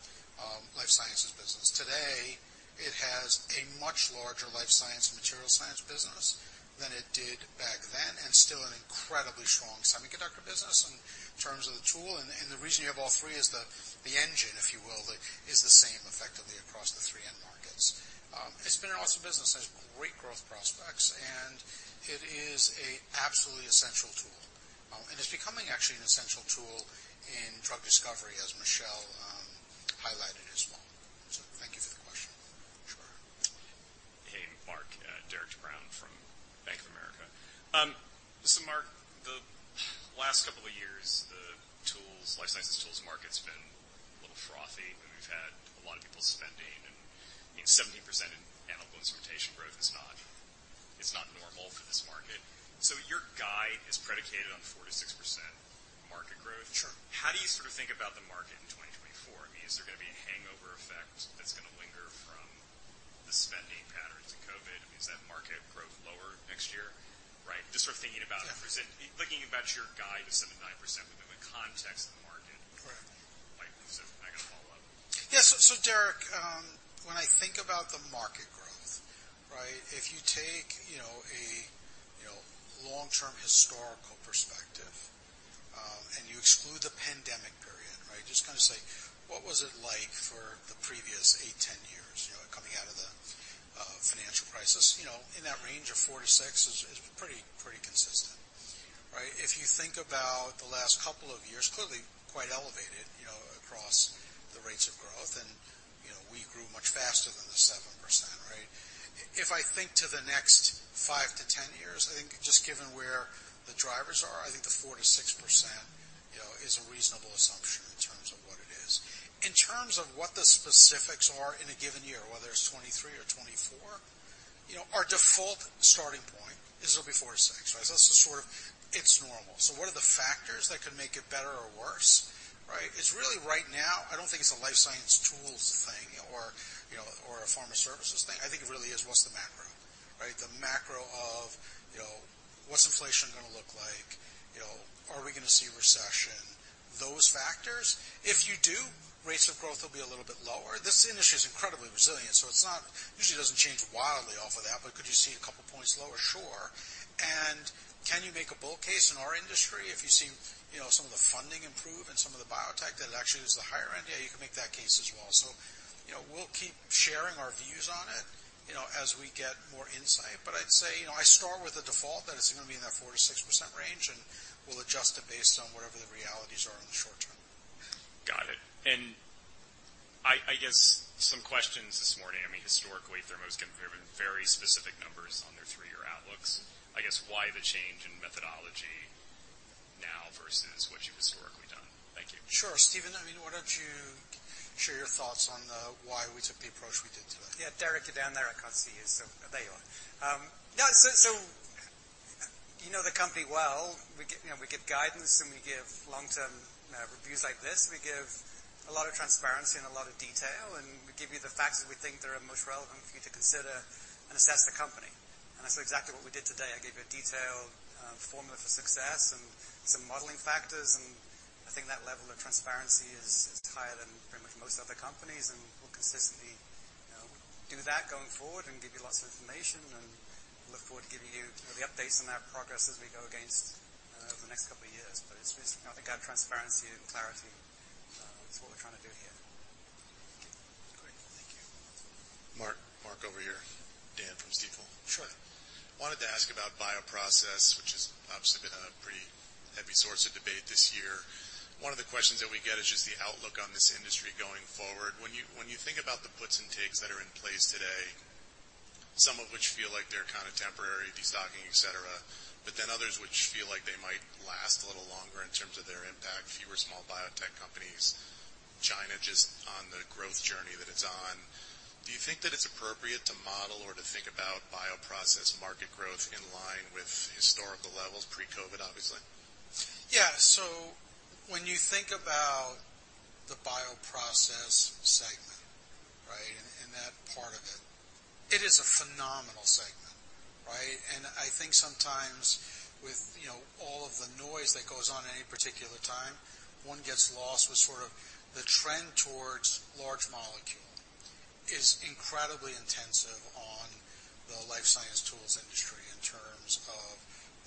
life sciences business. Today, it has a much larger life science, material science business than it did back then, and still an incredibly strong semiconductor business in terms of the tool. The reason you have all three is the engine, if you will, that is the same effectively across the three end markets. It's been an awesome business. It has great growth prospects, and it is a absolutely essential tool. It's becoming actually an essential tool in drug discovery as Michel highlighted as well. Thank you for the question. Sure. Hey, Marc. Derik de Bruin from Bank of America. Marc, the last couple of years, the tools, life sciences tools market's been a little frothy. We've had a lot of people spending, you know, 17% in analytical instrumentation growth is not normal for this market. Your guide is predicated on 4%-6% market growth. How do you sort of think about the market in 2024? I mean, is there gonna be a hangover effect that's gonna linger from the spending patterns in COVID? I mean, is that market growth lower next year, right? Just sort of thinking about percent. Looking about your guide of 7% to 9% within the context of the market. Like, I got a follow-up. Derik, when I think about the market growth, right, if you take, you know, a long-term historical perspective, and you exclude the pandemic period, right. Just kind of say, what was it like for the previous 8-10 years, you know, coming out of the financial crisis. In that range of 4% to 6% is pretty consistent, right. If you think about the last couple of years, clearly quite elevated, you know, across the rates of growth, and, you know, we grew much faster than the 7%, right. If I think to the next 5-10 years, I think just given where the drivers are, I think the 4% to 6%, you know, is a reasonable assumption in terms of what it is. In terms of what the specifics are in a given year, whether it's 2023 or 2024, you know, our default starting point is it'll be 4%-6%, right? That's the sort of it's normal. What are the factors that could make it better or worse, right? It's really right now, I don't think it's a life science tools thing or, you know, or a pharma services thing. I think it really is what's the macro, right? The macro of, you know, what's inflation gonna look like? You know, are we gonna see recession? Those factors. If you do, rates of growth will be a little bit lower. This industry is incredibly resilient, so it's not. Usually doesn't change wildly off of that, but could you see a couple points lower? Sure. Can you make a bull case in our industry if you see, you know, some of the funding improve and some of the biotech that actually is the higher end? Yeah, you can make that case as well. You know, we'll keep sharing our views on it, you know, as we get more insight. I'd say, you know, I start with the default that it's gonna be in that 4%-6% range, and we'll adjust it based on whatever the realities are in the short term. Got it. I guess some questions this morning. I mean, historically, Thermo's given very specific numbers on their three-year outlooks. I guess why the change in methodology now versus what you've historically done? Thank you. Sure. Stephen, I mean, why don't you share your thoughts on, why we took the approach we did today? Yeah. Derik, you're down there. I can't see you, so there you are. Yeah, you know the company well. We give, you know, we give guidance, and we give long-term reviews like this. We give a lot of transparency and a lot of detail, and we give you the facts that we think that are most relevant for you to consider and assess the company. That's exactly what we did today. I gave you a detailed formula for success and some modeling factors, and I think that level of transparency is higher than pretty much most other companies. We'll consistently, you know, do that going forward and give you lots of information, and look forward to giving you know, the updates on that progress as we go against over the next couple of years. It's recent. I think our transparency and clarity is what we're trying to do here. Okay. Great. Thank you. Marc. Marc, over here. Dan from Stifel. Sure. Wanted to ask about bioprocess, which has obviously been a pretty heavy source of debate this year. One of the questions that we get is just the outlook on this industry going forward. When you think about the puts and takes that are in place today, some of which feel like they're kind of temporary, destocking, et cetera, but then others which feel like they might last a little longer in terms of their impact, fewer small biotech companies, China just on the growth journey that it's on, do you think that it's appropriate to model or to think about bioprocess market growth in line with historical levels pre-COVID, obviously? When you think about the bioprocess segment, right, and that part of it is a phenomenal segment, right? I think sometimes with, you know, all of the noise that goes on at any particular time, one gets lost with sort of the trend towards large molecule is incredibly intensive on the life science tools industry in terms of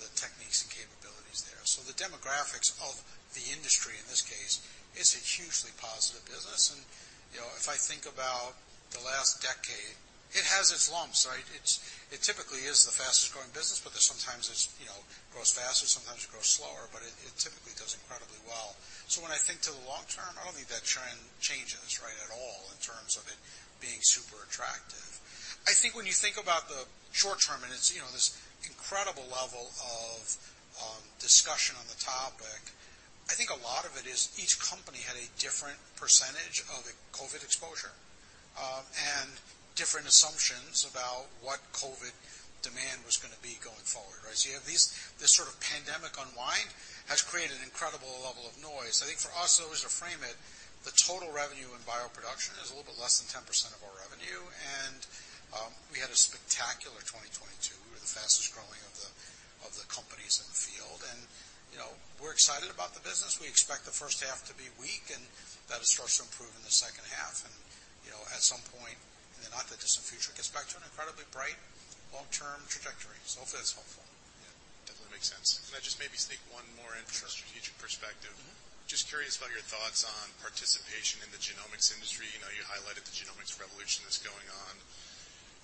the techniques and capabilities there. The demographics of the industry in this case is a hugely positive business. You know, if I think about the last decade, it has its lumps, right? It typically is the fastest growing business, but there's sometimes it's, you know, grows faster, sometimes it grows slower, but it typically does incredibly well. When I think to the long term, I don't think that trend changes, right, at all in terms of it being super attractive. I think when you think about the short term, and it's, you know, this incredible level of discussion on the topic, I think a lot of it is each company had a different percentage of a COVID exposure and different assumptions about what COVID demand was gonna be going forward, right? This sort of pandemic unwind has created an incredible level of noise. I think for us, though, is to frame it, the total revenue in bioproduction is a little bit less than 10% of our revenue. We had a spectacular 2022. We were the fastest growing of the companies in the field. You know, we're excited about the business. We expect the first half to be weak, and that is starts to improve in the second half. You know, at some point in the not too distant future, gets back to an incredibly bright long-term trajectory. Hopefully that's helpful. Yeah. Definitely makes sense. Can I just maybe sneak one more in from a strategic perspective? Just curious about your thoughts on participation in the genomics industry. You know, you highlighted the genomics revolution that's going on.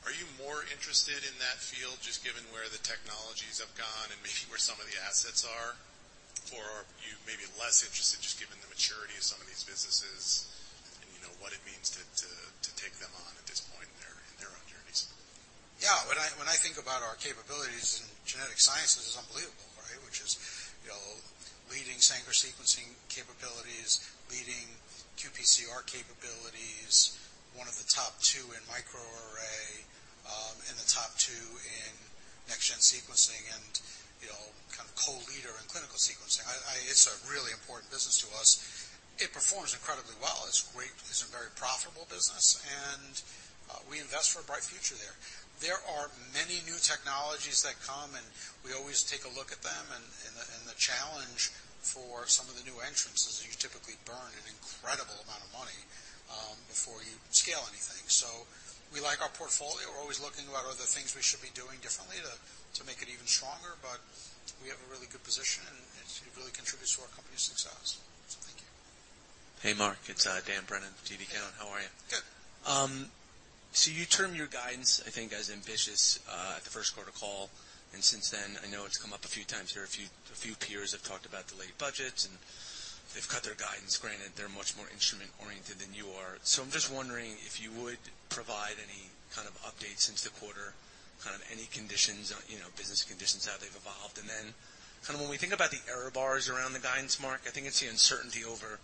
Are you more interested in that field just given where the technologies have gone and maybe where some of the assets are? Are you maybe less interested just given the maturity of some of these businesses and you know what it means to take them on at this point in their own journeys? When I think about our capabilities in genetic sciences is unbelievable, right? Which is, you know, leading Sanger sequencing capabilities, leading qPCR capabilities, one of the top two in microarray, in the top two in next-gen sequencing and, you know, kind of co-leader in clinical sequencing. It's a really important business to us. It performs incredibly well. It's great. It's a very profitable business, and we invest for a bright future there. There are many new technologies that come, and we always take a look at them. The challenge for some of the new entrants is that you typically burn an incredible amount of money before you scale anything. We like our portfolio. We're always looking about other things we should be doing differently to make it even stronger. We have a really good position, and it really contributes to our company's success. Thank you. Hey, Marc. It's Dan Brennan, TD Cowen. How are you? Good. You termed your guidance, I think, as ambitious at the first quarter call, and since then I know it's come up a few times here. A few peers have talked about delayed budgets, and they've cut their guidance, granted they're much more instrument-oriented than you are. I'm just wondering if you would provide any kind of update since the quarter, kind of any conditions, you know, business conditions, how they've evolved. Then kind of when we think about the error bars around the guidance mark, I think it's the uncertainty over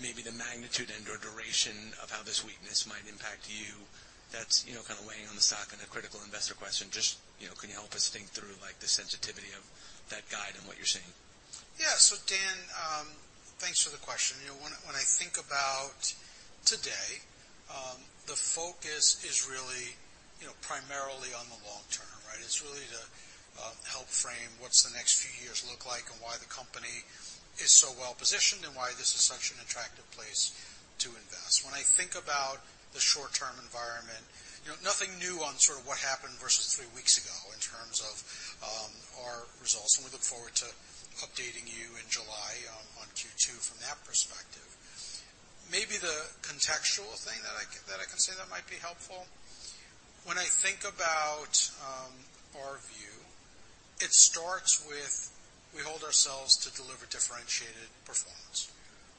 maybe the magnitude and/or duration of how this weakness might impact you that's, you know, kind of weighing on the stock and a critical investor question. You know, can you help us think through, like, the sensitivity of that guide and what you're seeing? Dan, thanks for the question. You know, when I think about today, the focus is really, you know, primarily on the long term, right? It's really to help frame what's the next few years look like and why the company is so well positioned and why this is such an attractive place to invest. When I think about the short-term environment, you know, nothing new on sort of what happened versus three weeks ago in terms of our results, and we look forward to updating you in July on Q2 from that perspective. Maybe the contextual thing that I can say that might be helpful, when I think about our view, it starts with we hold ourselves to deliver differentiated performance,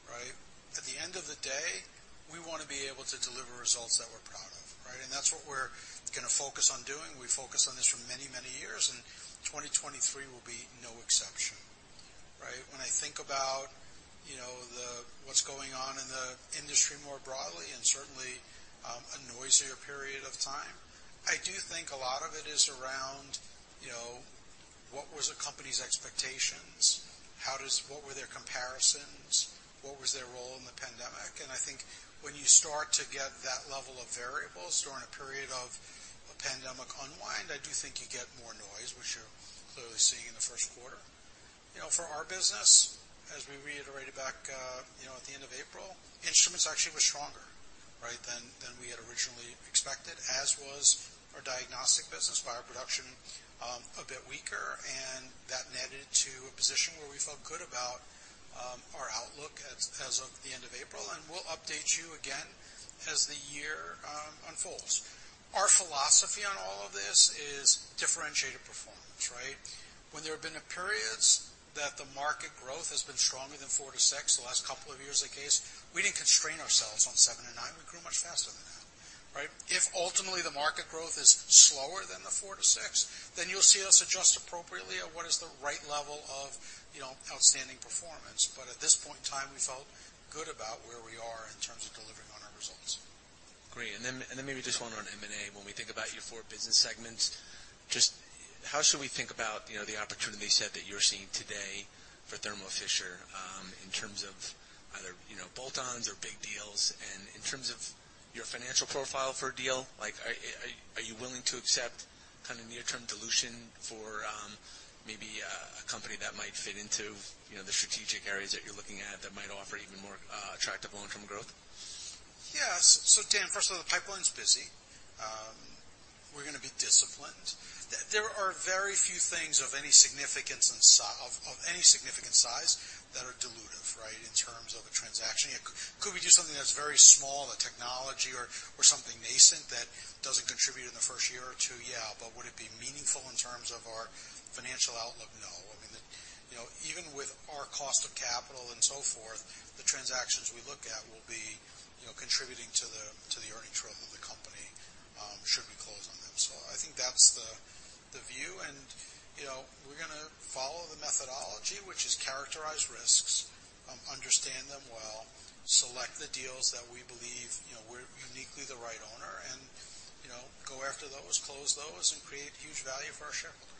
right? At the end of the day, we wanna be able to deliver results that we're proud of, right? That's what we're gonna focus on doing. We focused on this for many years, 2023 will be no exception, right? When I think about, you know, what's going on in the industry more broadly and certainly, a noisier period of time, I do think a lot of it is around, you know, what was a company's expectations? What were their comparisons? What was their role in the pandemic? I think when you start to get that level of variables during a period of a pandemic unwind, I do think you get more noise, which you're clearly seeing in the first quarter. You know, for our business, as we reiterated back, you know, at the end of April, instruments actually were stronger, right, than we had originally expected, as was our diagnostic business. Bioproduction, a bit weaker, and that netted to a position where we felt good about our outlook as of the end of April. We'll update you again as the year unfolds. Our philosophy on all of this is differentiated performance, right? When there have been periods that the market growth has been stronger than 4%-6%, the last couple of years that case, we didn't constrain ourselves on 7%-9%. We grew much faster than that. Right. If ultimately the market growth is slower than the 4%-6%, then you'll see us adjust appropriately at what is the right level of, you know, outstanding performance. At this point in time, we felt good about where we are in terms of delivering on our results. Great. Then maybe just one on M&A. When we think about your four business segments, just how should we think about, you know, the opportunity set that you're seeing today for Thermo Fisher in terms of either, you know, bolt-on or big deals? In terms of your financial profile for a deal, like, are you willing to accept kind of near-term dilution for maybe a company that might fit into, you know, the strategic areas that you're looking at that might offer even more attractive long-term growth? Yeah. Dan, first of all, the pipeline's busy. We're gonna be disciplined. There are very few things of any significance of any significant size that are dilutive, right, in terms of a transaction. Could we do something that's very small, the technology or something nascent that doesn't contribute in the first year or two? Yeah. Would it be meaningful in terms of our financial outlook? No. I mean, the, you know, even with our cost of capital and so forth, the transactions we look at will be, you know, contributing to the, to the earnings growth of the company, should we close on them. I think that's the view. you know, we're gonna follow the methodology, which is characterize risks, understand them well, select the deals that we believe, you know, we're uniquely the right owner and, you know, go after those, close those, and create huge value for our shareholders.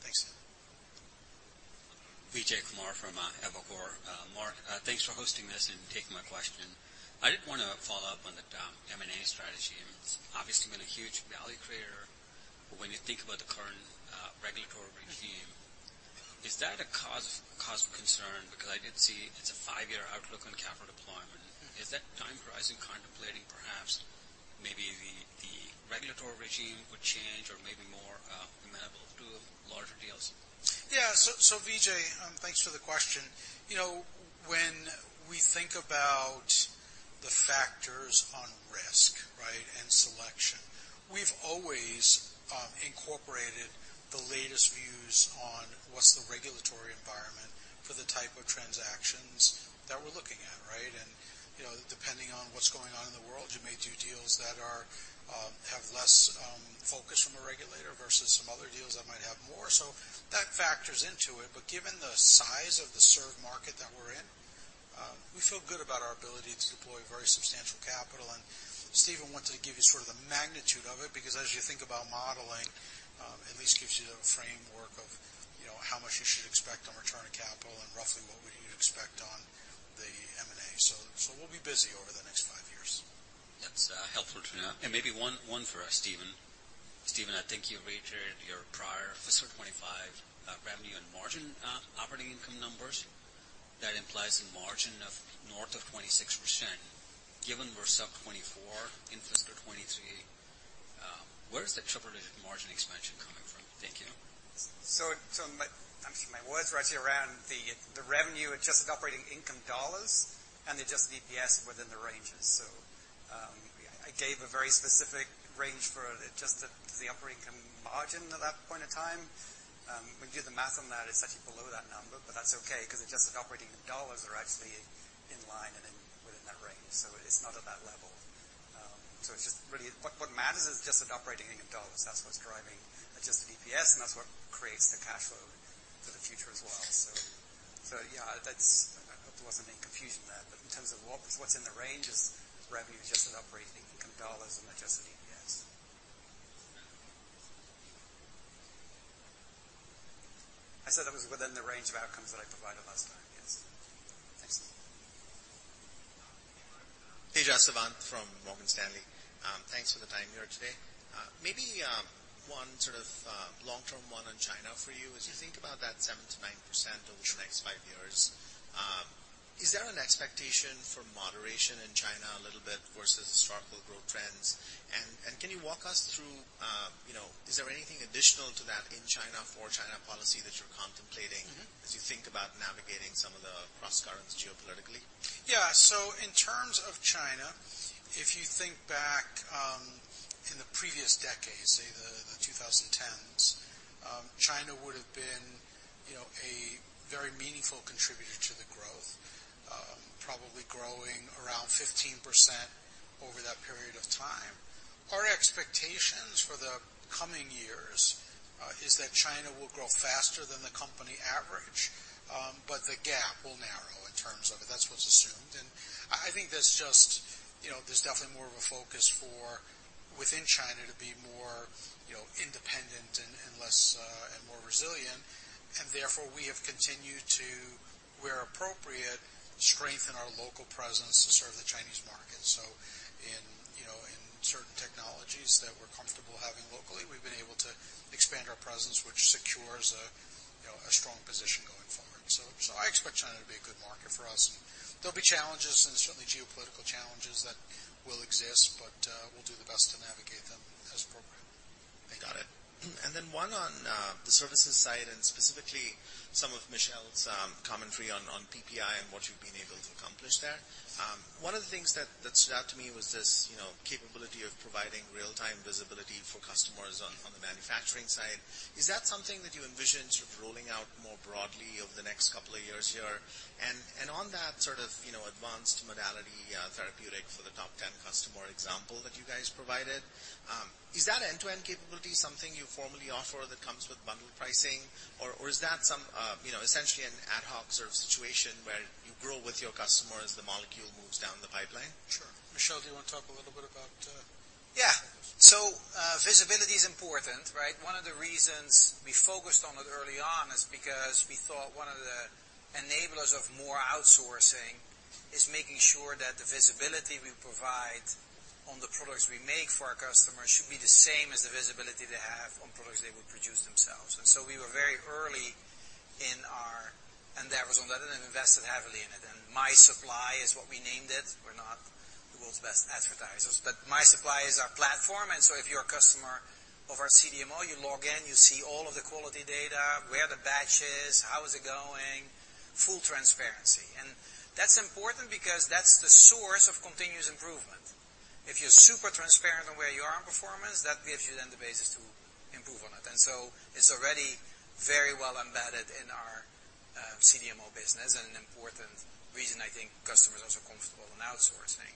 Thanks, Marc. Vijay Kumar from Evercore ISI. Marc, thanks for hosting this and taking my question. I did wanna follow up on the M&A strategy. I mean, it's obviously been a huge value creator. When you think about the current regulatory regime, is that a cause for concern? I did see it's a five-year outlook on capital deployment. Is that time horizon contemplating perhaps maybe the regulatory regime would change or maybe more amenable to larger deals? Vijay, thanks for the question. You know, when we think about the factors on risk, right, and selection, we've always incorporated the latest views on what's the regulatory environment for the type of transactions that we're looking at, right? You know, depending on what's going on in the world, you may do deals that are have less focus from a regulator versus some other deals that might have more. That factors into it. Given the size of the served market that we're in, we feel good about our ability to deploy very substantial capital. Stephen wanted to give you sort of the magnitude of it, because as you think about modeling, at least gives you the framework of, you know, how much you should expect on return of capital and roughly what we expect on the M&A. We'll be busy over the next five years. That's helpful to know. Maybe one for Stephen. Stephen, I think you've reiterated your prior fiscal 2025, revenue and margin, operating income numbers. That implies a margin of north of 26%. Given we're sub 24 in fiscal 2023, where is the triple-digit margin expansion coming from? Thank you. My words were actually around the revenue, adjusted operating income dollars and adjusted EPS within the ranges. I gave a very specific range for it, adjusted to the operating margin at that point in time. When you do the math on that, it's actually below that number, but that's okay because adjusted operating in dollars are actually in line and within that range. It's not at that level. It's just really what matters is adjusted operating income in dollars. That's what's driving adjusted EPS, and that's what creates the cash flow for the future as well. I hope there wasn't any confusion there. In terms of what's in the range is revenue, adjusted operating income dollars and adjusted EPS. I said that was within the range of outcomes that I provided last time. Yes. Thanks. Tejas Savant from Morgan Stanley. Thanks for the time here today. Maybe, one sort of, long-term one on China for you. As you think about that 7%-9% over the next five years, is there an expectation for moderation in China a little bit versus historical growth trends? And can you walk us through, you know, is there anything additional to that in China for China policy that you're contemplating as you think about navigating some of the crosscurrents geopolitically? Yeah. In terms of China, if you think back, in the previous decades, say the 2010s, China would have been, you know, a very meaningful contributor to the growth, probably growing around 15% over that period of time. Our expectations for the coming years, is that China will grow faster than the company average, but the gap will narrow in terms of it. That's what's assumed. I think that's just, you know, there's definitely more of a focus for within China to be more, you know, independent and less, and more resilient. Therefore, we have continued to, where appropriate, strengthen our local presence to serve the Chinese market. In, you know, in certain technologies that we're comfortable having locally, we've been able to expand our presence, which secures a, you know, a strong position going forward. I expect China to be a good market for us. There'll be challenges and certainly geopolitical challenges that will exist, but we'll do the best to navigate them as appropriate. I got it. Then one on the services side and specifically some of Michel's commentary on PPI and what you've been able to accomplish there. One of the things that stood out to me was this, you know, capability of providing real-time visibility for customers on the manufacturing side. Is that something that you envision sort of rolling out more broadly over the next couple of years here? On that sort of, you know, advanced modality therapeutic for the top 10 customer example that you guys provided, is that end-to-end capability something you formally offer that comes with bundle pricing? Is that some, you know, essentially an ad hoc sort of situation where you grow with your customer as the molecule moves down the pipeline? Sure. Michel, do you want to talk a little bit about? Visibility is important, right? One of the reasons we focused on it early on is because we thought one of the enablers of more outsourcing is making sure that the visibility we provide on the products we make for our customers should be the same as the visibility they have on products they would produce themselves. We were very early in our endeavors on that and invested heavily in it. mysupply is what we named it. We're not the world's best advertisers, but mysupply is our platform. If you're a customer of our CDMO, you log in, you see all of the quality data, where the batch is, how is it going, full transparency. That's important because that's the source of continuous improvement. If you're super transparent on where you are on performance, that gives you then the basis to improve on it. It's already very well embedded in our CDMO business and an important reason I think customers are also comfortable in outsourcing.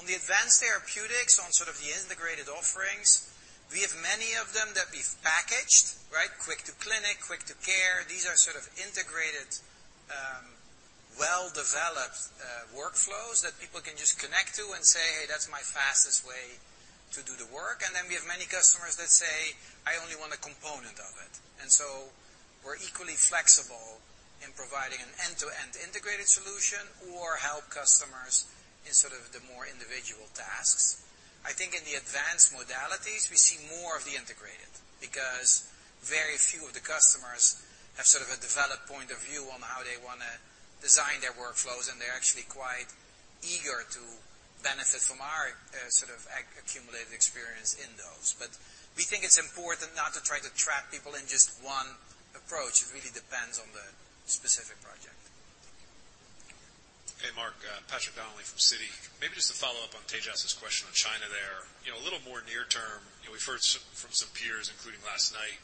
On the advanced therapeutics, on sort of the integrated offerings, we have many of them that we've packaged, right? Quick to Clinic, Quick to Care. These are sort of integrated, well-developed workflows that people can just connect to and say, "Hey, that's my fastest way to do the work." Then we have many customers that say, "I only want a component of it." So we're equally flexible in providing an end-to-end integrated solution or help customers in sort of the more individual tasks. I think in the advanced modalities, we see more of the integrated, because very few of the customers have sort of a developed point of view on how they wanna design their workflows, and they're actually quite eager to benefit from our, sort of accumulated experience in those. We think it's important not to try to trap people in just one approach. It really depends on the specific project. Hey, Marc, Patrick Donnelly from Citi. Maybe just to follow up on Tejas question on China there. You know, a little more near term, you know, we've heard from some peers, including last night,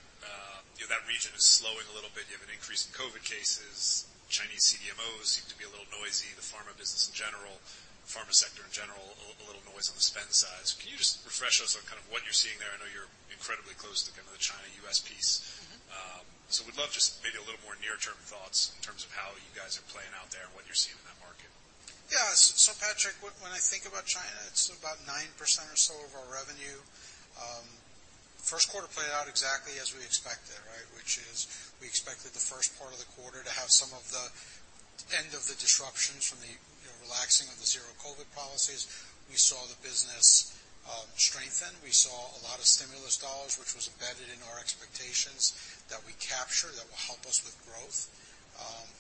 you know, that region is slowing a little bit. You have an increase in COVID cases. Chinese CDMOs seem to be a little noisy. The pharma business in general, pharma sector in general, a little noise on the spend side. Can you just refresh us on kind of what you're seeing there? I know you're incredibly close to kind of the China-US piece. We'd love just maybe a little more near-term thoughts in terms of how you guys are playing out there and what you're seeing in that market. Yeah. Patrick, when I think about China, it's about 9% or so of our revenue. First quarter played out exactly as we expected, right? Which is we expected the first part of the quarter to have some of the end of the disruptions from the, you know, relaxing of the zero COVID policies. We saw the business strengthen. We saw a lot of stimulus $, which was embedded in our expectations that we capture that will help us with growth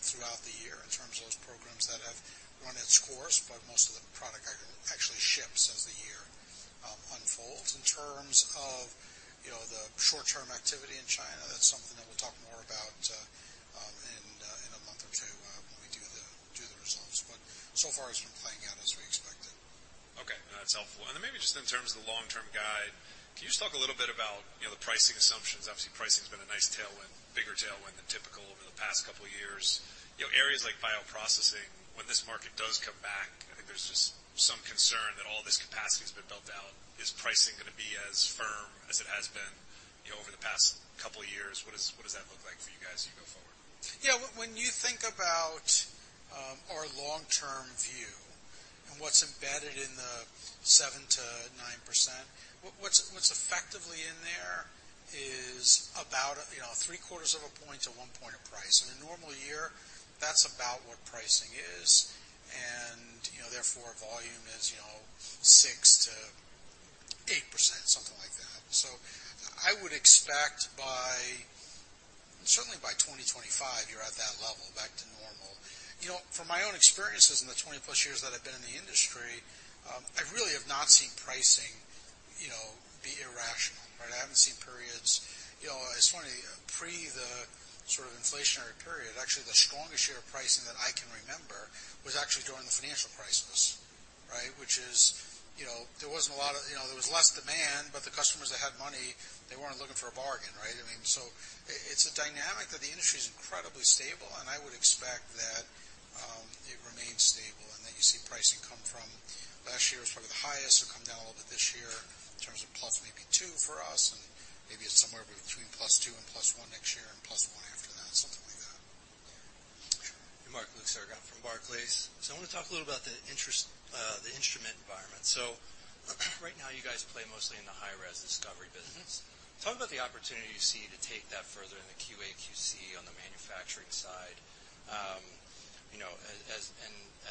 throughout the year in terms of those programs that have run its course, but most of the product actually ships as the year unfolds. In terms of, you know, the short-term activity in China, that's something that we'll talk more about in a month or two when we do the results. So far it's been playing out as we expected. Okay. No, that's helpful. Then maybe just in terms of the long-term guide, can you just talk a little bit about, you know, the pricing assumptions? Obviously, pricing's been a nice tailwind, bigger tailwind than typical over the past couple years. You know, areas like bioprocessing, when this market does come back, I think there's just some concern that all this capacity's been built out. Is pricing gonna be as firm as it has been, you know, over the past couple years? What does that look like for you guys as you go forward? Yeah. When you think about our long-term view and what's embedded in the 7%-9%, what's effectively in there is about, you know, three quarters of a point to one point of price. In a normal year, that's about what pricing is, you know, therefore, volume is, you know, 6%-8%, something like that. I would expect by, certainly by 2025, you're at that level back to normal. You know, from my own experiences in the 20-plus years that I've been in the industry, I really have not seen pricing, you know, be irrational, right? I haven't seen periods. You know, it's funny, pre the sort of inflationary period, actually, the strongest year of pricing that I can remember was actually during the financial crisis, right? Which is, you know, there wasn't a lot of, you know, there was less demand, but the customers that had money, they weren't looking for a bargain, right? I mean, so it's a dynamic that the industry is incredibly stable, and I would expect that it remains stable and that you see pricing come from last year was probably the highest, it'll come down a little bit this year in terms of +2 for us, and maybe it's somewhere between +2 and +1 next year and +1 after that, something like that. Hey, Marc, Luke Sergott from Barclays. I wanna talk a little about the instrument environment. Right now you guys play mostly in the high-res discovery business. Talk about the opportunity you see to take that further in the QA/QC on the manufacturing side, you know,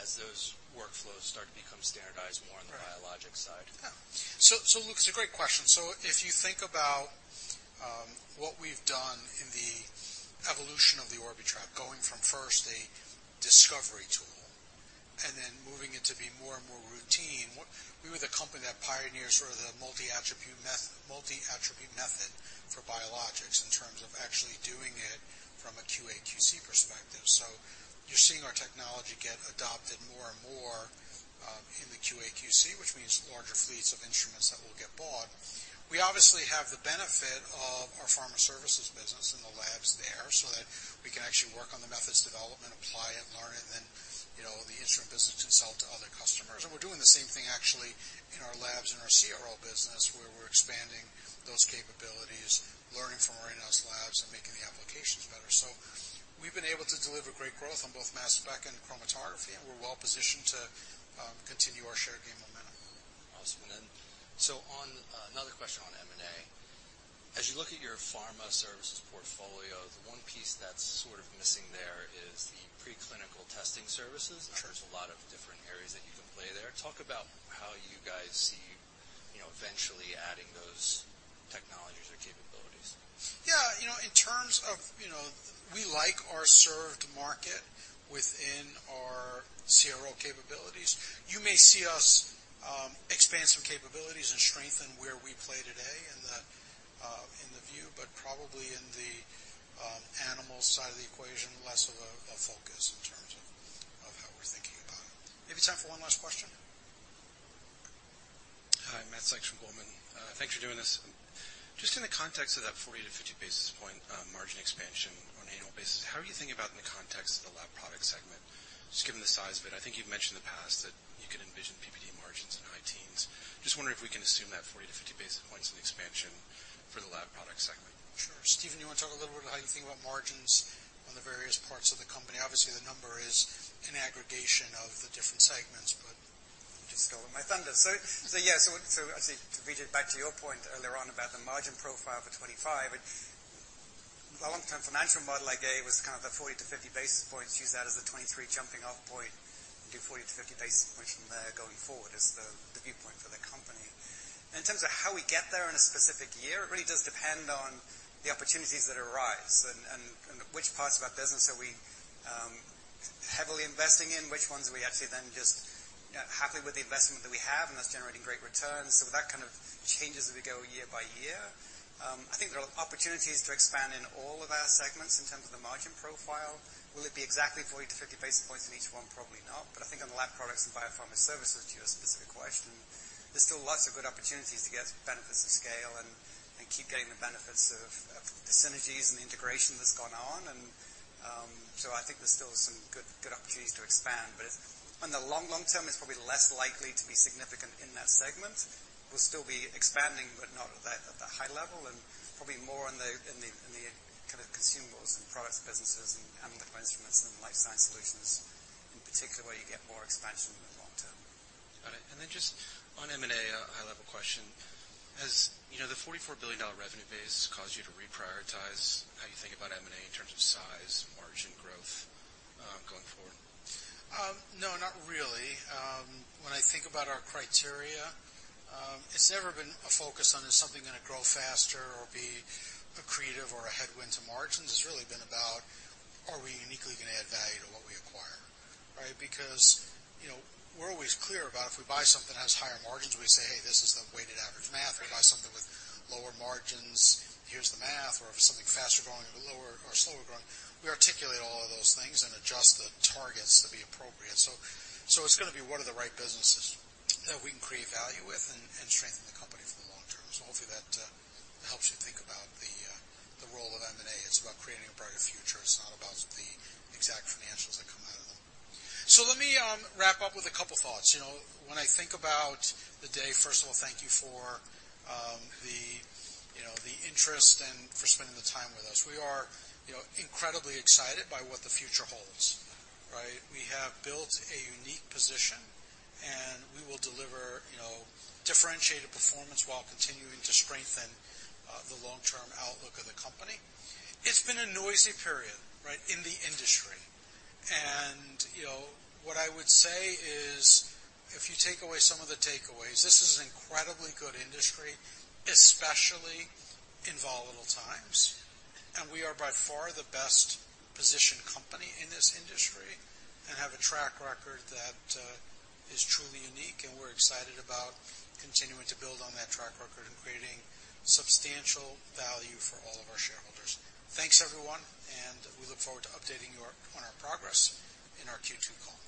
as those workflows start to become standardized more on the biologics side. Yeah. Luke, it's a great question. If you think about what we've done in the evolution of the Orbitrap, going from first a discovery tool and then moving it to be more and more routine, we were the company that pioneered sort of the multi-attribute method for biologics in terms of actually doing it from a QA/QC perspective. You're seeing our technology get adopted more and more in the QA/QC, which means larger fleets of instruments that will get bought. We obviously have the benefit of our pharma services business and the labs there, so that we can actually work on the methods development, apply it, learn it, and then, you know, the instrument business can sell it to other customers. We're doing the same thing actually in our labs in our CRO business, where we're expanding those capabilities, learning from our in-house labs and making the applications better. We've been able to deliver great growth on both mass spec and chromatography, and we're well-positioned to continue our share gain momentum. Awesome. another question on M&A. As you look at your pharma services portfolio, the one piece that's sort of missing there is the pre-clinical testing services. There's a lot of different areas that you can play there. Talk about how you guys see, you know, eventually adding those technologies or capabilities. Yeah, you know, in terms of, you know, we like our served market within our CRO capabilities. You may see us expand some capabilities and strengthen where we play today in the view, but probably in the animal side of the equation, less of a focus in terms of how we're thinking about it. Maybe time for one last question. Hi, Matthew Sykes from Goldman. Thanks for doing this. Just in the context of that 40 to 50 basis point margin expansion on an annual basis, how are you thinking about in the context of the lab product segment? Just given the size of it, I think you've mentioned in the past that you can envision PPD margins in high teens. Just wondering if we can assume that 40 to 50 basis points in expansion for the lab product segment. Sure. Stephen, you wanna talk a little bit how you think about margins on the various parts of the company? Obviously, the number is an aggregation of the different segments. You just stole my thunder. Yeah. I'd say to read it back to your point earlier on about the margin profile for 25, the long-term financial model I gave was kind of the 40-50 basis points. Use that as the 23 jumping off point and do 40-50 basis points from there going forward as the viewpoint for the company. In terms of how we get there in a specific year, it really does depend on the opportunities that arise and which parts of our business are we heavily investing in, which ones are we actually then just, you know, happy with the investment that we have, and that's generating great returns. That kind of changes as we go year by year. I think there are opportunities to expand in all of our segments in terms of the margin profile. Will it be exactly 40-50 basis points in each one? Probably not. I think on the Laboratory Products and Biopharma Services, to your specific question, there's still lots of good opportunities to get benefits of scale and keep getting the benefits of the synergies and the integration that's gone on. I think there's still some good opportunities to expand. On the long term, it's probably less likely to be significant in that segment. We'll still be expanding, but not at that high level, and probably more on the kind of consumables and products businesses and Analytical Instruments and Life Sciences Solutions in particular, where you get more expansion in the long term. Got it. Just on M&A, a high-level question. Has, you know, the $44 billion revenue base caused you to reprioritize how you think about M&A in terms of size, margin growth, going forward? No, not really. When I think about our criteria, it's never been a focus on, is something gonna grow faster or be accretive or a headwind to margins? It's really been about, are we uniquely gonna add value to what we acquire, right? Because, you know, we're always clear about if we buy something that has higher margins, we say, "Hey, this is the weighted average math." If we buy something with lower margins, here's the math. Or if it's something faster growing or lower or slower growing, we articulate all of those things and adjust the targets to be appropriate. It's gonna be what are the right businesses that we can create value with and strengthen the company for the long term. Hopefully that helps you think about the role of M&A. It's about creating a brighter future. It's not about the exact financials that come out of them. Let me, wrap up with a couple thoughts. You know, when I think about the day, first of all, thank you for, the, you know, the interest and for spending the time with us. We are, you know, incredibly excited by what the future holds, right? We have built a unique position, and we will deliver, you know, differentiated performance while continuing to strengthen, the long-term outlook of the company. It's been a noisy period, right, in the industry. You know, what I would say is, if you take away some of the takeaways, this is an incredibly good industry, especially in volatile times. We are by far the best-positioned company in this industry and have a track record that is truly unique. We're excited about continuing to build on that track record and creating substantial value for all of our shareholders. Thanks, everyone. We look forward to updating you on our progress in our Q2 call.